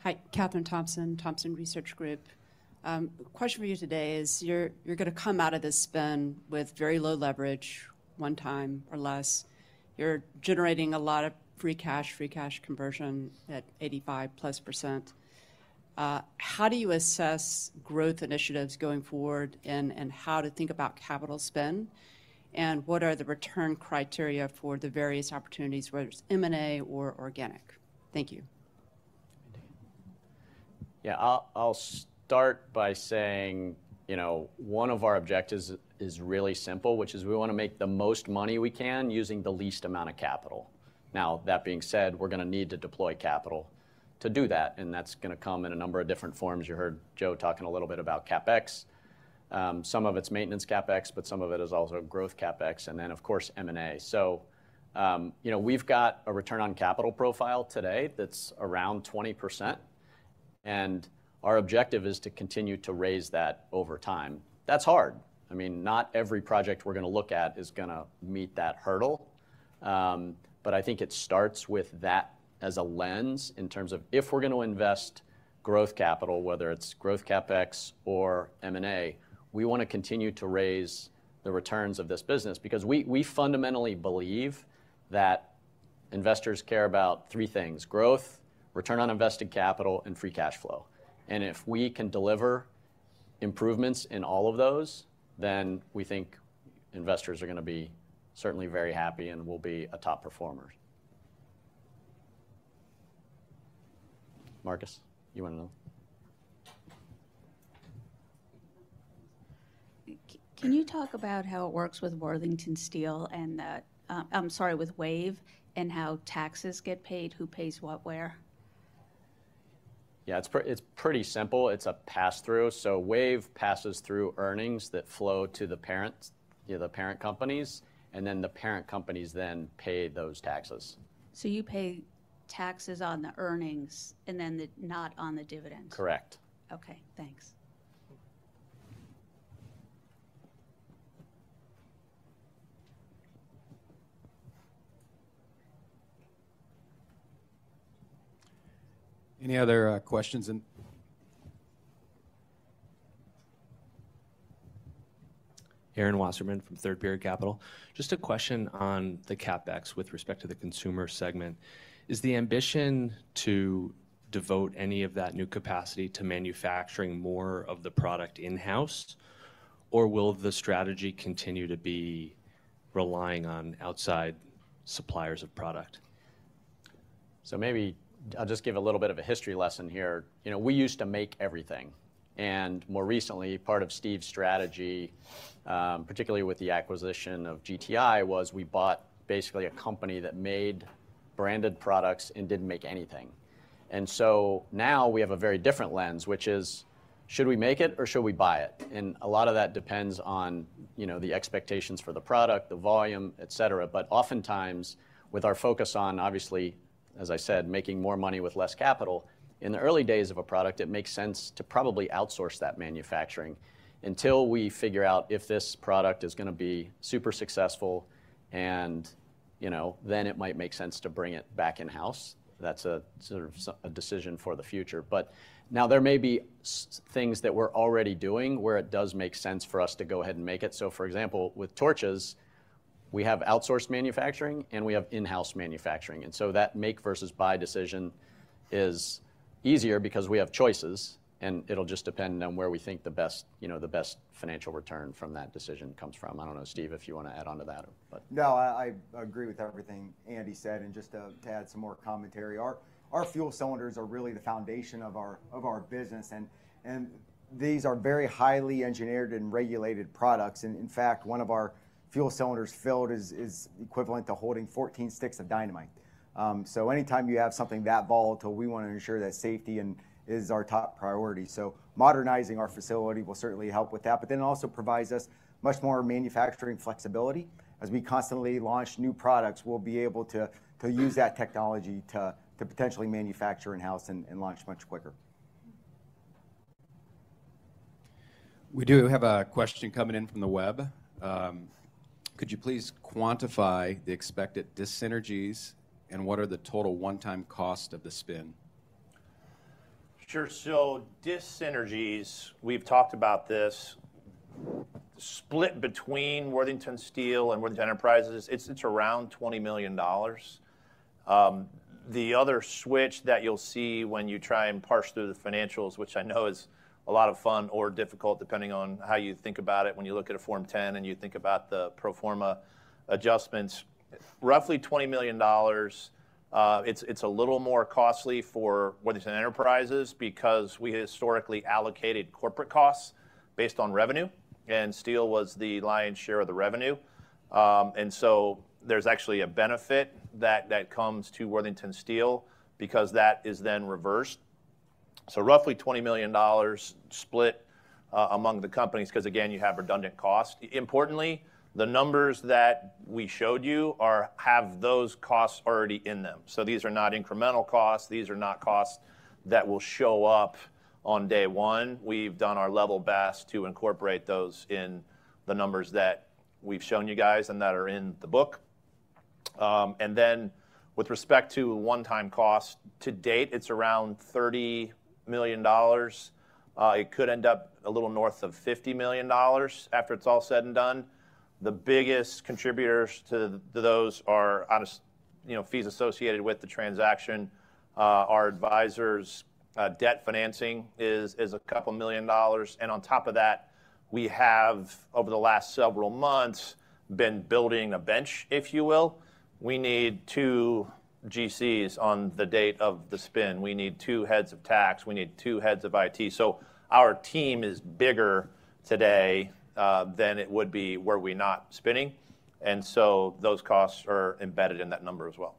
Hi, Kathryn Thompson, Thompson Research Group. Question for you today is, you're gonna come out of this spend with very low leverage, 1 time or less. You're generating a lot of free cash, free cash conversion at 85%+. How do you assess growth initiatives going forward, and how to think about capital spend? And what are the return criteria for the various opportunities, whether it's M&A or organic? Thank you. Yeah, I'll start by saying, you know, one of our objectives is really simple, which is we wanna make the most money we can, using the least amount of capital. Now, that being said, we're gonna need to deploy capital to do that, and that's gonna come in a number of different forms. You heard Joe talking a little bit about CapEx. Some of it's maintenance CapEx, but some of it is also growth CapEx, and then, of course, M&A. So, you know, we've got a return on capital profile today that's around 20%, and our objective is to continue to raise that over time. That's hard. I mean, not every project we're gonna look at is gonna meet that hurdle. But I think it starts with that as a lens, in terms of if we're gonna invest growth capital, whether it's growth CapEx or M&A, we wanna continue to raise the returns of this business. Because we fundamentally believe that investors care about three things: growth, return on invested capital, and free cash flow. And if we can deliver improvements in all of those, then we think investors are gonna be certainly very happy, and we'll be a top performer. Marcus, you want another? Can you talk about how it works with Worthington Steel and the... I'm sorry, with WAVE, and how taxes get paid? Who pays what where? Yeah, it's pretty simple. It's a pass-through. So WAVE passes through earnings that flow to the parent, the parent companies, and then the parent companies then pay those taxes. So you pay taxes on the earnings, and then not on the dividends? Correct. Okay, thanks. Any other questions and- Aaron Wasserman from Third Period Capital. Just a question on the CapEx with respect to the consumer segment. Is the ambition to devote any of that new capacity to manufacturing more of the product in-house, or will the strategy continue to be relying on outside suppliers of product? So maybe I'll just give a little bit of a history lesson here. You know, we used to make everything, and more recently, part of Steve's strategy, particularly with the acquisition of GTI, was we bought basically a company that made branded products and didn't make anything. And so now we have a very different lens, which is: Should we make it, or should we buy it? And a lot of that depends on, you know, the expectations for the product, the volume, et cetera. But oftentimes, with our focus on, obviously, as I said, making more money with less capital, in the early days of a product, it makes sense to probably outsource that manufacturing until we figure out if this product is gonna be super successful and, you know, then it might make sense to bring it back in-house. That's a sort of a decision for the future. But now, there may be things that we're already doing where it does make sense for us to go ahead and make it. So, for example, with torches, we have outsourced manufacturing and we have in-house manufacturing. And so that make versus buy decision is easier because we have choices, and it'll just depend on where we think the best, you know, the best financial return from that decision comes from. I don't know, Steve, if you wanna add on to that, but- No, I agree with everything Andy said. Just to add some more commentary, our fuel cylinders are really the foundation of our business, and these are very highly engineered and regulated products. In fact, one of our fuel cylinders filled is equivalent to holding 14 sticks of dynamite. Anytime you have something that volatile, we want to ensure that safety is our top priority. Modernizing our facility will certainly help with that, but it also provides us much more manufacturing flexibility. As we constantly launch new products, we'll be able to use that technology to potentially manufacture in-house and launch much quicker. We do have a question coming in from the web. Could you please quantify the expected dyssynergies, and what are the total one-time cost of the spin? Sure. So dis-synergies, we've talked about this, split between Worthington Steel and Worthington Enterprises, it's around $20,000,000. The other switch that you'll see when you try and parse through the financials, which I know is a lot of fun or difficult, depending on how you think about it, when you look at a Form 10 and you think about the pro forma adjustments, roughly $20,000,000. It's a little more costly for Worthington Enterprises because we historically allocated corporate costs based on revenue, and Steel was the lion's share of the revenue. And so there's actually a benefit that comes to Worthington Steel because that is then reversed. So roughly $20,000,000 split among the companies, 'cause again, you have redundant costs. Importantly, the numbers that we showed you already have those costs in them. So these are not incremental costs. These are not costs that will show up on day one. We've done our level best to incorporate those in the numbers that we've shown you guys and that are in the book. And then, with respect to one-time cost, to date, it's around $30,000,000. It could end up a little north of $50,000,000 after it's all said and done. The biggest contributors to those are honestly, you know, fees associated with the transaction. Our advisors, debt financing is a couple million dollars, and on top of that, we have, over the last several months, been building a bench, if you will. We need two GCs on the date of the spin. We need two heads of tax. We need two heads of IT. So our team is bigger today than it would be were we not spinning, and so those costs are embedded in that number as well.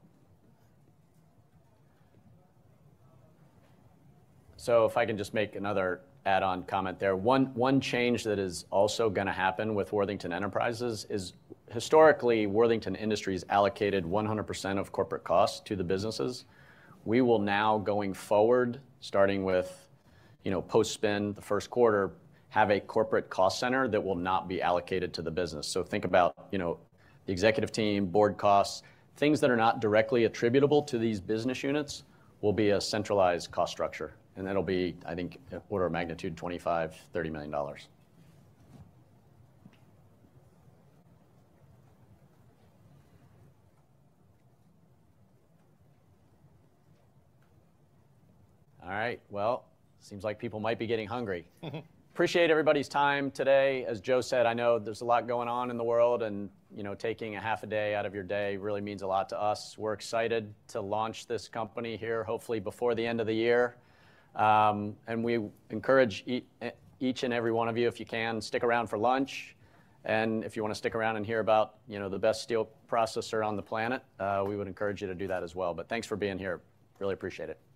So if I can just make another add-on comment there. One change that is also gonna happen with Worthington Enterprises is, historically, Worthington Industries allocated 100% of corporate costs to the businesses. We will now, going forward, starting with, you know, post-spin, the first quarter, have a corporate cost center that will not be allocated to the business. So think about, you know, the executive team, board costs. Things that are not directly attributable to these business units will be a centralized cost structure, and that'll be, I think, an order of magnitude, $25,000,000-$30,000,000. All right, well, seems like people might be getting hungry. Appreciate everybody's time today. As Joe said, I know there's a lot going on in the world, and, you know, taking a half a day out of your day really means a lot to us. We're excited to launch this company here, hopefully before the end of the year. We encourage each and every one of you, if you can, stick around for lunch, and if you wanna stick around and hear about, you know, the best steel processor on the planet, we would encourage you to do that as well. But thanks for being here. Really appreciate it.